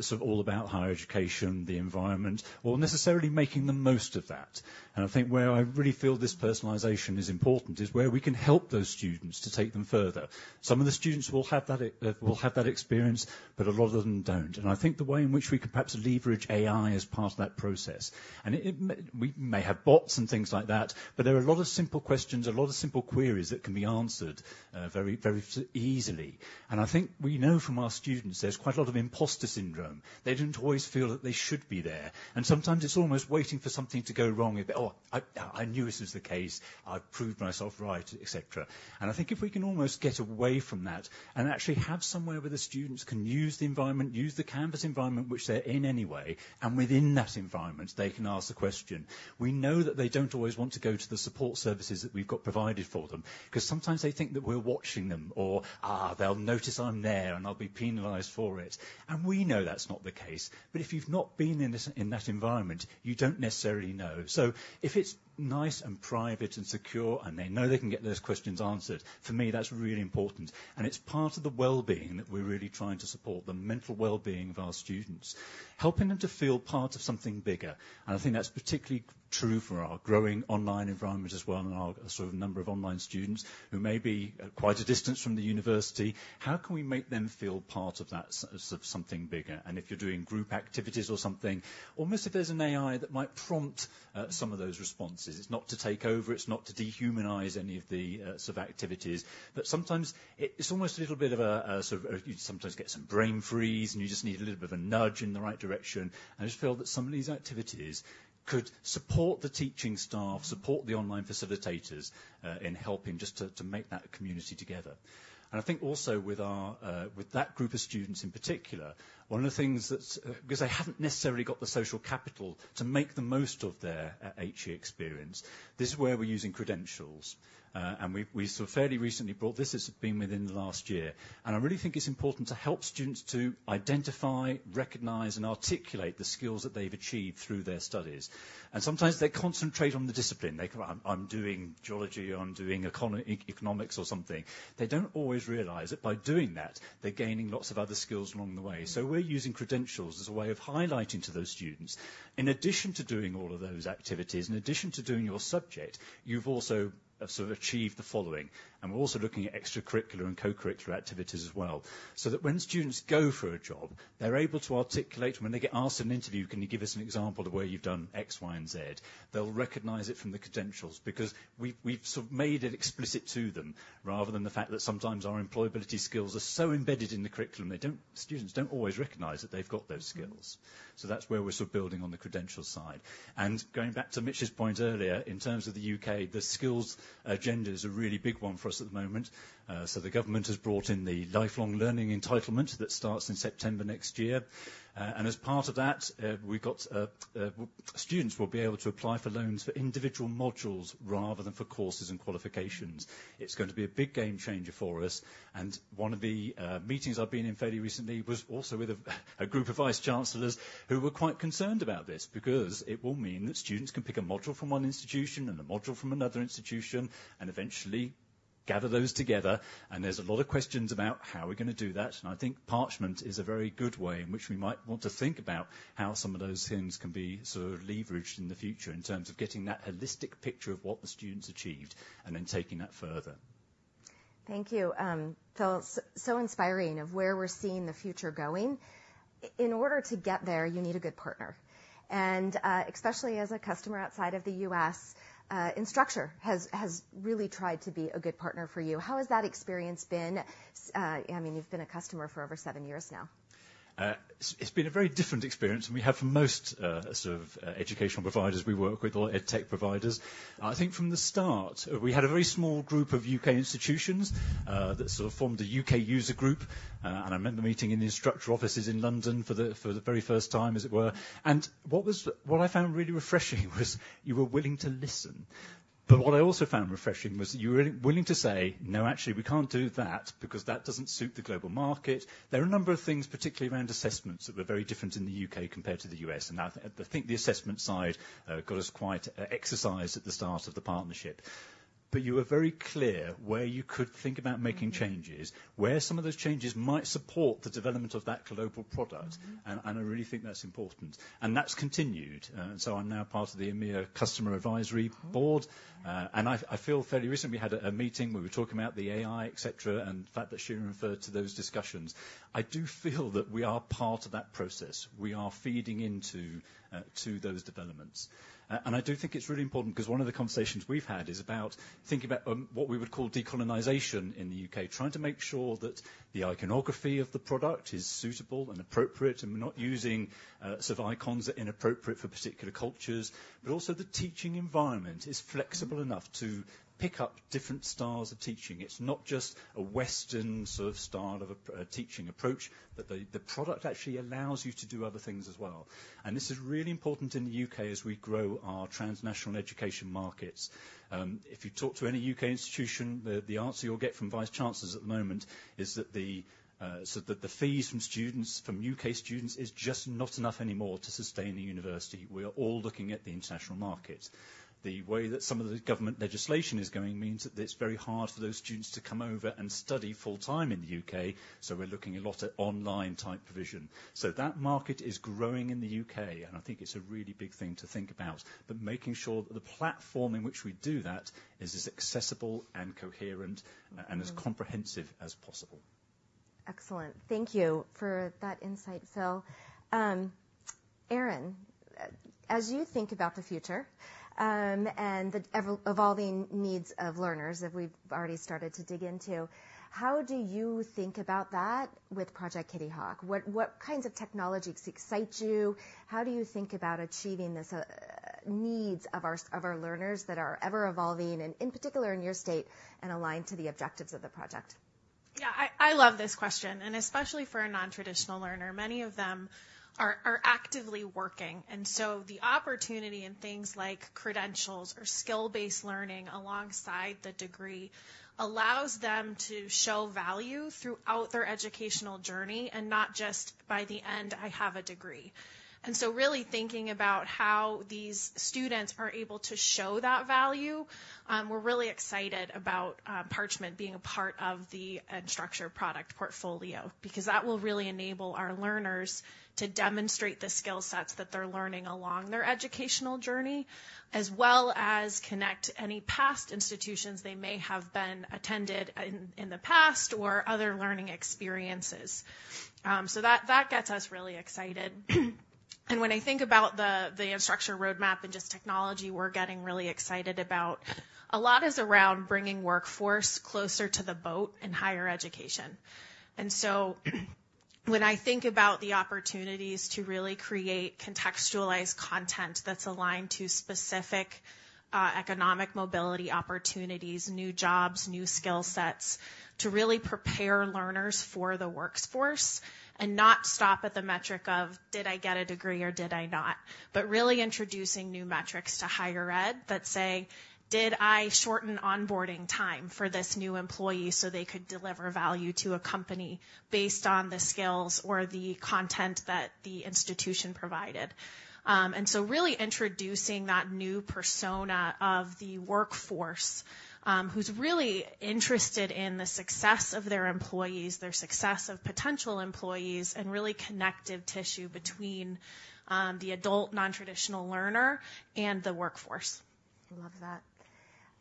sort of all about higher education, the environment, or necessarily making the most of that. And I think where I really feel this personalization is important is where we can help those students to take them further. Some of the students will have that experience, but a lot of them don't. And I think the way in which we could perhaps leverage AI as part of that process. We may have bots and things like that, but there are a lot of simple questions, a lot of simple queries that can be answered very, very easily. And I think we know from our students there's quite a lot of imposter syndrome. They don't always feel that they should be there, and sometimes it's almost waiting for something to go wrong. Oh, I knew this was the case. I've proved myself right," et cetera. And I think if we can almost get away from that and actually have somewhere where the students can use the environment, use the Canvas environment, which they're in anyway, and within that environment, they can ask the question. We know that they don't always want to go to the support services that we've got provided for them, 'cause sometimes they think that we're watching them or, "Ah, they'll notice I'm there, and I'll be penalized for it." And we know that's not the case, but if you've not been in this, in that environment, you don't necessarily know. So if it's nice and private and secure, and they know they can get those questions answered, for me, that's really important, and it's part of the well-being that we're really trying to support, the mental well-being of our students, helping them to feel part of something bigger. And I think that's particularly true for our growing online environment as well, and our sort of number of online students who may be at quite a distance from the university. How can we make them feel part of that sort of something bigger? And if you're doing group activities or something, almost if there's an AI that might prompt some of those responses. It's not to take over, it's not to dehumanize any of the sort of activities, but sometimes it's almost a little bit of a sort of-- You sometimes get some brain freeze, and you just need a little bit of a nudge in the right direction. And I just feel that some of these activities could support the teaching staff, support the online facilitators, in helping just to make that community together. And I think also with our, with that group of students in particular, one of the things that's 'cause they haven't necessarily got the social capital to make the most of their HE experience. This is where we're using credentials, and we've sort of fairly recently brought this. This has been within the last year, and I really think it's important to help students to identify, recognize, and articulate the skills that they've achieved through their studies. And sometimes they concentrate on the discipline. They go, "I'm doing geology," or, "I'm doing economics or something." They don't always realize that by doing that, they're gaining lots of other skills along the way. So we're using credentials as a way of highlighting to those students. In addition to doing all of those activities, in addition to doing your subject, you've also sort of achieved the following. And we're also looking at extracurricular and co-curricular activities as well, so that when students go for a job, they're able to articulate. When they get asked in an interview: "Can you give us an example of where you've done X, Y, and Z?" They'll recognize it from the credentials because we've sort of made it explicit to them, rather than the fact that sometimes our employability skills are so embedded in the curriculum, they don't, students don't always recognize that they've got those skills. So that's where we're sort of building on the credentials side. And going back to Mitch's point earlier, in terms of the U.K., the skills agenda is a really big one for us at the moment. So the government has brought in the Lifelong Learning Entitlement entitlement that starts in September next year. And as part of that, we've got. Students will be able to apply for loans for individual modules rather than for courses and qualifications. It's going to be a big game changer for us, and one of the meetings I've been in fairly recently was also with a group of vice chancellors who were quite concerned about this. Because it will mean that students can pick a module from one institution and a module from another institution, and eventually gather those together, and there's a lot of questions about how we're gonna do that. And I think Parchment is a very good way in which we might want to think about how some of those things can be sort of leveraged in the future in terms of getting that holistic picture of what the students achieved, and then taking that further. Thank you, Phil. So inspiring of where we're seeing the future going. In order to get there, you need a good partner, and, especially as a customer outside of the U.S., Instructure has, has really tried to be a good partner for you. How has that experience been? I mean, you've been a customer for over seven years now. It's been a very different experience than we have from most, sort of, educational providers we work with or edtech providers. I think from the start, we had a very small group of U.K. institutions that sort of formed a U.K. user group, and I remember meeting in the Instructure offices in London for the very first time, as it were. What I found really refreshing was you were willing to listen. But what I also found refreshing was that you were willing to say, "No, actually, we can't do that because that doesn't suit the global market." There are a number of things, particularly around assessments, that were very different in the U.K. compared to the U.S., and I think the assessment side got us quite exercised at the start of the partnership. You were very clear where you could think about making changes, where some of those changes might support the development of that global product. I really think that's important, and that's continued. So I'm now part of the EMEA Customer Advisory Board. And I feel fairly recently had a meeting where we were talking about the AI, et cetera, and the fact that Shiren referred to those discussions. I do feel that we are part of that process. We are feeding into to those developments. And I do think it's really important, 'cause one of the conversations we've had is about thinking about what we would call decolonization in the U.K. Trying to make sure that the iconography of the product is suitable and appropriate, and we're not using sort of icons that are inappropriate for particular cultures. But also, the teaching environment is flexible enough to pick up different styles of teaching. It's not just a Western sort of style of teaching approach, but the product actually allows you to do other things as well. This is really important in the U.K. as we grow our transnational education markets. If you talk to any U.K. institution, the answer you'll get from vice chancellors at the moment is that the fees from students, from U.K. students, is just not enough anymore to sustain the university. We are all looking at the international market. The way that some of the government legislation is going means that it's very hard for those students to come over and study full-time in the U.K., so we're looking a lot at online-type provision. That market is growing in the U.K., and I think it's a really big thing to think about, but making sure that the platform in which we do that is as accessible and coherent and as comprehensive as possible. Excellent. Thank you for that insight, Phil. Erin, as you think about the future, and the evolving needs of learners that we've already started to dig into, how do you think about that with Project Kitty Hawk? What kinds of technologies excite you? How do you think about achieving the needs of our learners that are ever-evolving, and in particular, in your state, and aligned to the objectives of the project? Yeah, I love this question, and especially for a non-traditional learner, many of them are actively working. And so the opportunity in things like credentials or skill-based learning alongside the degree allows them to show value throughout their educational journey, and not just by the end, "I have a degree." And so really thinking about how these students are able to show that value, we're really excited about Parchment being a part of the Instructure product portfolio, because that will really enable our learners to demonstrate the skill sets that they're learning along their educational journey, as well as connect any past institutions they may have been attended in the past or other learning experiences. So that gets us really excited. And when I think about the Instructure roadmap and just technology, we're getting really excited about... A lot is around bringing workforce closer to the fold in higher education. And so, when I think about the opportunities to really create contextualized content that's aligned to specific, economic mobility opportunities, new jobs, new skill sets, to really prepare learners for the workforce and not stop at the metric of, did I get a degree or did I not? But really introducing new metrics to higher ed that say: Did I shorten onboarding time for this new employee, so they could deliver value to a company based on the skills or the content that the institution provided? And so really introducing that new persona of the workforce, who's really interested in the success of their employees, their success of potential employees, and really connective tissue between, the adult non-traditional learner and the workforce. I love that.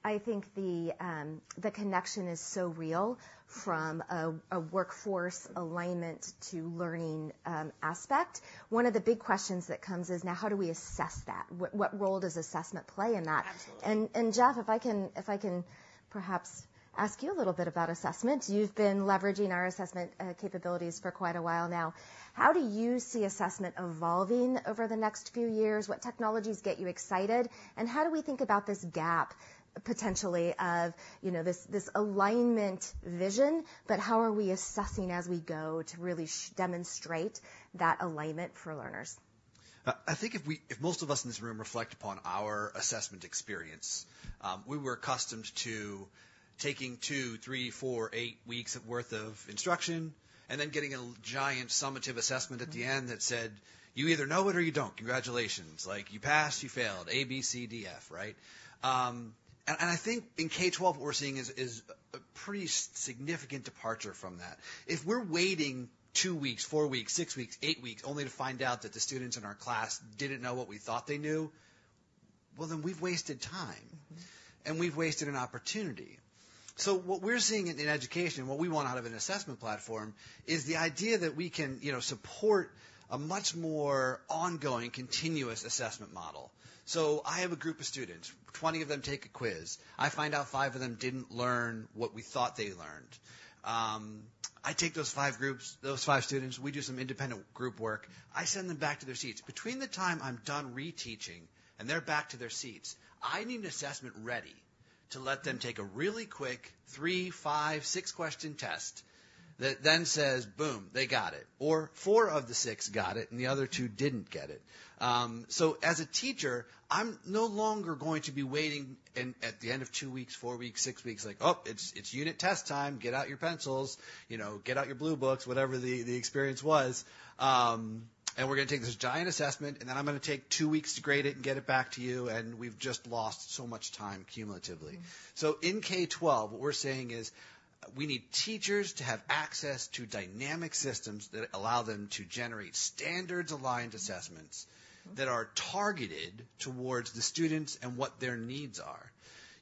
I think the connection is so real from a workforce alignment to learning aspect. One of the big questions that comes is: Now how do we assess that? What role does assessment play in that? Jeff, if I can perhaps ask you a little bit about assessment. You've been leveraging our assessment capabilities for quite a while now. How do you see assessment evolving over the next few years? What technologies get you excited, and how do we think about this gap, potentially, of, you know, this, this alignment vision, but how are we assessing as we go to really demonstrate that alignment for learners? I think if most of us in this room reflect upon our assessment experience, we were accustomed to taking two, three, four, eight weeks' worth of instruction, and then getting a giant summative assessment at the end. That said, "You either know it or you don't. Congratulations." Like, "You passed," "You failed." A, B, C, D, F, right? And I think in K-12, what we're seeing is a pretty significant departure from that. If we're waiting two weeks, four weeks, six weeks, eight weeks, only to find out that the students in our class didn't know what we thought they knew, well, then, we've wasted time. We've wasted an opportunity. What we're seeing in education, what we want out of an assessment platform is the idea that we can, you know, support a much more ongoing, continuous assessment model. I have a group of students, 20 of them take a quiz. I find out five of them didn't learn what we thought they learned. I take those five groups, those five students, we do some independent group work. I send them back to their seats. Between the time I'm done reteaching and they're back to their seats, I need an assessment ready to let them take a really quick three, five, six-question test that then says, "Boom, they got it," or, "four of the six got it, and the other two didn't get it." So as a teacher, I'm no longer going to be waiting at the end of two weeks, four weeks, six weeks, like, "Oh, it's unit test time. Get out your pencils. You know, get out your blue books," whatever the experience was. "And we're gonna take this giant assessment, and then I'm gonna take two weeks to grade it and get it back to you," and we've just lost so much time cumulatively. So in K-12, what we're saying is, we need teachers to have access to dynamic systems that allow them to generate standards-aligned assessments that are targeted towards the students and what their needs are.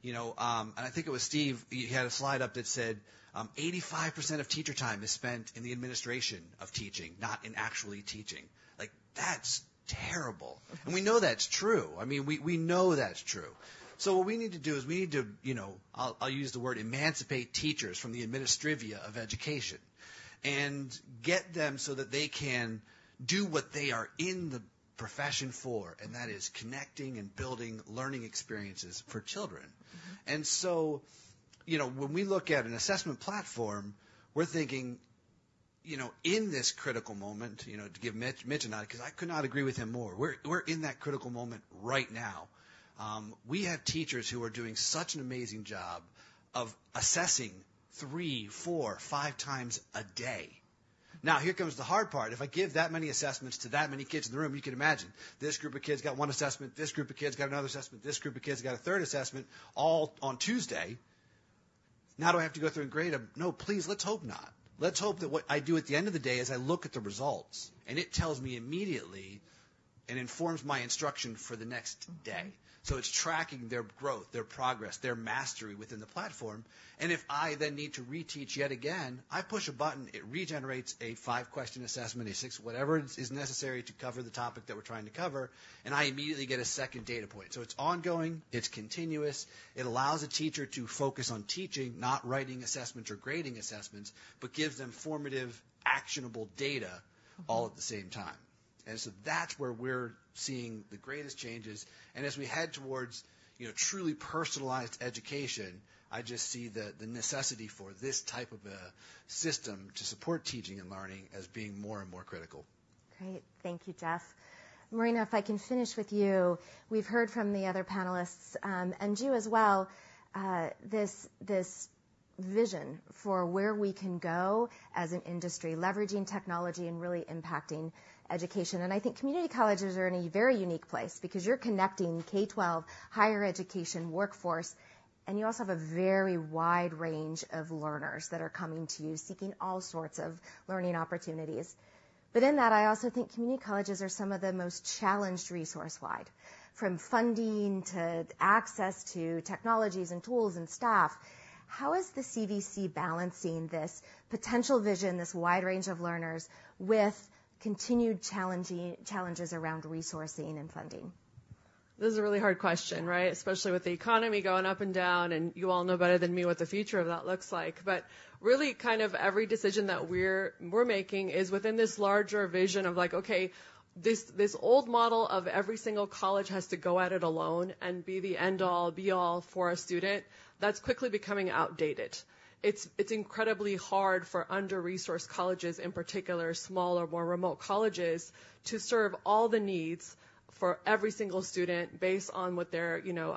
You know, and I think it was Steve, he had a slide up that said: "85% of teacher time is spent in the administration of teaching, not in actually teaching." Like, that's terrible! We know that's true. I mean, we, we know that's true. So what we need to do is, we need to, you know, I'll, I'll use the word emancipate teachers from the administrivia of education, and get them so that they can do what they are in the profession for, and that is connecting and building learning experiences for children. And so, you know, when we look at an assessment platform, we're thinking, you know, in this critical moment, you know, to give Mitch, Mitch and I- 'cause I could not agree with him more. We're, we're in that critical moment right now. We have teachers who are doing such an amazing job of assessing three, four, five times a day. Now, here comes the hard part: if I give that many assessments to that many kids in the room, you can imagine this group of kids got one assessment, this group of kids got another assessment, this group of kids got a third assessment, all on Tuesday. Now, do I have to go through and grade them? No, please, let's hope not. Let's hope that what I do at the end of the day is I look at the results, and it tells me immediately and informs my instruction for the next day. So it's tracking their growth, their progress, their mastery within the platform, and if I then need to reteach yet again, I push a button, it regenerates a five-question assessment, a six--whatever is, is necessary to cover the topic that we're trying to cover, and I immediately get a second data point. So it's ongoing, it's continuous, it allows a teacher to focus on teaching, not writing assessments or grading assessments, but gives them formative, actionable data- All at the same time. And so that's where we're seeing the greatest changes. And as we head towards, you know, truly personalized education, I just see the necessity for this type of a system to support teaching and learning as being more and more critical. Great. Thank you, Jeff. Marina, if I can finish with you. We've heard from the other panelists and you as well this vision for where we can go as an industry, leveraging technology and really impacting education. And I think community colleges are in a very unique place because you're connecting K-12, higher education, workforce, and you also have a very wide range of learners that are coming to you, seeking all sorts of learning opportunities. But in that, I also think community colleges are some of the most challenged resource-wide, from funding to access to technologies and tools and staff. How is the CVC balancing this potential vision, this wide range of learners, with continued challenges around resourcing and funding? This is a really hard question, right? Especially with the economy going up and down, and you all know better than me what the future of that looks like. But really, kind of every decision that we're making is within this larger vision of, like, okay, this old model of every single college has to go at it alone and be the end all be all for a student, that's quickly becoming outdated. It's incredibly hard for under-resourced colleges, in particular, smaller, more remote colleges, to serve all the needs for every single student based on what their, you know,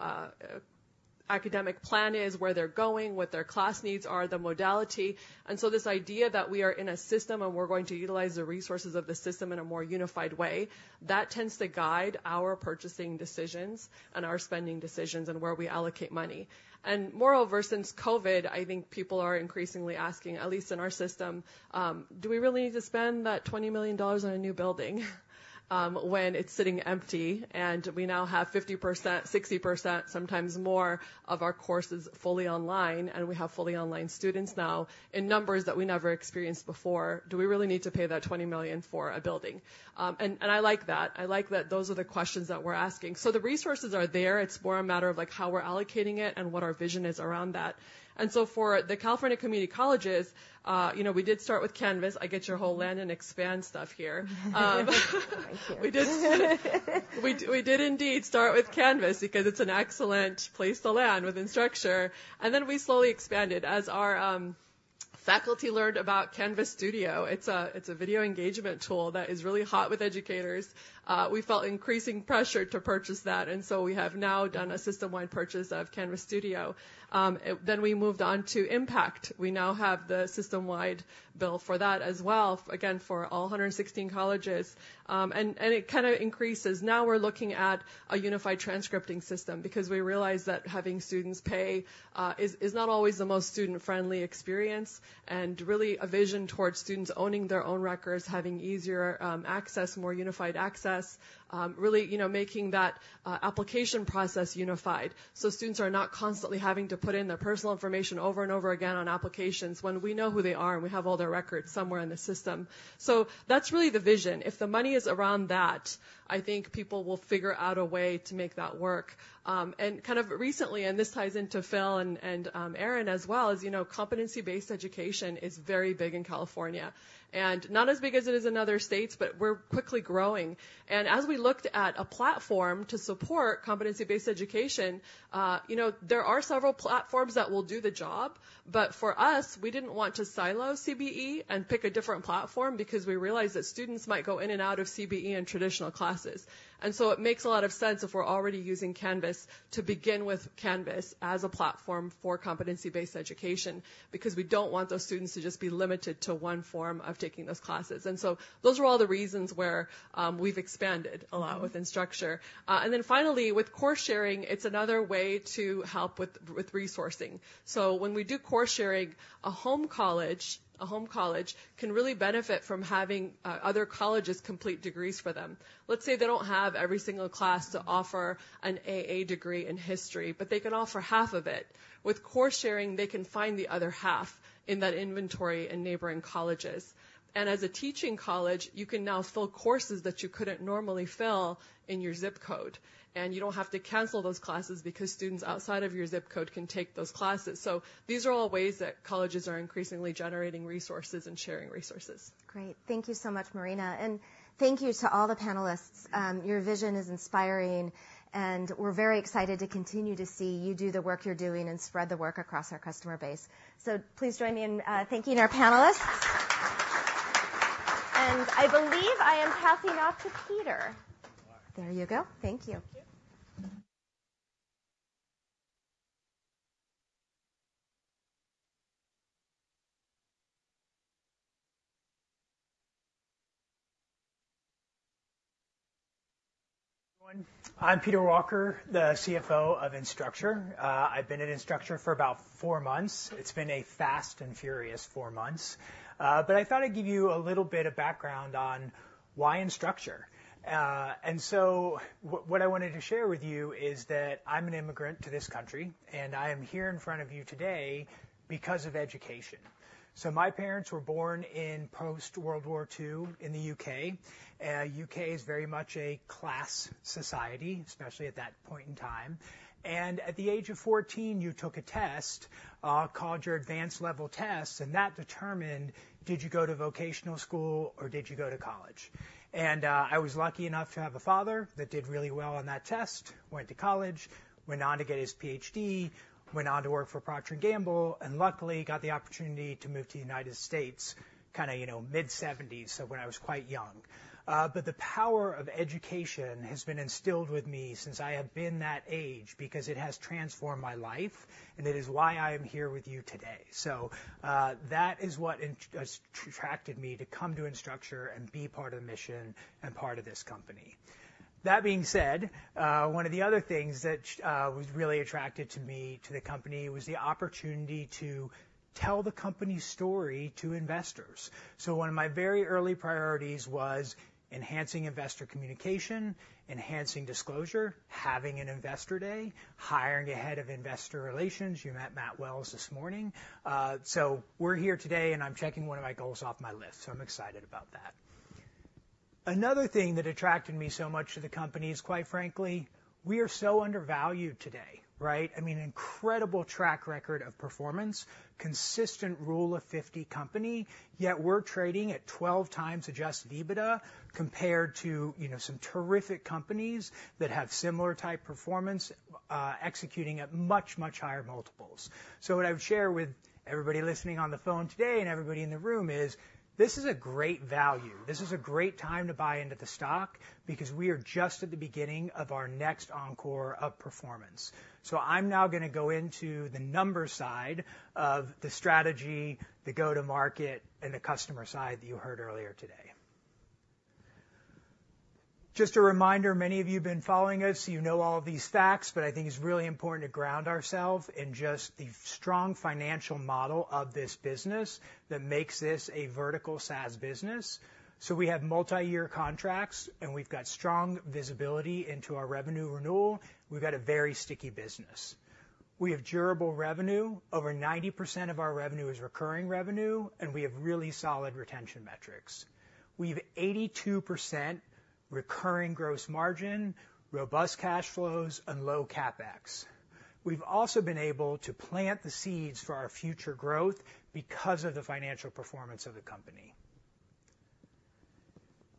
academic plan is, where they're going, what their class needs are, the modality. And so this idea that we are in a system, and we're going to utilize the resources of the system in a more unified way, that tends to guide our purchasing decisions and our spending decisions and where we allocate money. And moreover, since COVID, I think people are increasingly asking, at least in our system: "Do we really need to spend that $20 million on a new building, when it's sitting empty, and we now have 50%, 60%, sometimes more of our courses fully online, and we have fully online students now in numbers that we never experienced before? Do we really need to pay that $20 million for a building?" And I like that. I like that those are the questions that we're asking. So the resources are there. It's more a matter of, like, how we're allocating it and what our vision is around that. And so for the California Community Colleges, you know, we did start with Canvas. I get your whole land and expand stuff here. Thank you. We did indeed start with Canvas because it's an excellent place to land in Instructure, and then we slowly expanded. As our faculty learned about Canvas Studio, it's a video engagement tool that is really hot with educators, we felt increasing pressure to purchase that, and so we have now done a system-wide purchase of Canvas Studio. Then we moved on to Impact. We now have the system-wide buy for that as well, again, for all 116 colleges. And it kind of increases. Now we're looking at a unified transcripting system because we realize that having students pay is not always the most student-friendly experience, and really a vision towards students owning their own records, having easier access, more unified access, really, you know, making that application process unified. So students are not constantly having to put in their personal information over and over again on applications when we know who they are, and we have all their records somewhere in the system. So that's really the vision. If the money is around that, I think people will figure out a way to make that work. And kind of recently, and this ties into Phil and Erin as well, as you know, competency-based education is very big in California, and not as big as it is in other states, but we're quickly growing. As we looked at a platform to support competency-based education, you know, there are several platforms that will do the job, but for us, we didn't want to silo CBE and pick a different platform because we realized that students might go in and out of CBE and traditional classes. And so it makes a lot of sense, if we're already using Canvas, to begin with Canvas as a platform for competency-based education, because we don't want those students to just be limited to one form of taking those classes. And so those are all the reasons where we've expanded a lot within Instructure. And then finally, with course sharing, it's another way to help with, with resourcing. So when we do course sharing, a home college, a home college can really benefit from having other colleges complete degrees for them. Let's say they don't have every single class to offer an AA degree in history, but they can offer half of it. With course sharing, they can find the other half in that inventory in neighboring colleges. As a teaching college, you can now fill courses that you couldn't normally fill in your zip code, and you don't have to cancel those classes because students outside of your zip code can take those classes. So these are all ways that colleges are increasingly generating resources and sharing resources. Great. Thank you so much, Marina, and thank you to all the panelists. Your vision is inspiring, and we're very excited to continue to see you do the work you're doing and spread the work across our customer base. Please join me in thanking our panelists. I believe I am passing off to Peter. There you go. Thank you. Thank you. I'm Peter Walker, the CFO of Instructure. I've been at Instructure for about four months. It's been a fast and furious four months. But I thought I'd give you a little bit of background on why Instructure. And so what I wanted to share with you is that I'm an immigrant to this country, and I am here in front of you today because of education. So my parents were born in post-World War II in the U.K. U.K. is very much a class society, especially at that point in time. And at the age of fourteen, you took a test, called your Advanced Level Test, and that determined did you go to vocational school or did you go to college? I was lucky enough to have a father that did really well on that test, went to college, went on to get his PhD, went on to work for Procter & Gamble, and luckily got the opportunity to move to the United States, kind of, you know, mid-seventies, so when I was quite young. But the power of education has been instilled with me since I have been that age, because it has transformed my life, and it is why I am here with you today. That is what attracted me to come to Instructure and be part of the mission and part of this company. That being said, one of the other things that was really attracted to me to the company was the opportunity to tell the company's story to investors. So one of my very early priorities was enhancing investor communication, enhancing disclosure, having an Investor Day, hiring a head of investor relations. You met Matt Wells this morning. So we're here today, and I'm checking one of my goals off my list, so I'm excited about that. Another thing that attracted me so much to the company is, quite frankly, we are so undervalued today, right? I mean, incredible track record of performance, consistent Rule of 50 company, yet we're trading at 12x adjusted EBITDA, compared to, you know, some terrific companies that have similar type performance, executing at much, much higher multiples. So what I would share with everybody listening on the phone today and everybody in the room is, this is a great value. This is a great time to buy into the stock because we are just at the beginning of our next encore of performance. So I'm now gonna go into the numbers side of the strategy, the go-to-market, and the customer side that you heard earlier today. Just a reminder, many of you been following us, you know all of these facts, but I think it's really important to ground ourselves in just the strong financial model of this business that makes this a vertical SaaS business. So we have multiyear contracts, and we've got strong visibility into our revenue renewal. We've got a very sticky business. We have durable revenue. Over 90% of our revenue is recurring revenue, and we have really solid retention metrics. We've 82% recurring gross margin, robust cash flows, and low CapEx. We've also been able to plant the seeds for our future growth because of the financial performance of the company.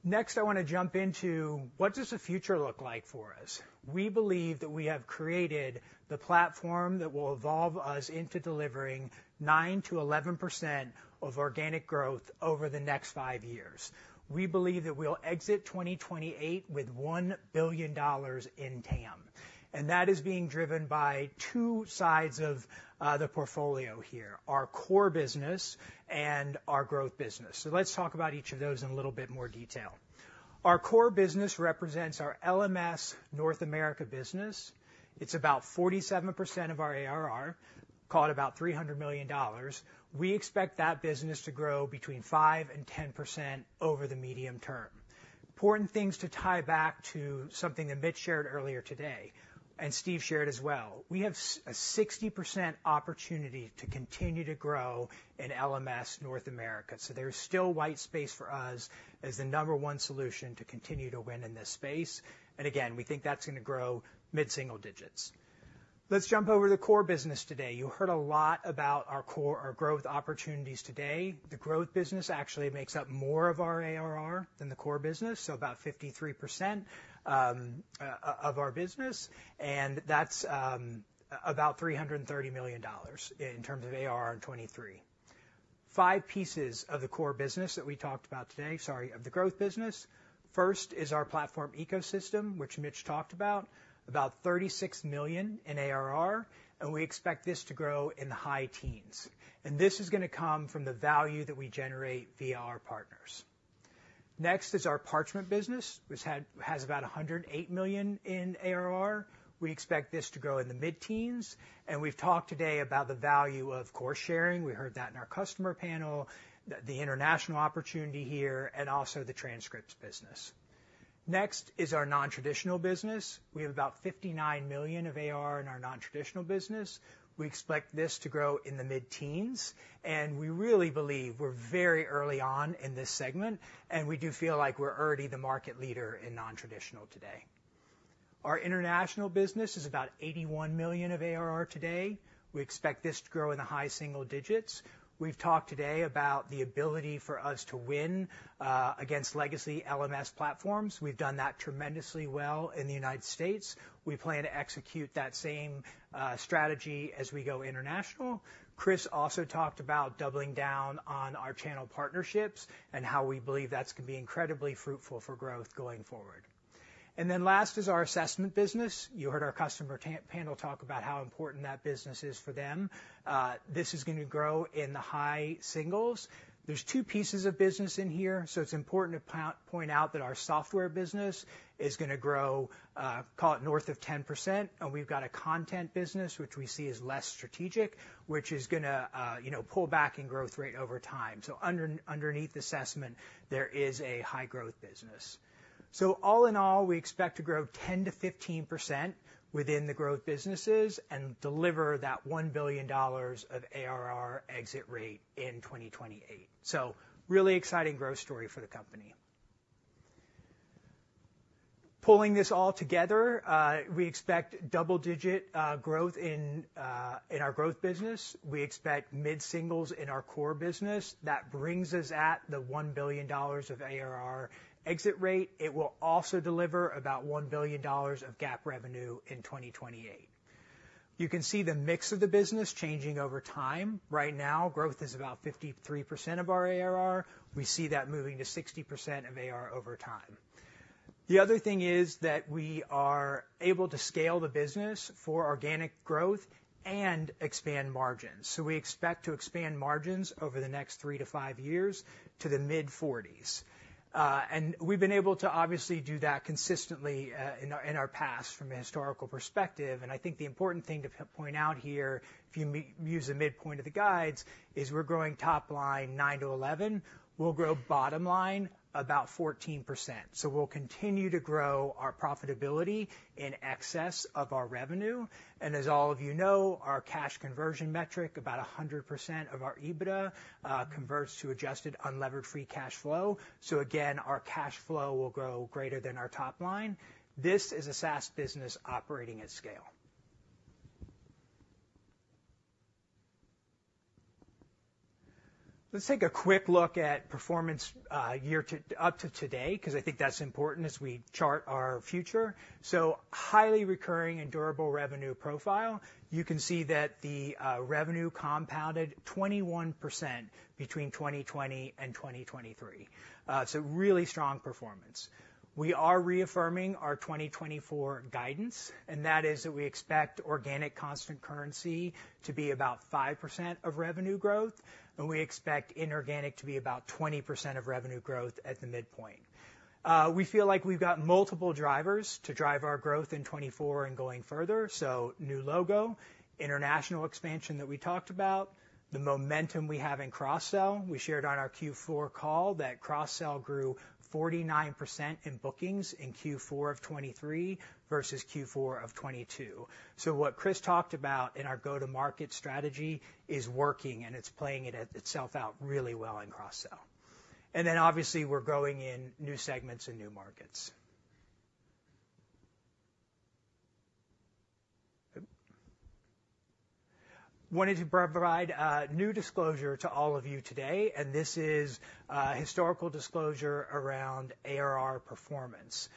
Next, I want to jump into: what does the future look like for us? We believe that we have created the platform that will evolve us into delivering 9%-11% of organic growth over the next five years. We believe that we'll exit 2028 with $1 billion in TAM, and that is being driven by two sides of, the portfolio here, our core business and our growth business. So let's talk about each of those in a little bit more detail. Our core business represents our LMS North America business. It's about 47% of our ARR, call it about $300 million. We expect that business to grow between 5%-10% over the medium term. Important things to tie back to something that Mitch shared earlier today, and Steve shared as well. We have a 60% opportunity to continue to grow in LMS North America, so there is still white space for us as the number one solution to continue to win in this space. Again, we think that's going to grow mid-single digits. Let's jump over to the core business today. You heard a lot about our core, our growth opportunities today. The growth business actually makes up more of our ARR than the core business, so about 53% of our business, and that's about $330 million in terms of ARR in 2023. Five pieces of the core business that we talked about today, sorry, of the growth business. First is our platform ecosystem, which Mitch talked about, $36 million in ARR, and we expect this to grow in the high teens. This is gonna come from the value that we generate via our partners. Next is our Parchment business, which has about $108 million in ARR. We expect this to grow in the mid-teens, and we've talked today about the value of course sharing. We heard that in our customer panel, the international opportunity here, and also the transcripts business. Next is our nontraditional business. We have about $59 million of ARR in our nontraditional business. We expect this to grow in the mid-teens, and we really believe we're very early on in this segment, and we do feel like we're already the market leader in nontraditional today. Our international business is about $81 million of ARR today. We expect this to grow in the high single digits. We've talked today about the ability for us to win against legacy LMS platforms. We've done that tremendously well in the United States. We plan to execute that same strategy as we go international. Chris also talked about doubling down on our channel partnerships and how we believe that's going to be incredibly fruitful for growth going forward. And then last is our assessment business. You heard our customer panel talk about how important that business is for them. This is going to grow in the high singles. There's two pieces of business in here, so it's important to point out that our software business is gonna grow, call it north of 10%, and we've got a content business, which we see as less strategic, which is gonna, you know, pull back in growth rate over time. So underneath assessment, there is a high growth business. So all in all, we expect to grow 10%-15% within the growth businesses and deliver that $1 billion of ARR exit rate in 2028. So really exciting growth story for the company. Pulling this all together, we expect double-digit growth in our growth business. We expect mid-singles in our core business. That brings us at the $1 billion of ARR exit rate. It will also deliver about $1 billion of GAAP revenue in 2028. You can see the mix of the business changing over time. Right now, growth is about 53% of our ARR. We see that moving to 60% of ARR over time. The other thing is that we are able to scale the business for organic growth and expand margins. So we expect to expand margins over the next three-five years to the mid-40s. And we've been able to obviously do that consistently in our, in our past from a historical perspective. And I think the important thing to point out here, if you use the midpoint of the guides, is we're growing top line 9%-11%. We'll grow bottom line about 14%. So we'll continue to grow our profitability in excess of our revenue, and as all of you know, our cash conversion metric, about 100% of our EBITDA, converts to adjusted unlevered free cash flow. So again, our cash flow will grow greater than our top line. This is a SaaS business operating at scale. Let's take a quick look at performance, up to today, 'cause I think that's important as we chart our future. So highly recurring and durable revenue profile. You can see that the revenue compounded 21% between 2020 and 2023. So really strong performance. We are reaffirming our 2024 guidance, and that is that we expect organic constant currency to be about 5% of revenue growth, and we expect inorganic to be about 20% of revenue growth at the midpoint. We feel like we've got multiple drivers to drive our growth in 2024 and going further, so new logo, international expansion that we talked about, the momentum we have in cross-sell. We shared on our Q4 call that cross-sell grew 49% in bookings in Q4 of 2023 versus Q4 of 2022. So what Chris talked about in our go-to-market strategy is working, and it's playing itself out really well in cross-sell. And then, obviously, we're growing in new segments and new markets. Wanted to provide new disclosure to all of you today, and this is historical disclosure around ARR performance.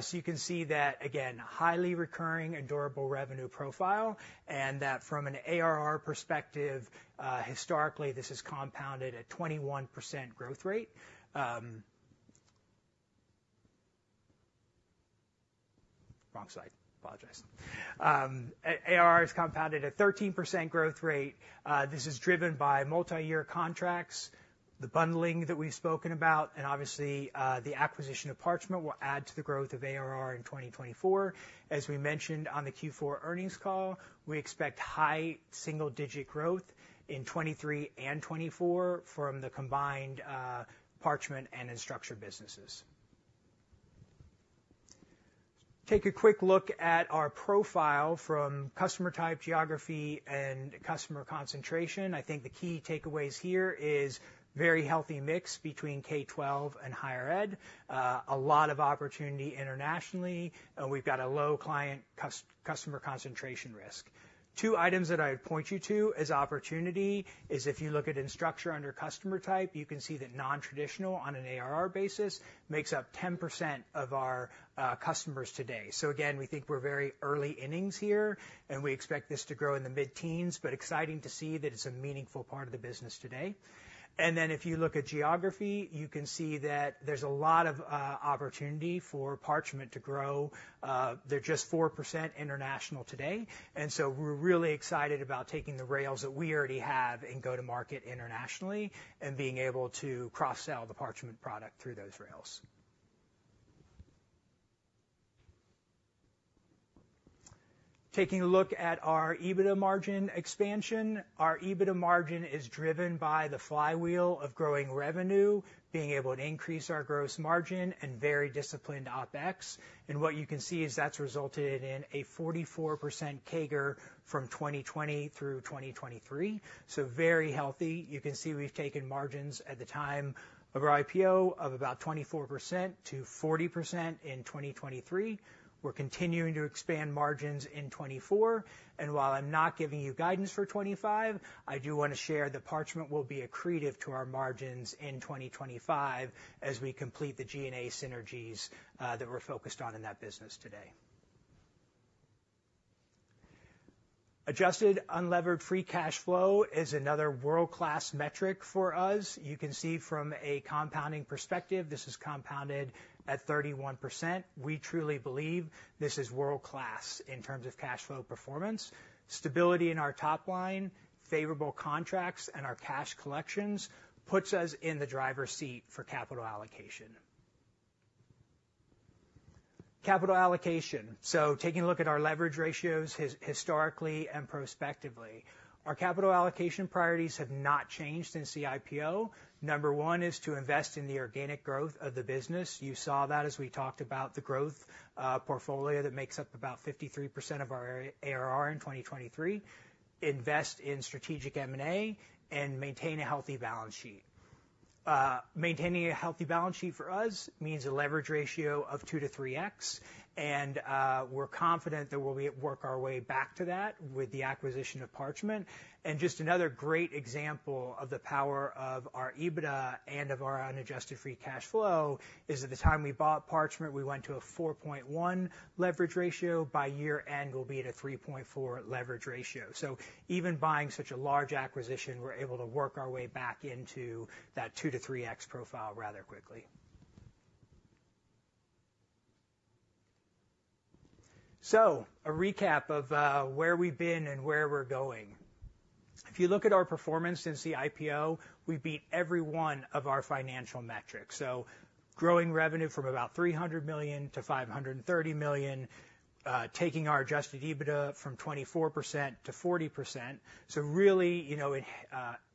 So you can see that, again, highly recurring and durable revenue profile, and that from an ARR perspective, historically, this has compounded at 21% growth rate. ARR has compounded at 13% growth rate. This is driven by multiyear contracts, the bundling that we've spoken about, and obviously, the acquisition of Parchment will add to the growth of ARR in 2024. As we mentioned on the Q4 earnings call, we expect high single-digit growth in 2023 and 2024 from the combined, Parchment and Instructure businesses. Take a quick look at our profile from customer type, geography, and customer concentration. I think the key takeaways here is very healthy mix between K-12 and higher ed, a lot of opportunity internationally, and we've got a low client customer concentration risk. Two items that I'd point you to as opportunity is if you look at Instructure under customer type, you can see that nontraditional on an ARR basis makes up 10% of our, customers today. So again, we think we're very early innings here, and we expect this to grow in the mid-teens, but exciting to see that it's a meaningful part of the business today. Then, if you look at geography, you can see that there's a lot of opportunity for Parchment to grow. They're just 4% international today, and so we're really excited about taking the rails that we already have in go-to-market internationally and being able to cross-sell the Parchment product through those rails. Taking a look at our EBITDA margin expansion, our EBITDA margin is driven by the flywheel of growing revenue, being able to increase our gross margin and very disciplined OpEx. And what you can see is that's resulted in a 44% CAGR from 2020 through 2023, so very healthy. You can see we've taken margins at the time of our IPO of about 24%-40% in 2023. We're continuing to expand margins in 2024, and while I'm not giving you guidance for 2025, I do want to share that Parchment will be accretive to our margins in 2025 as we complete the G&A synergies that we're focused on in that business today. Adjusted unlevered free cash flow is another world-class metric for us. You can see from a compounding perspective, this is compounded at 31%. We truly believe this is world-class in terms of cash flow performance. Stability in our top line, favorable contracts, and our cash collections puts us in the driver's seat for capital allocation. Capital allocation. So taking a look at our leverage ratios, historically and prospectively, our capital allocation priorities have not changed since the IPO. Number one is to invest in the organic growth of the business. You saw that as we talked about the growth, portfolio that makes up about 53% of our ARR in 2023, invest in strategic M&A and maintain a healthy balance sheet. Maintaining a healthy balance sheet for us means a leverage ratio of 2x-3x, and we're confident that we'll work our way back to that with the acquisition of Parchment. And just another great example of the power of our EBITDA and of our unadjusted free cash flow is at the time we bought Parchment, we went to a 4.1x leverage ratio. By year-end, we'll be at a 3.4x leverage ratio. So even buying such a large acquisition, we're able to work our way back into that 2x-3x profile rather quickly. So a recap of where we've been and where we're going. If you look at our performance since the IPO, we've beat every one of our financial metrics. So growing revenue from about $300 million to $530 million, taking our adjusted EBITDA from 24% to 40%. So really, you know,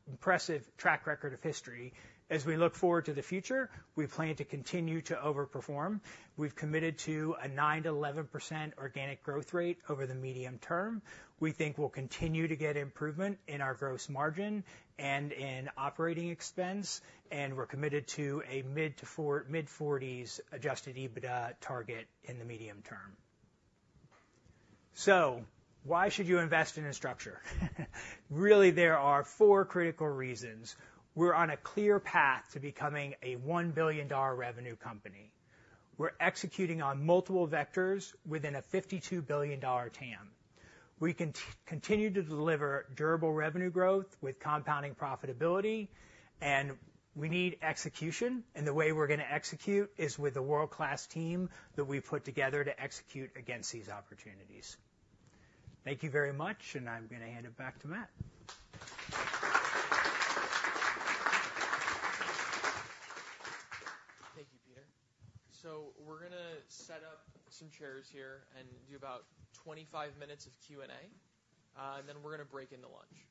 impressive track record of history. As we look forward to the future, we plan to continue to overperform. We've committed to a 9%-11% organic growth rate over the medium term. We think we'll continue to get improvement in our gross margin and in operating expense, and we're committed to a mid-40s adjusted EBITDA target in the medium term. So why should you invest in Instructure? Really, there are four critical reasons. We're on a clear path to becoming a $1 billion revenue company. We're executing on multiple vectors within a $52 billion TAM. We continue to deliver durable revenue growth with compounding profitability, and we need execution, and the way we're gonna execute is with a world-class team that we've put together to execute against these opportunities. Thank you very much, and I'm gonna hand it back to Matt. Thank you, Peter. So we're gonna set up some chairs here and do about 25 minutes of Q&A, and then we're gonna break into lunch.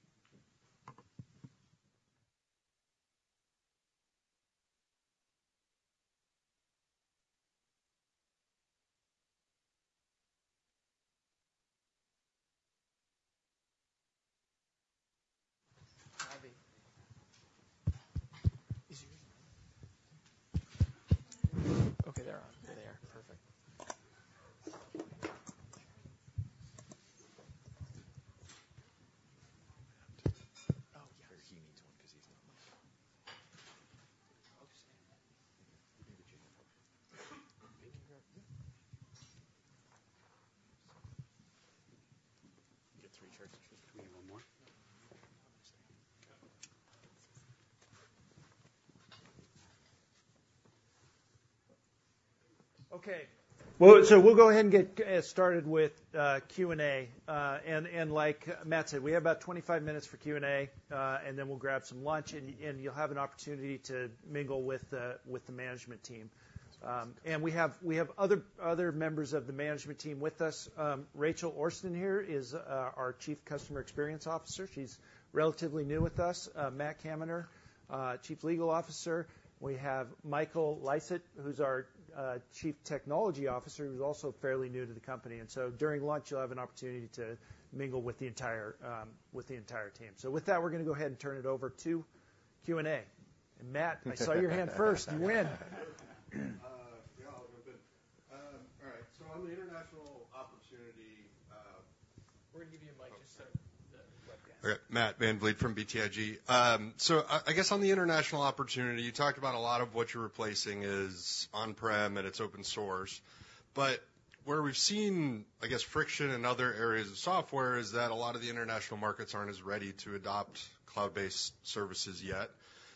Okay. Well, so we'll go ahead and get started with Q&A. And like Matt said, we have about 25 minutes for Q&A, and then we'll grab some lunch, and you'll have an opportunity to mingle with the management team. And we have other members of the management team with us. Rachel Orston here is our Chief Customer Experience Officer. She's relatively new with us. Matt Kaminer, Chief Legal Officer. We have Michael Lysaght, who's our Chief Technology Officer, who's also fairly new to the company, and so during lunch, you'll have an opportunity to mingle with the entire team. So with that, we're gonna go ahead and turn it over to Q&A. And, Matt, I saw your hand first. You win. Yeah, all right. Alright, so on the international opportunity-- We're gonna give you a mic just so, yeah. Matt VanVliet from BTIG. So I guess on the international opportunity, you talked about a lot of what you're replacing is on-prem, and it's open source. But where we've seen, I guess, friction in other areas of software is that a lot of the international markets aren't as ready to adopt cloud-based services yet.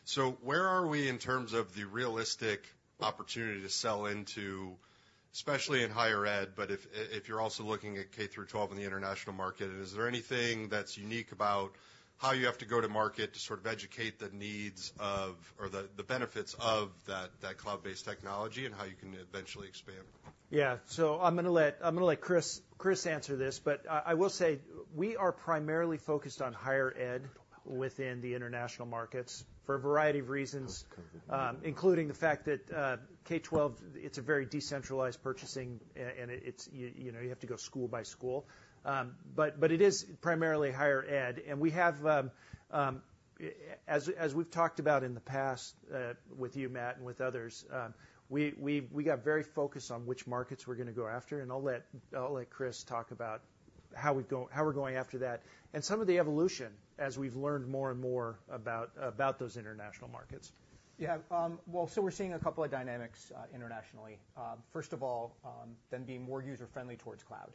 So where are we in terms of the realistic opportunity to sell into, especially in higher ed, but if you're also looking at K-12 in the international market, is there anything that's unique about how you have to go to market to sort of educate the needs of or the benefits of that cloud-based technology and how you can eventually expand? Yeah. So I'm gonna let, I'm gonna let Chris, Chris answer this, but I will say we are primarily focused on higher ed within the international markets for a variety of reasons, including the fact that, K-12, it's a very decentralized purchasing, and it's, you know, you have to go school by school. But it is primarily higher ed, and we have--As we've talked about in the past, with you, Matt, and with others, we got very focused on which markets we're gonna go after, and I'll let Chris talk about how we're going after that. And some of the evolution as we've learned more and more about those international markets. Yeah, well, so we're seeing a couple of dynamics internationally. First of all, them being more user-friendly toward cloud.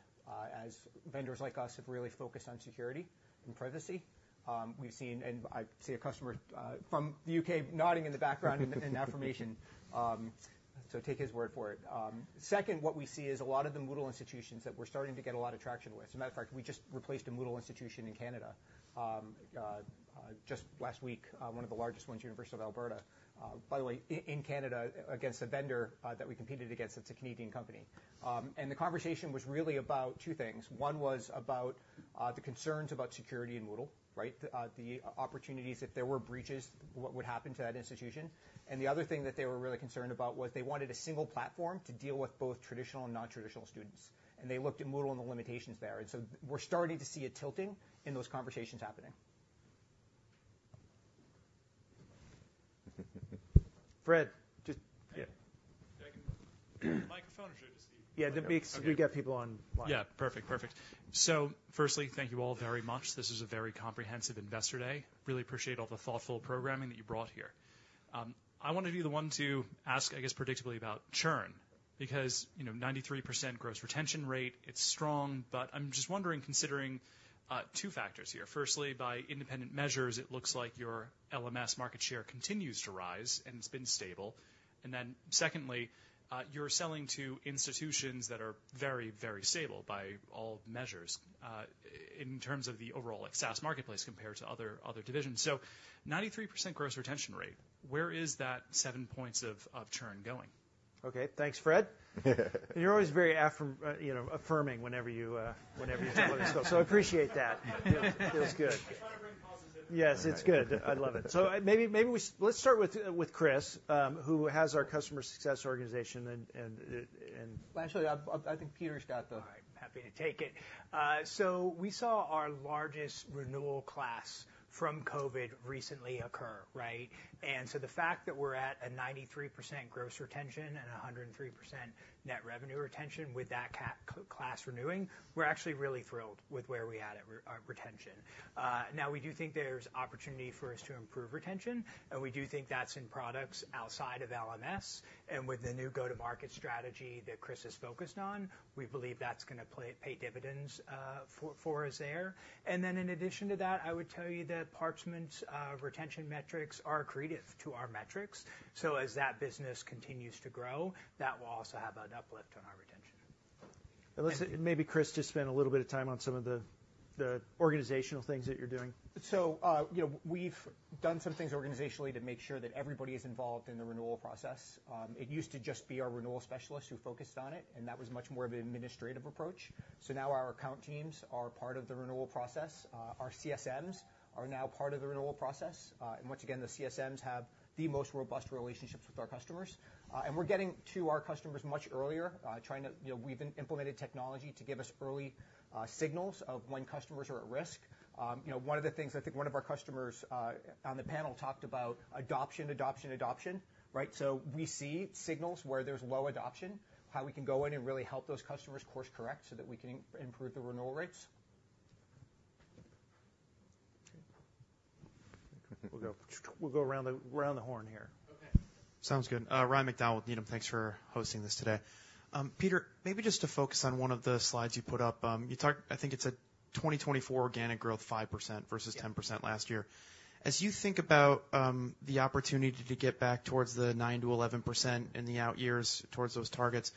As vendors like us have really focused on security and privacy, we've seen, and I see a customer from the U.K. nodding in the background in affirmation. So take his word for it. Second, what we see is a lot of the Moodle institutions that we're starting to get a lot of traction with. As a matter of fact, we just replaced a Moodle institution in Canada just last week, one of the largest ones, University of Alberta, by the way, in Canada, against a vendor that we competed against. It's a Canadian company. And the conversation was really about two things. One was about the concerns about security in Moodle, right? The opportunities, if there were breaches, what would happen to that institution. And the other thing that they were really concerned about was they wanted a single platform to deal with both traditional and nontraditional students, and they looked at Moodle and the limitations there. And so we're starting to see it tilting in those conversations happening. Fred? Yeah. Yeah. Can I use the microphone, or should it just be-- Yeah, that makes- Okay. We get people online. Yeah. Perfect. Perfect. So firstly, thank you all very much. This is a very comprehensive Investor Day. Really appreciate all the thoughtful programming that you brought here. I wanted to be the one to ask, I guess, predictably, about churn, because, you know, 93% gross retention rate, it's strong, but I'm just wondering, considering two factors here. Firstly, by independent measures, it looks like your LMS market share continues to rise, and it's been stable. And then, secondly, you're selling to institutions that are very, very stable by all measures, in terms of the overall like, SaaS marketplace compared to other, other divisions. So 93% gross retention rate, where is that seven points of churn going? Okay, thanks, Fred. And you're always very affirming, you know, whenever you, so I appreciate that. Feels, feels good. I try to bring positivity. Yes, it's good. I love it. So maybe we-- Let's start with Chris, who has our customer success organization and, and, and- Actually, I think Peter's got the-- All right, happy to take it. So we saw our largest renewal class from COVID recently occur, right? And so the fact that we're at a 93% gross retention and a 103% net revenue retention with that class renewing, we're actually really thrilled with where we're at retention. Now, we do think there's opportunity for us to improve retention, and we do think that's in products outside of LMS, and with the new go-to-market strategy that Chris is focused on, we believe that's gonna pay dividends for us there. And then in addition to that, I would tell you that Parchment's retention metrics are accretive to our metrics. So as that business continues to grow, that will also have an uplift on our retention. Thank you. Maybe, Chris, just spend a little bit of time on some of the organizational things that you're doing. So, you know, we've done some things organizationally to make sure that everybody is involved in the renewal process. It used to just be our renewal specialists who focused on it, and that was much more of an administrative approach. So now our account teams are part of the renewal process. Our CSMs are now part of the renewal process. And once again, the CSMs have the most robust relationships with our customers. And we're getting to our customers much earlier, trying to--You know, we've implemented technology to give us early signals of when customers are at risk. You know, one of the things, I think one of our customers on the panel talked about adoption, adoption, adoption, right? We see signals where there's low adoption, how we can go in and really help those customers course correct so that we can improve the renewal rates. We'll go around the horn here. Sounds good. Ryan MacDonald, Needham. Thanks for hosting this today. Peter, maybe just to focus on one of the slides you put up. I think it's a 2024 organic growth, 5% versus 10% last year. As you think about the opportunity to get back towards the 9%-11% in the out years towards those targets,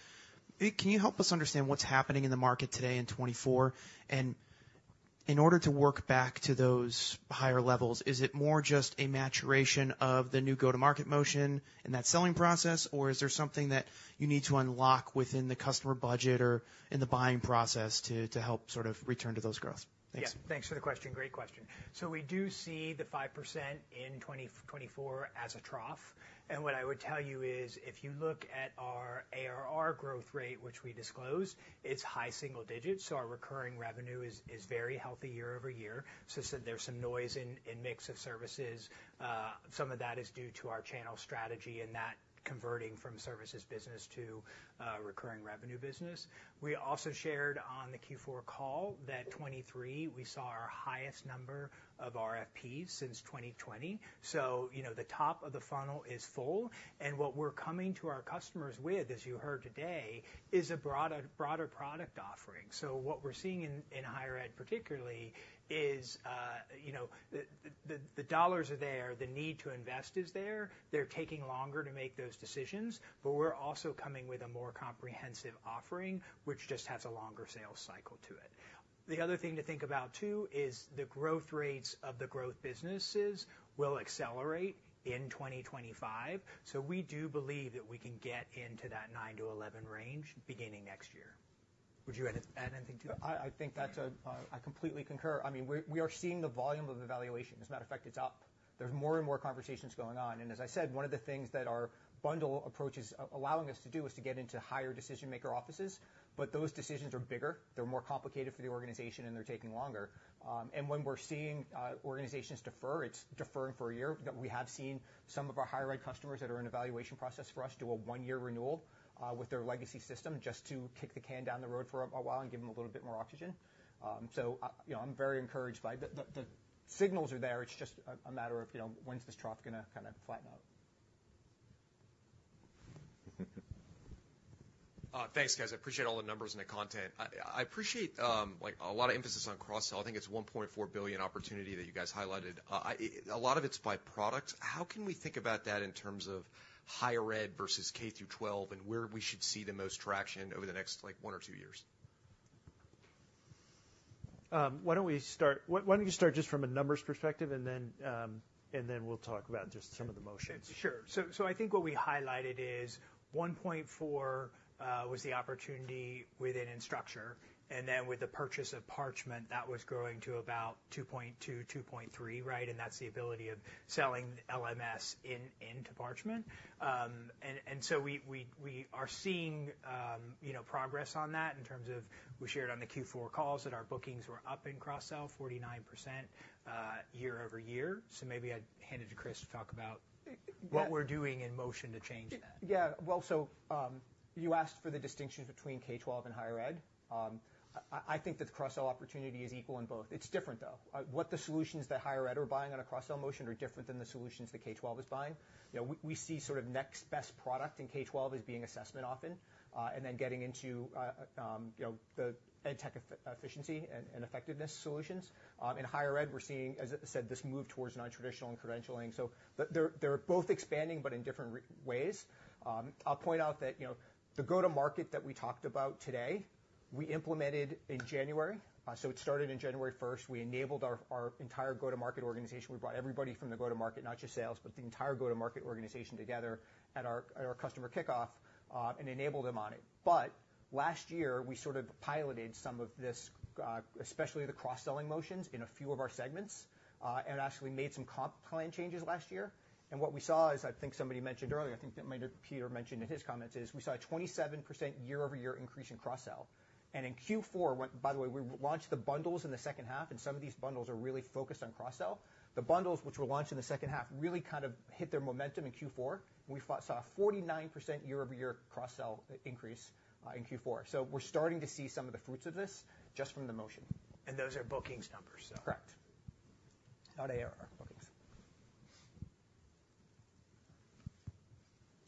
can you help us understand what's happening in the market today in 2024? And in order to work back to those higher levels, is it more just a maturation of the new go-to-market motion and that selling process, or is there something that you need to unlock within the customer budget or in the buying process to help sort of return to those growths? Thanks. Yeah, thanks for the question. Great question. So we do see the 5% in 2024 as a trough, and what I would tell you is if you look at our ARR growth rate, which we disclose, it's high single digits. So our recurring revenue is very healthy year over year. So there's some noise in the mix of services. Some of that is due to our channel strategy and that converting from services business to recurring revenue business. We also shared on the Q4 call that 2023, we saw our highest number of RFPs since 2020. So, you know, the top of the funnel is full, and what we're coming to our customers with, as you heard today, is a broader, broader product offering. So what we're seeing in higher ed, particularly, is, you know, the dollars are there, the need to invest is there. They're taking longer to make those decisions, but we're also coming with a more comprehensive offering, which just has a longer sales cycle to it. The other thing to think about, too, is the growth rates of the growth businesses will accelerate in 2025, so we do believe that we can get into that 9%-11% range beginning next year. Would you add anything to that? I think that's a--I completely concur. I mean, we are seeing the volume of evaluations. As a matter of fact, it's up. There's more and more conversations going on, and as I said, one of the things that our bundle approach is allowing us to do is to get into higher decision-maker offices, but those decisions are bigger, they're more complicated for the organization, and they're taking longer. And when we're seeing organizations defer, it's deferring for a year. But we have seen some of our higher ed customers that are in evaluation process for us do a one-year renewal with their legacy system, just to kick the can down the road for a while and give them a little bit more oxygen. So, you know, I'm very encouraged by the signals are there. It's just a matter of, you know, when's this trough gonna kind of flatten out? Thanks, guys. I appreciate all the numbers and the content. I appreciate, like, a lot of emphasis on cross-sell. I think it's a $1.4 billion opportunity that you guys highlighted. A lot of it's by product. How can we think about that in terms of higher ed versus K-12, and where we should see the most traction over the next, like, one or two years? Why don't you start just from a numbers perspective, and then we'll talk about just some of the motions? Sure. So, so I think what we highlighted is $1.4 billion was the opportunity within Instructure, and then with the purchase of Parchment, that was growing to about $2.2 billion, $2.3 billion, right? And that's the ability of selling LMS in into Parchment. And, and so we, we, we are seeing, you know, progress on that in terms of we shared on the Q4 calls that our bookings were up in cross-sell 49%, year-over-year. So maybe I'd hand it to Chris to talk about what we're doing in motion to change that. Yeah. Well, so, you asked for the distinctions between K-12 and higher ed. I think that the cross-sell opportunity is equal in both. It's different, though. What the solutions that higher ed are buying on a cross-sell motion are different than the solutions that K-12 is buying. You know, we see sort of next best product in K-12 as being assessment often, and then getting into, you know, the ed tech efficiency and effectiveness solutions. In higher ed, we're seeing, as I said, this move towards nontraditional and credentialing. So they're both expanding, but in different ways. I'll point out that, you know, the go-to-market that we talked about today, we implemented in January. So it started in January first. We enabled our entire go-to-market organization. We brought everybody from the go-to-market, not just sales, but the entire go-to-market organization together at our customer kickoff, and enabled them on it. But last year, we sort of piloted some of this, especially the cross-selling motions, in a few of our segments, and actually made some comp plan changes last year. And what we saw is, I think somebody mentioned earlier, I think that might have Peter mentioned in his comments, is we saw a 27% year-over-year increase in cross-sell. And in Q4, when-- By the way, we launched the bundles in the second half, and some of these bundles are really focused on cross-sell. The bundles which were launched in the second half really kind of hit their momentum in Q4. We saw a 49% year-over-year cross-sell increase in Q4. We're starting to see some of the fruits of this just from the motion. Those are bookings numbers, so. Correct. They are our bookings.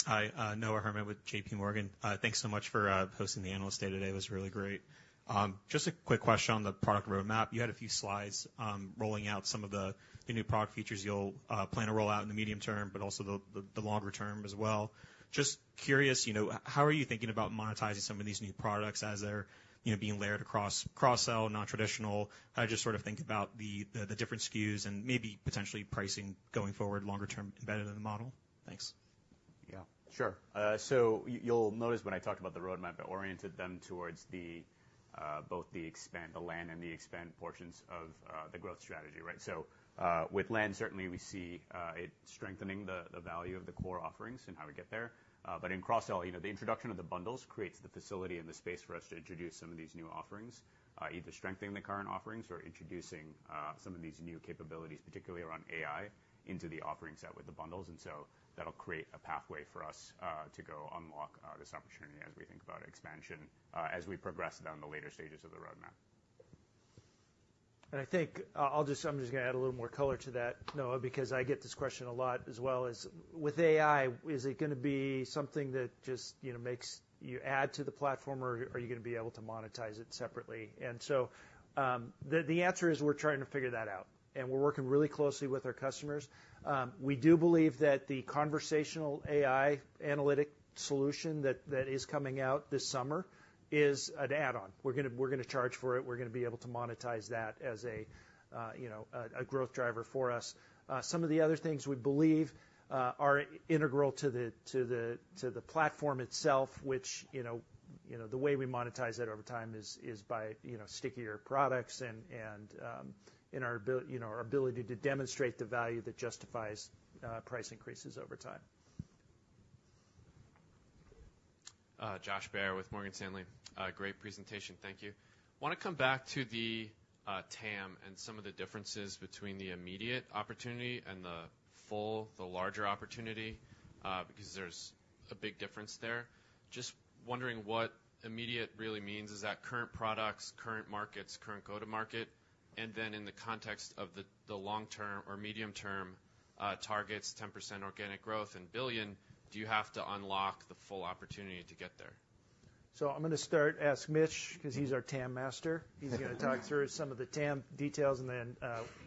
Hi, Noah Herman with JPMorgan. Thanks so much for hosting the Analyst Day today. It was really great. Just a quick question on the product roadmap. You had a few slides rolling out some of the new product features you'll plan to roll out in the medium term, but also the longer term as well. Just curious, you know, how are you thinking about monetizing some of these new products as they're, you know, being layered across cross-sell, nontraditional? How do you just sort of think about the different SKUs and maybe potentially pricing going forward longer term, embedded in the model? Thanks. Yeah, sure. So you'll notice when I talked about the roadmap, I oriented them towards the, both the expand, the land, and the expand portions of, the growth strategy, right? So, with land, certainly, we see, it strengthening the, the value of the core offerings and how we get there. But in cross-sell, you know, the introduction of the bundles creates the facility and the space for us to introduce some of these new offerings, either strengthening the current offerings or introducing, some of these new capabilities, particularly around AI, into the offering set with the bundles. And so that'll create a pathway for us, to go unlock, this opportunity as we think about expansion, as we progress down the later stages of the roadmap. And I think, I'll just- I'm just gonna add a little more color to that, Noah, because I get this question a lot, as well as, with AI, is it gonna be something that just, you know, makes you add to the platform, or are you gonna be able to monetize it separately? So, the answer is we're trying to figure that out, and we're working really closely with our customers. We do believe that the conversational AI analytic solution that is coming out this summer is an add-on. We're gonna charge for it. We're gonna be able to monetize that as a, you know, a growth driver for us. Some of the other things we believe are integral to the platform itself, which, you know, the way we monetize that over time is by, you know, stickier products and in our ability to demonstrate the value that justifies price increases over time. Josh Baer with Morgan Stanley. Great presentation. Thank you. Want to come back to the TAM and some of the differences between the immediate opportunity and the full, the larger opportunity, because there's a big difference there. Just wondering what immediate really means. Is that current products, current markets, current go-to-market? And then in the context of the, the long term or medium-term, targets, 10% organic growth and billion, do you have to unlock the full opportunity to get there? So I'm gonna start, ask Mitch, 'cause he's our TAM master. He's gonna talk through some of the TAM details and then,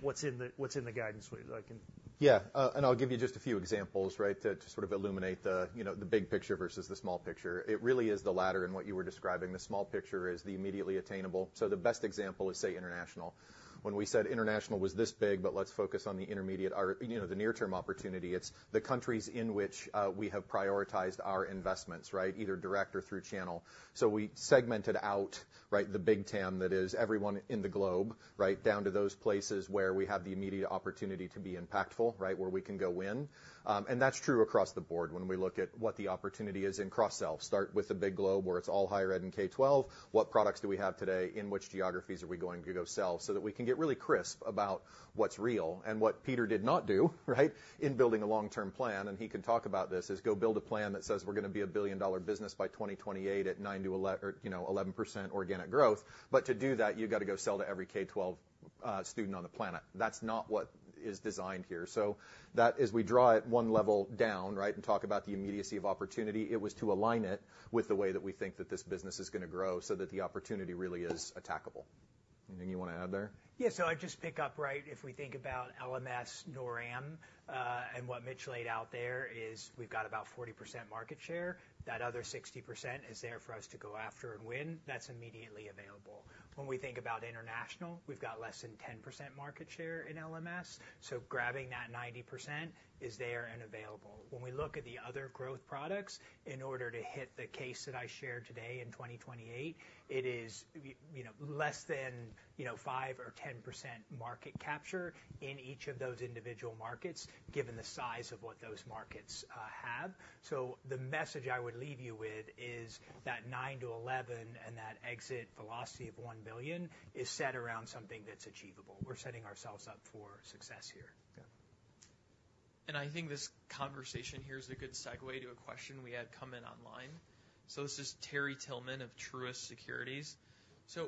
what's in the guidance so I can-- Yeah, and I'll give you just a few examples, right, to sort of illuminate the, you know, the big picture versus the small picture. It really is the latter in what you were describing. The small picture is the immediately attainable. So the best example is, say, international. When we said international was this big, but let's focus on the intermediate or, you know, the near-term opportunity, it's the countries in which we have prioritized our investments, right? Either direct or through channel. So we segmented out, right, the big TAM, that is everyone in the globe, right, down to those places where we have the immediate opportunity to be impactful, right, where we can go in. And that's true across the board when we look at what the opportunity is in cross-sell. Start with the big globe, where it's all higher ed and K-12. What products do we have today? In which geographies are we going to go sell? So that we can get really crisp about what's real and what Peter did not do, right, in building a long-term plan, and he can talk about this, is go build a plan that says we're gonna be a billion-dollar business by 2028 at 9%-11% organic growth. But to do that, you've got to go sell to every K-12 student on the planet. That's not what is designed here. So that as we draw it one level down, right, and talk about the immediacy of opportunity, it was to align it with the way that we think that this business is gonna grow so that the opportunity really is attackable. Anything you want to add there? Yeah, so I'd just pick up, right, if we think about LMS, NorAm, and what Mitch laid out there is we've got about 40% market share. That other 60% is there for us to go after and win. That's immediately available. When we think about international, we've got less than 10% market share in LMS, so grabbing that 90% is there and available. When we look at the other growth products, in order to hit the case that I shared today in 2028, it is, you know, less than, you know, 5% or 10% market capture in each of those individual markets, given the size of what those markets have. So the message I would leave you with is that 9%-11% and that exit velocity of $1 billion is set around something that's achievable. We're setting ourselves up for success here. Yeah. I think this conversation here is a good segue to a question we had come in online. So this is Terry Tillman of Truist Securities. So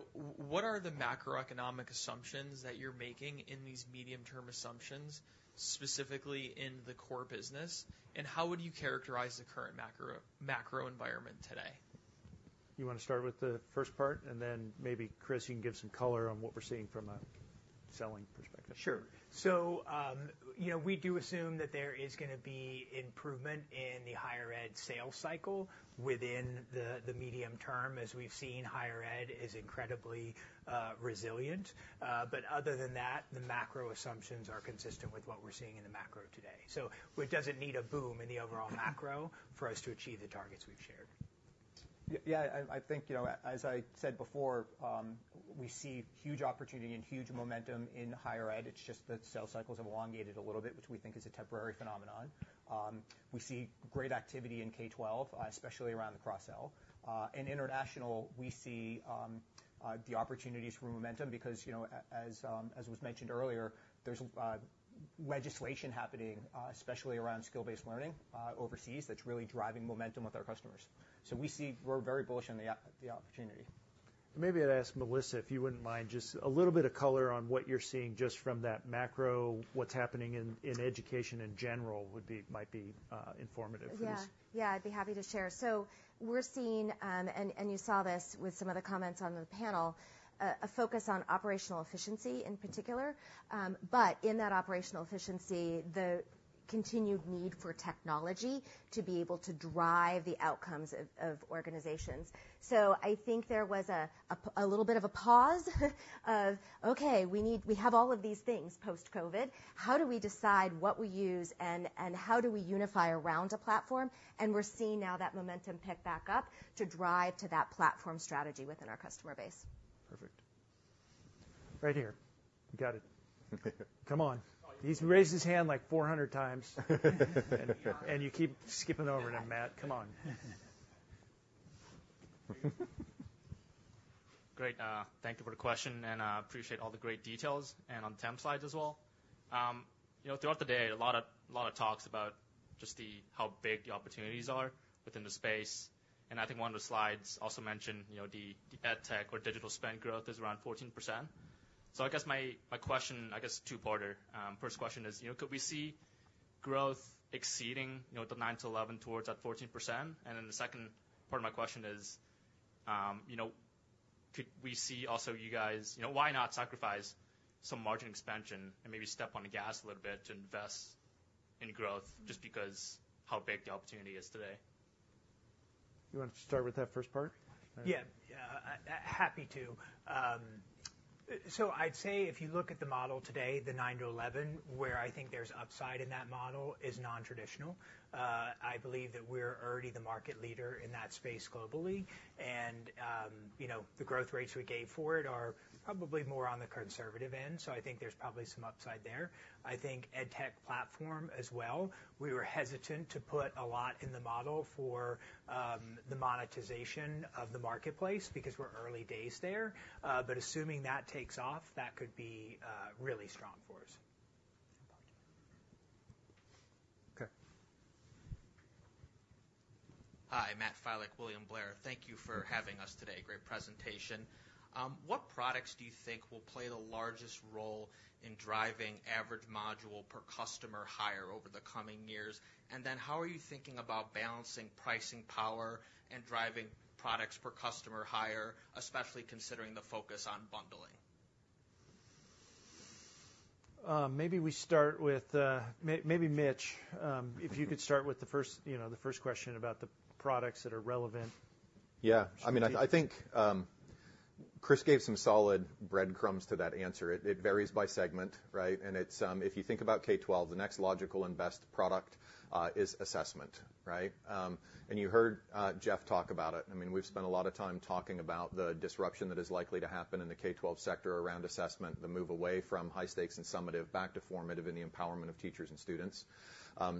what are the macroeconomic assumptions that you're making in these medium-term assumptions, specifically in the core business, and how would you characterize the current macro, macro environment today? You wanna start with the first part, and then maybe, Chris, you can give some color on what we're seeing from a selling perspective. Sure. So, you know, we do assume that there is gonna be improvement in the higher ed sales cycle within the medium term. As we've seen, higher ed is incredibly resilient, but other than that, the macro assumptions are consistent with what we're seeing in the macro today. So it doesn't need a boom in the overall macro for us to achieve the targets we've shared. Yeah, I think, you know, as I said before, we see huge opportunity and huge momentum in higher ed. It's just that sales cycles have elongated a little bit, which we think is a temporary phenomenon. We see great activity in K-12, especially around the cross-sell. In international, we see the opportunities for momentum because, you know, as was mentioned earlier, there's legislation happening, especially around skill-based learning, overseas, that's really driving momentum with our customers. So we see-- We're very bullish on the opportunity. Maybe I'd ask Melissa, if you wouldn't mind, just a little bit of color on what you're seeing just from that macro, what's happening in education in general would be, might be informative for this. Yeah. Yeah, I'd be happy to share. So we're seeing, and you saw this with some of the comments on the panel, a focus on operational efficiency in particular. But in that operational efficiency, the continued need for technology to be able to drive the outcomes of organizations. So I think there was a little bit of a pause, of, okay, we need—we have all of these things post-COVID. How do we decide what we use and how do we unify around a platform? And we're seeing now that momentum pick back up to drive to that platform strategy within our customer base. Perfect. Right here. Got it. Come on. He's raised his hand, like, 400 times. You keep skipping over him, Matt, come on. Great, thank you for the question, and appreciate all the great details, and on the TAM slides as well. You know, throughout the day, a lot of talks about just the how big the opportunities are within the space, and I think one of the slides also mentioned, you know, the edtech or digital spend growth is around 14%. So I guess my question, I guess, two-parter. First question is, you know, could we see growth exceeding, you know, the 9%-11% towards that 14%? And then the second part of my question is, you know, could we see also you guys, you know, why not sacrifice some margin expansion and maybe step on the gas a little bit to invest in growth just because how big the opportunity is today? You want to start with that first part? Yeah. Yeah, happy to. So I'd say if you look at the model today, the 9%-11%, where I think there's upside in that model is non-traditional. I believe that we're already the market leader in that space globally, and, you know, the growth rates we gave for it are probably more on the conservative end, so I think there's probably some upside there. I think edtech platform as well, we were hesitant to put a lot in the model for, the monetization of the marketplace because we're early days there, but assuming that takes off, that could be, really strong for us. Okay. Hi, Matt Filek, William Blair. Thank you for having us today. Great presentation. What products do you think will play the largest role in driving average module per customer higher over the coming years? And then how are you thinking about balancing pricing power and driving products per customer higher, especially considering the focus on bundling? Maybe we start with maybe Mitch, if you could start with the first, you know, the first question about the products that are relevant. Yeah. I mean, I think, Chris gave some solid breadcrumbs to that answer. It varies by segment, right? And it's, if you think about K-12, the next logical and best product is assessment, right? And you heard, Jeff talk about it. I mean, we've spent a lot of time talking about the disruption that is likely to happen in the K-12 sector around assessment, the move away from high stakes and summative back to formative and the empowerment of teachers and students.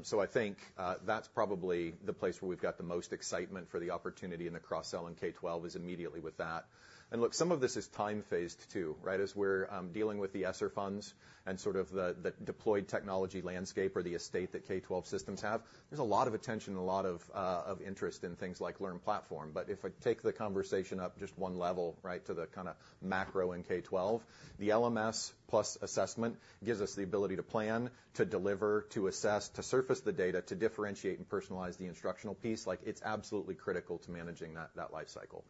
So I think, that's probably the place where we've got the most excitement for the opportunity in the cross-sell in K-12 is immediately with that. And look, some of this is time-phased, too, right? As we're dealing with the ESSER funds and sort of the, the deployed technology landscape or the estate that K-12 systems have, there's a lot of attention and a lot of interest in things like LearnPlatform. But if I take the conversation up just one level, right, to the kinda macro in K-12... The LMS plus assessment gives us the ability to plan, to deliver, to assess, to surface the data, to differentiate and personalize the instructional piece. Like, it's absolutely critical to managing that life cycle.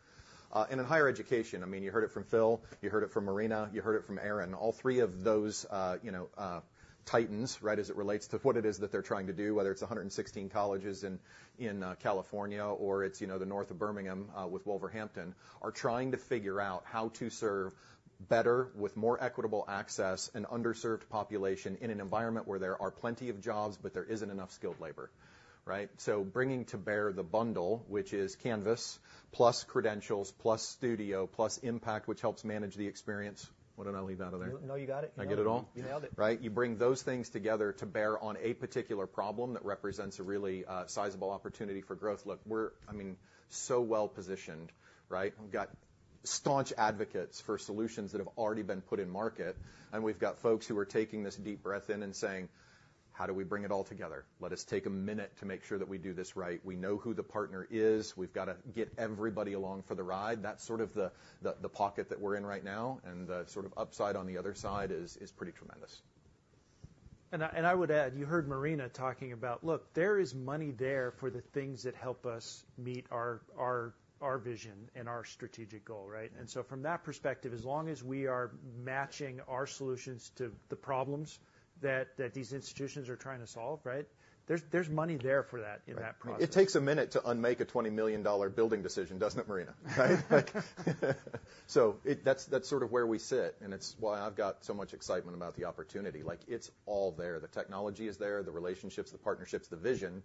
And in higher education, I mean, you heard it from Phil, you heard it from Marina, you heard it from Aaron. All three of those, you know, titans, right, as it relates to what it is that they're trying to do, whether it's 116 colleges in, in, California or it's, you know, the north of Birmingham, with Wolverhampton, are trying to figure out how to serve better with more equitable access and underserved population in an environment where there are plenty of jobs, but there isn't enough skilled labor, right? So bringing to bear the bundle, which is Canvas, plus Credentials, plus Studio, plus Impact, which helps manage the experience. What did I leave out of there? No, you got it. Did I get it all? You nailed it. Right? You bring those things together to bear on a particular problem that represents a really sizable opportunity for growth. Look, we're, I mean, so well positioned, right? We've got staunch advocates for solutions that have already been put in market, and we've got folks who are taking this deep breath in and saying: How do we bring it all together? Let us take a minute to make sure that we do this right. We know who the partner is. We've got to get everybody along for the ride. That's sort of the pocket that we're in right now, and the sort of upside on the other side is pretty tremendous. I would add, you heard Marina talking about, look, there is money there for the things that help us meet our vision and our strategic goal, right? And so from that perspective, as long as we are matching our solutions to the problems that these institutions are trying to solve, right, there's money there for that in that process. It takes a minute to unmake a $20 million building decision, doesn't it, Marina? Right? So that's, that's sort of where we sit, and it's why I've got so much excitement about the opportunity. Like, it's all there. The technology is there, the relationships, the partnerships, the vision.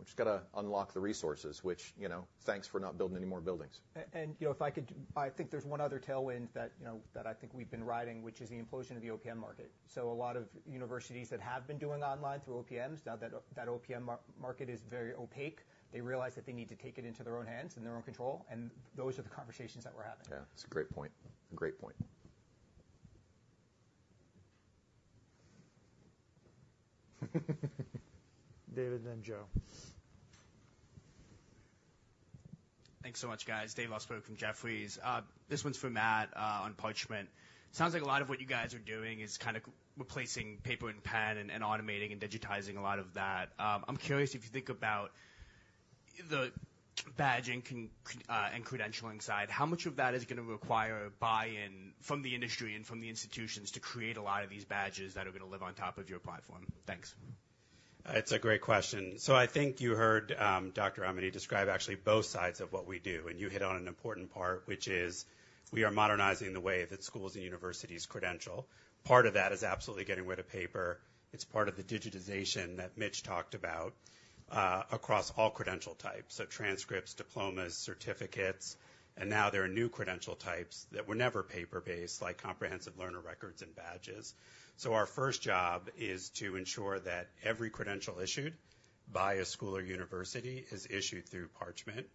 We've just got to unlock the resources, which, you know, thanks for not building any more buildings. You know, if I could—I think there's one other tailwind that, you know, that I think we've been riding, which is the implosion of the OPM market. So a lot of universities that have been doing online through OPMs, now that that OPM market is very opaque, they realize that they need to take it into their own hands and their own control, and those are the conversations that we're having. Yeah, that's a great point. Great point. David, then Joe. Thanks so much, guys. Dave Lustberg from Jefferies. This one's for Matt on Parchment. Sounds like a lot of what you guys are doing is kind of replacing paper and pen and automating and digitizing a lot of that. I'm curious if you think about the badging and credentialing side, how much of that is going to require a buy-in from the industry and from the institutions to create a lot of these badges that are going to live on top of your platform? Thanks. It's a great question. So I think you heard, Dr. Aminy describe actually both sides of what we do, and you hit on an important part, which is we are modernizing the way that schools and universities credential. Part of that is absolutely getting rid of paper. It's part of the digitization that Mitch talked about, across all credential types, so transcripts, diplomas, certificates, and now there are new credential types that were never paper-based, like comprehensive learner records and badges. So our first job is to ensure that every credential issued by a school or university is issued through Parchment.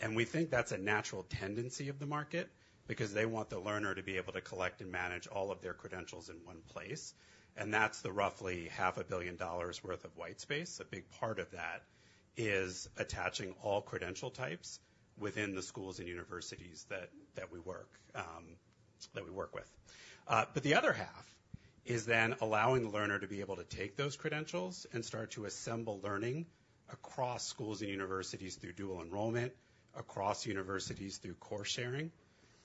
And we think that's a natural tendency of the market because they want the learner to be able to collect and manage all of their credentials in one place, and that's the roughly $500 million worth of white space. A big part of that is attaching all credential types within the schools and universities that we work with. But the other half is then allowing the learner to be able to take those credentials and start to assemble learning across schools and universities through dual enrollment, across universities through course sharing,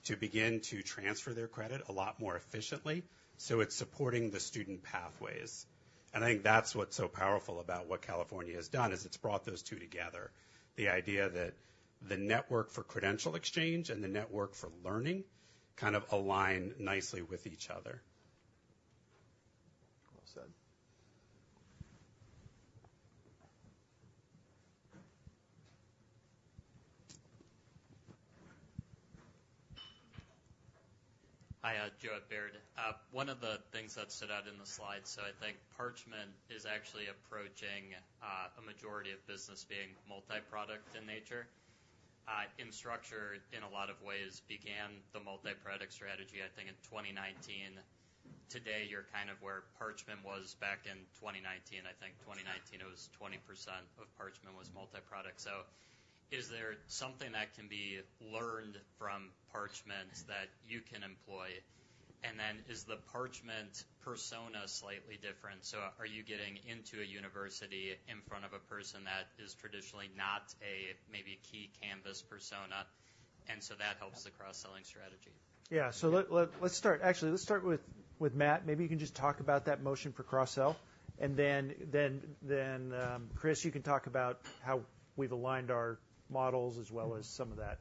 to begin to transfer their credit a lot more efficiently. So it's supporting the student pathways. And I think that's what's so powerful about what California has done, is it's brought those two together. The idea that the network for credential exchange and the network for learning kind of align nicely with each other. Well said. Hi, Joe Baird. One of the things that stood out in the slides, so I think Parchment is actually approaching a majority of business being multiproduct in nature. Instructure, in a lot of ways, began the multiproduct strategy, I think, in 2019. Today, you're kind of where Parchment was back in 2019. I think 2019, it was 20% of Parchment was multiproduct. So is there something that can be learned from Parchment that you can employ? And then is the Parchment persona slightly different? So are you getting into a university in front of a person that is traditionally not a, maybe, a key Canvas persona, and so that helps the cross-selling strategy? Yeah. So let's start--actually, let's start with Matt. Maybe you can just talk about that motion for cross-sell, and then Chris, you can talk about how we've aligned our models as well as some of that,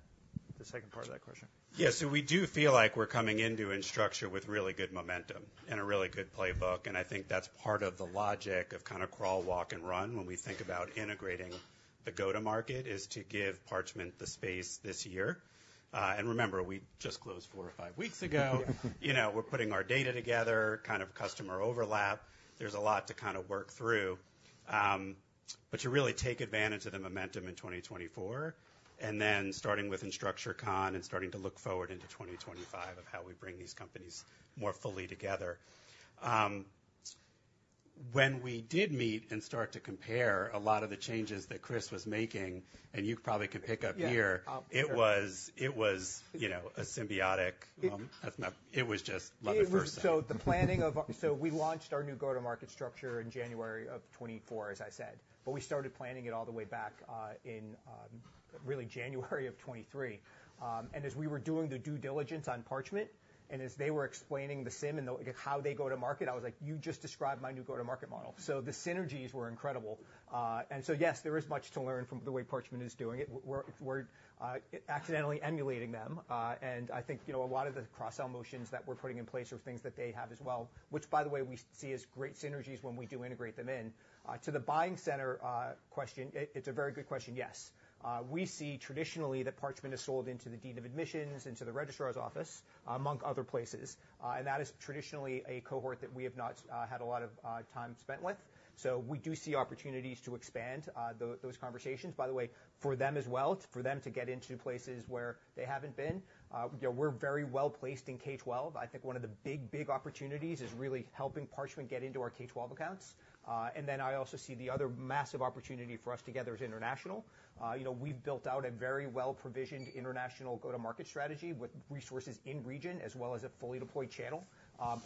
the second part of that question. Yeah. So we do feel like we're coming into Instructure with really good momentum and a really good playbook, and I think that's part of the logic of kind of crawl, walk, and run when we think about integrating the go-to-market, is to give Parchment the space this year. And remember, we just closed four or five weeks ago. You know, we're putting our data together, kind of customer overlap. There's a lot to kind of work through. But to really take advantage of the momentum in 2024, and then starting with InstructureCon and starting to look forward into 2025 of how we bring these companies more fully together. When we did meet and start to compare a lot of the changes that Chris was making, and you probably could pick up here- Yeah. It was, you know, a symbiotic moment. That's not—it was just love at first sight. It was. So the planning of our—so we launched our new go-to-market structure in January of 2024, as I said, but we started planning it all the way back in really January of 2023. And as we were doing the due diligence on Parchment, and as they were explaining the SIS and how they go to market, I was like: "You just described my new go-to-market model." So the synergies were incredible. And so, yes, there is much to learn from the way Parchment is doing it. We're accidentally emulating them. And I think, you know, a lot of the cross-sell motions that we're putting in place are things that they have as well, which, by the way, we see as great synergies when we do integrate them in. To the buying center question, it's a very good question. Yes. We see traditionally that Parchment is sold into the dean of admissions, into the registrar's office, among other places, and that is traditionally a cohort that we have not had a lot of time spent with. So we do see opportunities to expand those conversations, by the way, for them as well, for them to get into places where they haven't been. You know, we're very well placed in K-12. I think one of the big, big opportunities is really helping Parchment get into our K-12 accounts. And then I also see the other massive opportunity for us together is international. You know, we've built out a very well-provisioned international go-to-market strategy with resources in region as well as a fully deployed channel.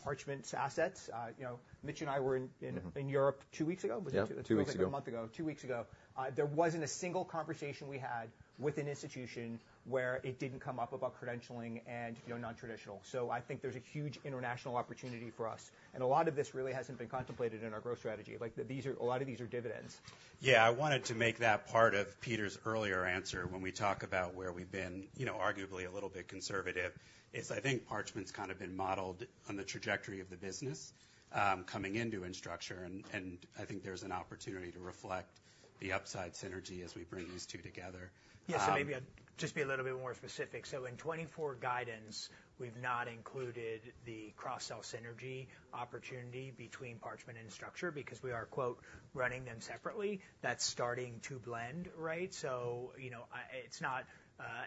Parchment's assets, you know, Mitch and I were in Europe two weeks ago? Was it two-- Yeah, two weeks ago. Feels like a month ago, two weeks ago. There wasn't a single conversation we had with an institution where it didn't come up about credentialing and, you know, nontraditional. So I think there's a huge international opportunity for us, and a lot of this really hasn't been contemplated in our growth strategy. Like, these are a lot of these are dividends. Yeah, I wanted to make that part of Peter's earlier answer when we talk about where we've been, you know, arguably a little bit conservative. It's, I think, Parchment's kind of been modeled on the trajectory of the business, coming into Instructure, and, and I think there's an opportunity to reflect the upside synergy as we bring these two together, Yes, so maybe I'd just be a little bit more specific. So in 2024 guidance, we've not included the cross-sell synergy opportunity between Parchment and Instructure because we are, quote, "running them separately." That's starting to blend, right? So, you know, it's not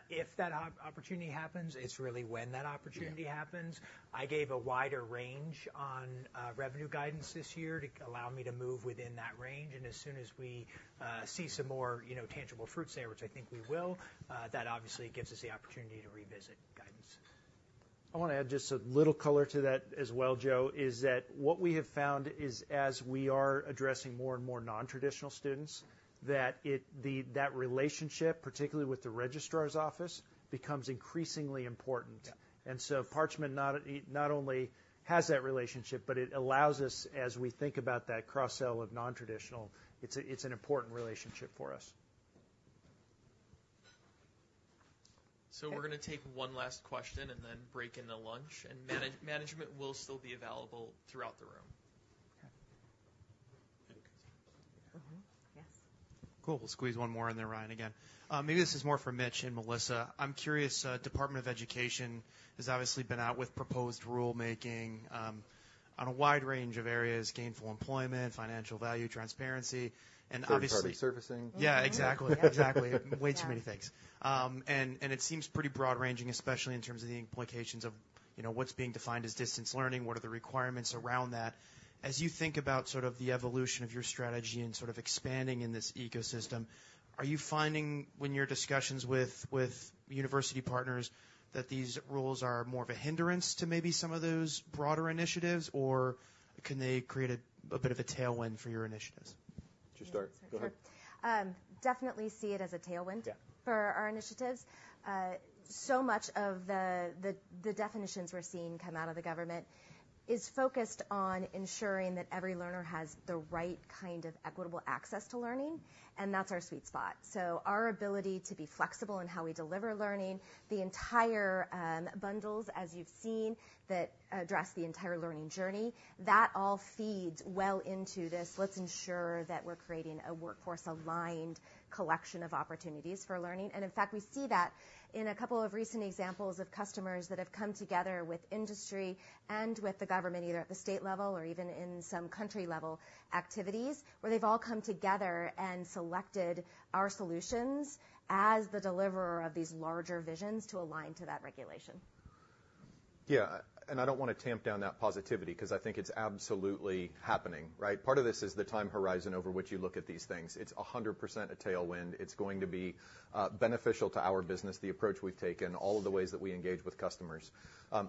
if that opportunity happens, it's really when that opportunity happens. I gave a wider range on revenue guidance this year to allow me to move within that range. As soon as we see some more, you know, tangible fruits there, which I think we will, that obviously gives us the opportunity to revisit guidance. I want to add just a little color to that as well, Joe. What we have found is, as we are addressing more and more nontraditional students, that the relationship, particularly with the registrar's office, becomes increasingly important. Parchment not only has that relationship, but it allows us, as we think about that cross-sell of nontraditional; it's an important relationship for us. We're going to take one last question and then break into lunch, and management will still be available throughout the room. Okay. Cool. We'll squeeze one more in there, Ryan, again. Maybe this is more for Mitch and Melissa. I'm curious. Department of Education has obviously been out with proposed rulemaking on a wide range of areas, gainful employment, financial value, transparency, and obviously-- Third-party servicing. Yeah, exactly. Exactly. Yeah. Way too many things. And it seems pretty broad-ranging, especially in terms of the implications of, you know, what's being defined as distance learning, what are the requirements around that. As you think about sort of the evolution of your strategy and sort of expanding in this ecosystem, are you finding, in your discussions with university partners, that these rules are more of a hindrance to maybe some of those broader initiatives, or can they create a bit of a tailwind for your initiatives? Should you start? Go ahead. Sure. Definitely see it as a tailwind for our initiatives. So much of the definitions we're seeing come out of the government is focused on ensuring that every learner has the right kind of equitable access to learning, and that's our sweet spot. So our ability to be flexible in how we deliver learning, the entire bundles, as you've seen, that address the entire learning journey, that all feeds well into this, let's ensure that we're creating a workforce-aligned collection of opportunities for learning. And in fact, we see that in a couple of recent examples of customers that have come together with industry and with the government, either at the state level or even in some country-level activities, where they've all come together and selected our solutions as the deliverer of these larger visions to align to that regulation. Yeah, and I don't want to tamp down that positivity 'cause I think it's absolutely happening, right? Part of this is the time horizon over which you look at these things. It's 100% a tailwind. It's going to be beneficial to our business, the approach we've taken, all of the ways that we engage with customers.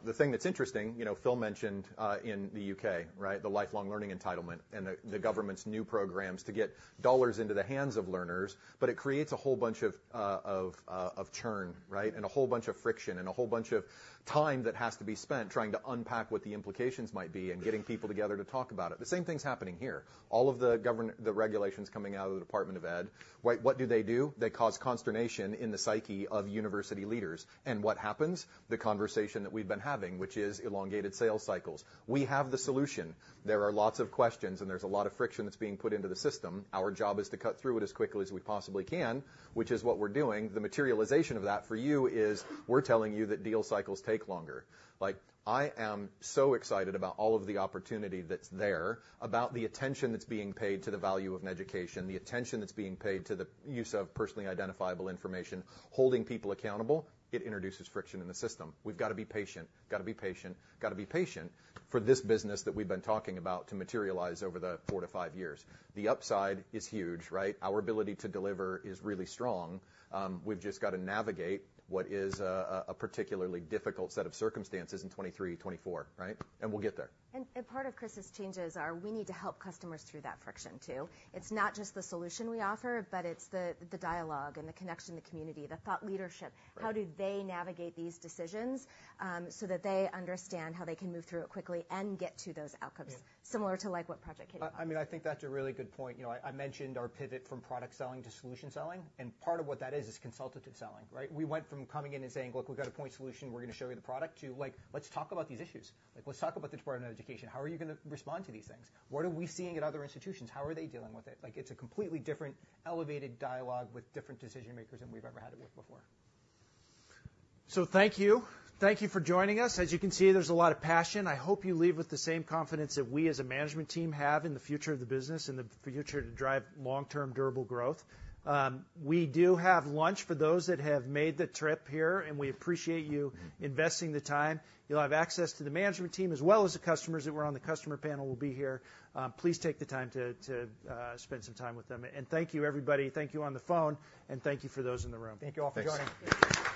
The thing that's interesting, you know, Phil mentioned in the U.K., right, the Lifelong Learning Entitlement and the government's new programs to get dollars into the hands of learners, but it creates a whole bunch of churn, right, and a whole bunch of friction, and a whole bunch of time that has to be spent trying to unpack what the implications might be and getting people together to talk about it. The same thing's happening here. All of the government regulations coming out of the Department of Ed, right, what do they do? They cause consternation in the psyche of university leaders. And what happens? The conversation that we've been having, which is elongated sales cycles. We have the solution. There are lots of questions, and there's a lot of friction that's being put into the system. Our job is to cut through it as quickly as we possibly can, which is what we're doing. The materialization of that for you is we're telling you that deal cycles take longer. Like, I am so excited about all of the opportunity that's there, about the attention that's being paid to the value of an education, the attention that's being paid to the use of personally identifiable information. Holding people accountable, it introduces friction in the system. We've got to be patient, got to be patient, got to be patient for this business that we've been talking about to materialize over the four-five years. The upside is huge, right? Our ability to deliver is really strong. We've just got to navigate what is a particularly difficult set of circumstances in 2023, 2024, right? And we'll get there. Part of Chris's changes are we need to help customers through that friction, too. It's not just the solution we offer, but it's the dialogue and the connection, the community, the thought leadership. Right. How do they navigate these decisions, so that they understand how they can move through it quickly and get to those outcomes, similar to like what Project Kitty Hawk did. I mean, I think that's a really good point. You know, I mentioned our pivot from product selling to solution selling, and part of what that is, is consultative selling, right? We went from coming in and saying: "Look, we've got a point solution, we're going to show you the product," to, like, "Let's talk about these issues. Like, let's talk about the Department of Education. How are you going to respond to these things? What are we seeing at other institutions? How are they dealing with it?" Like, it's a completely different elevated dialogue with different decision makers than we've ever had it with before. So thank you. Thank you for joining us. As you can see, there's a lot of passion. I hope you leave with the same confidence that we, as a management team, have in the future of the business and the future to drive long-term, durable growth. We do have lunch for those that have made the trip here, and we appreciate you-investing the time. You'll have access to the management team as well as the customers that were on the customer panel will be here. Please take the time to spend some time with them. Thank you, everybody. Thank you on the phone, and thank you for those in the room. Thank you all for joining. Thanks.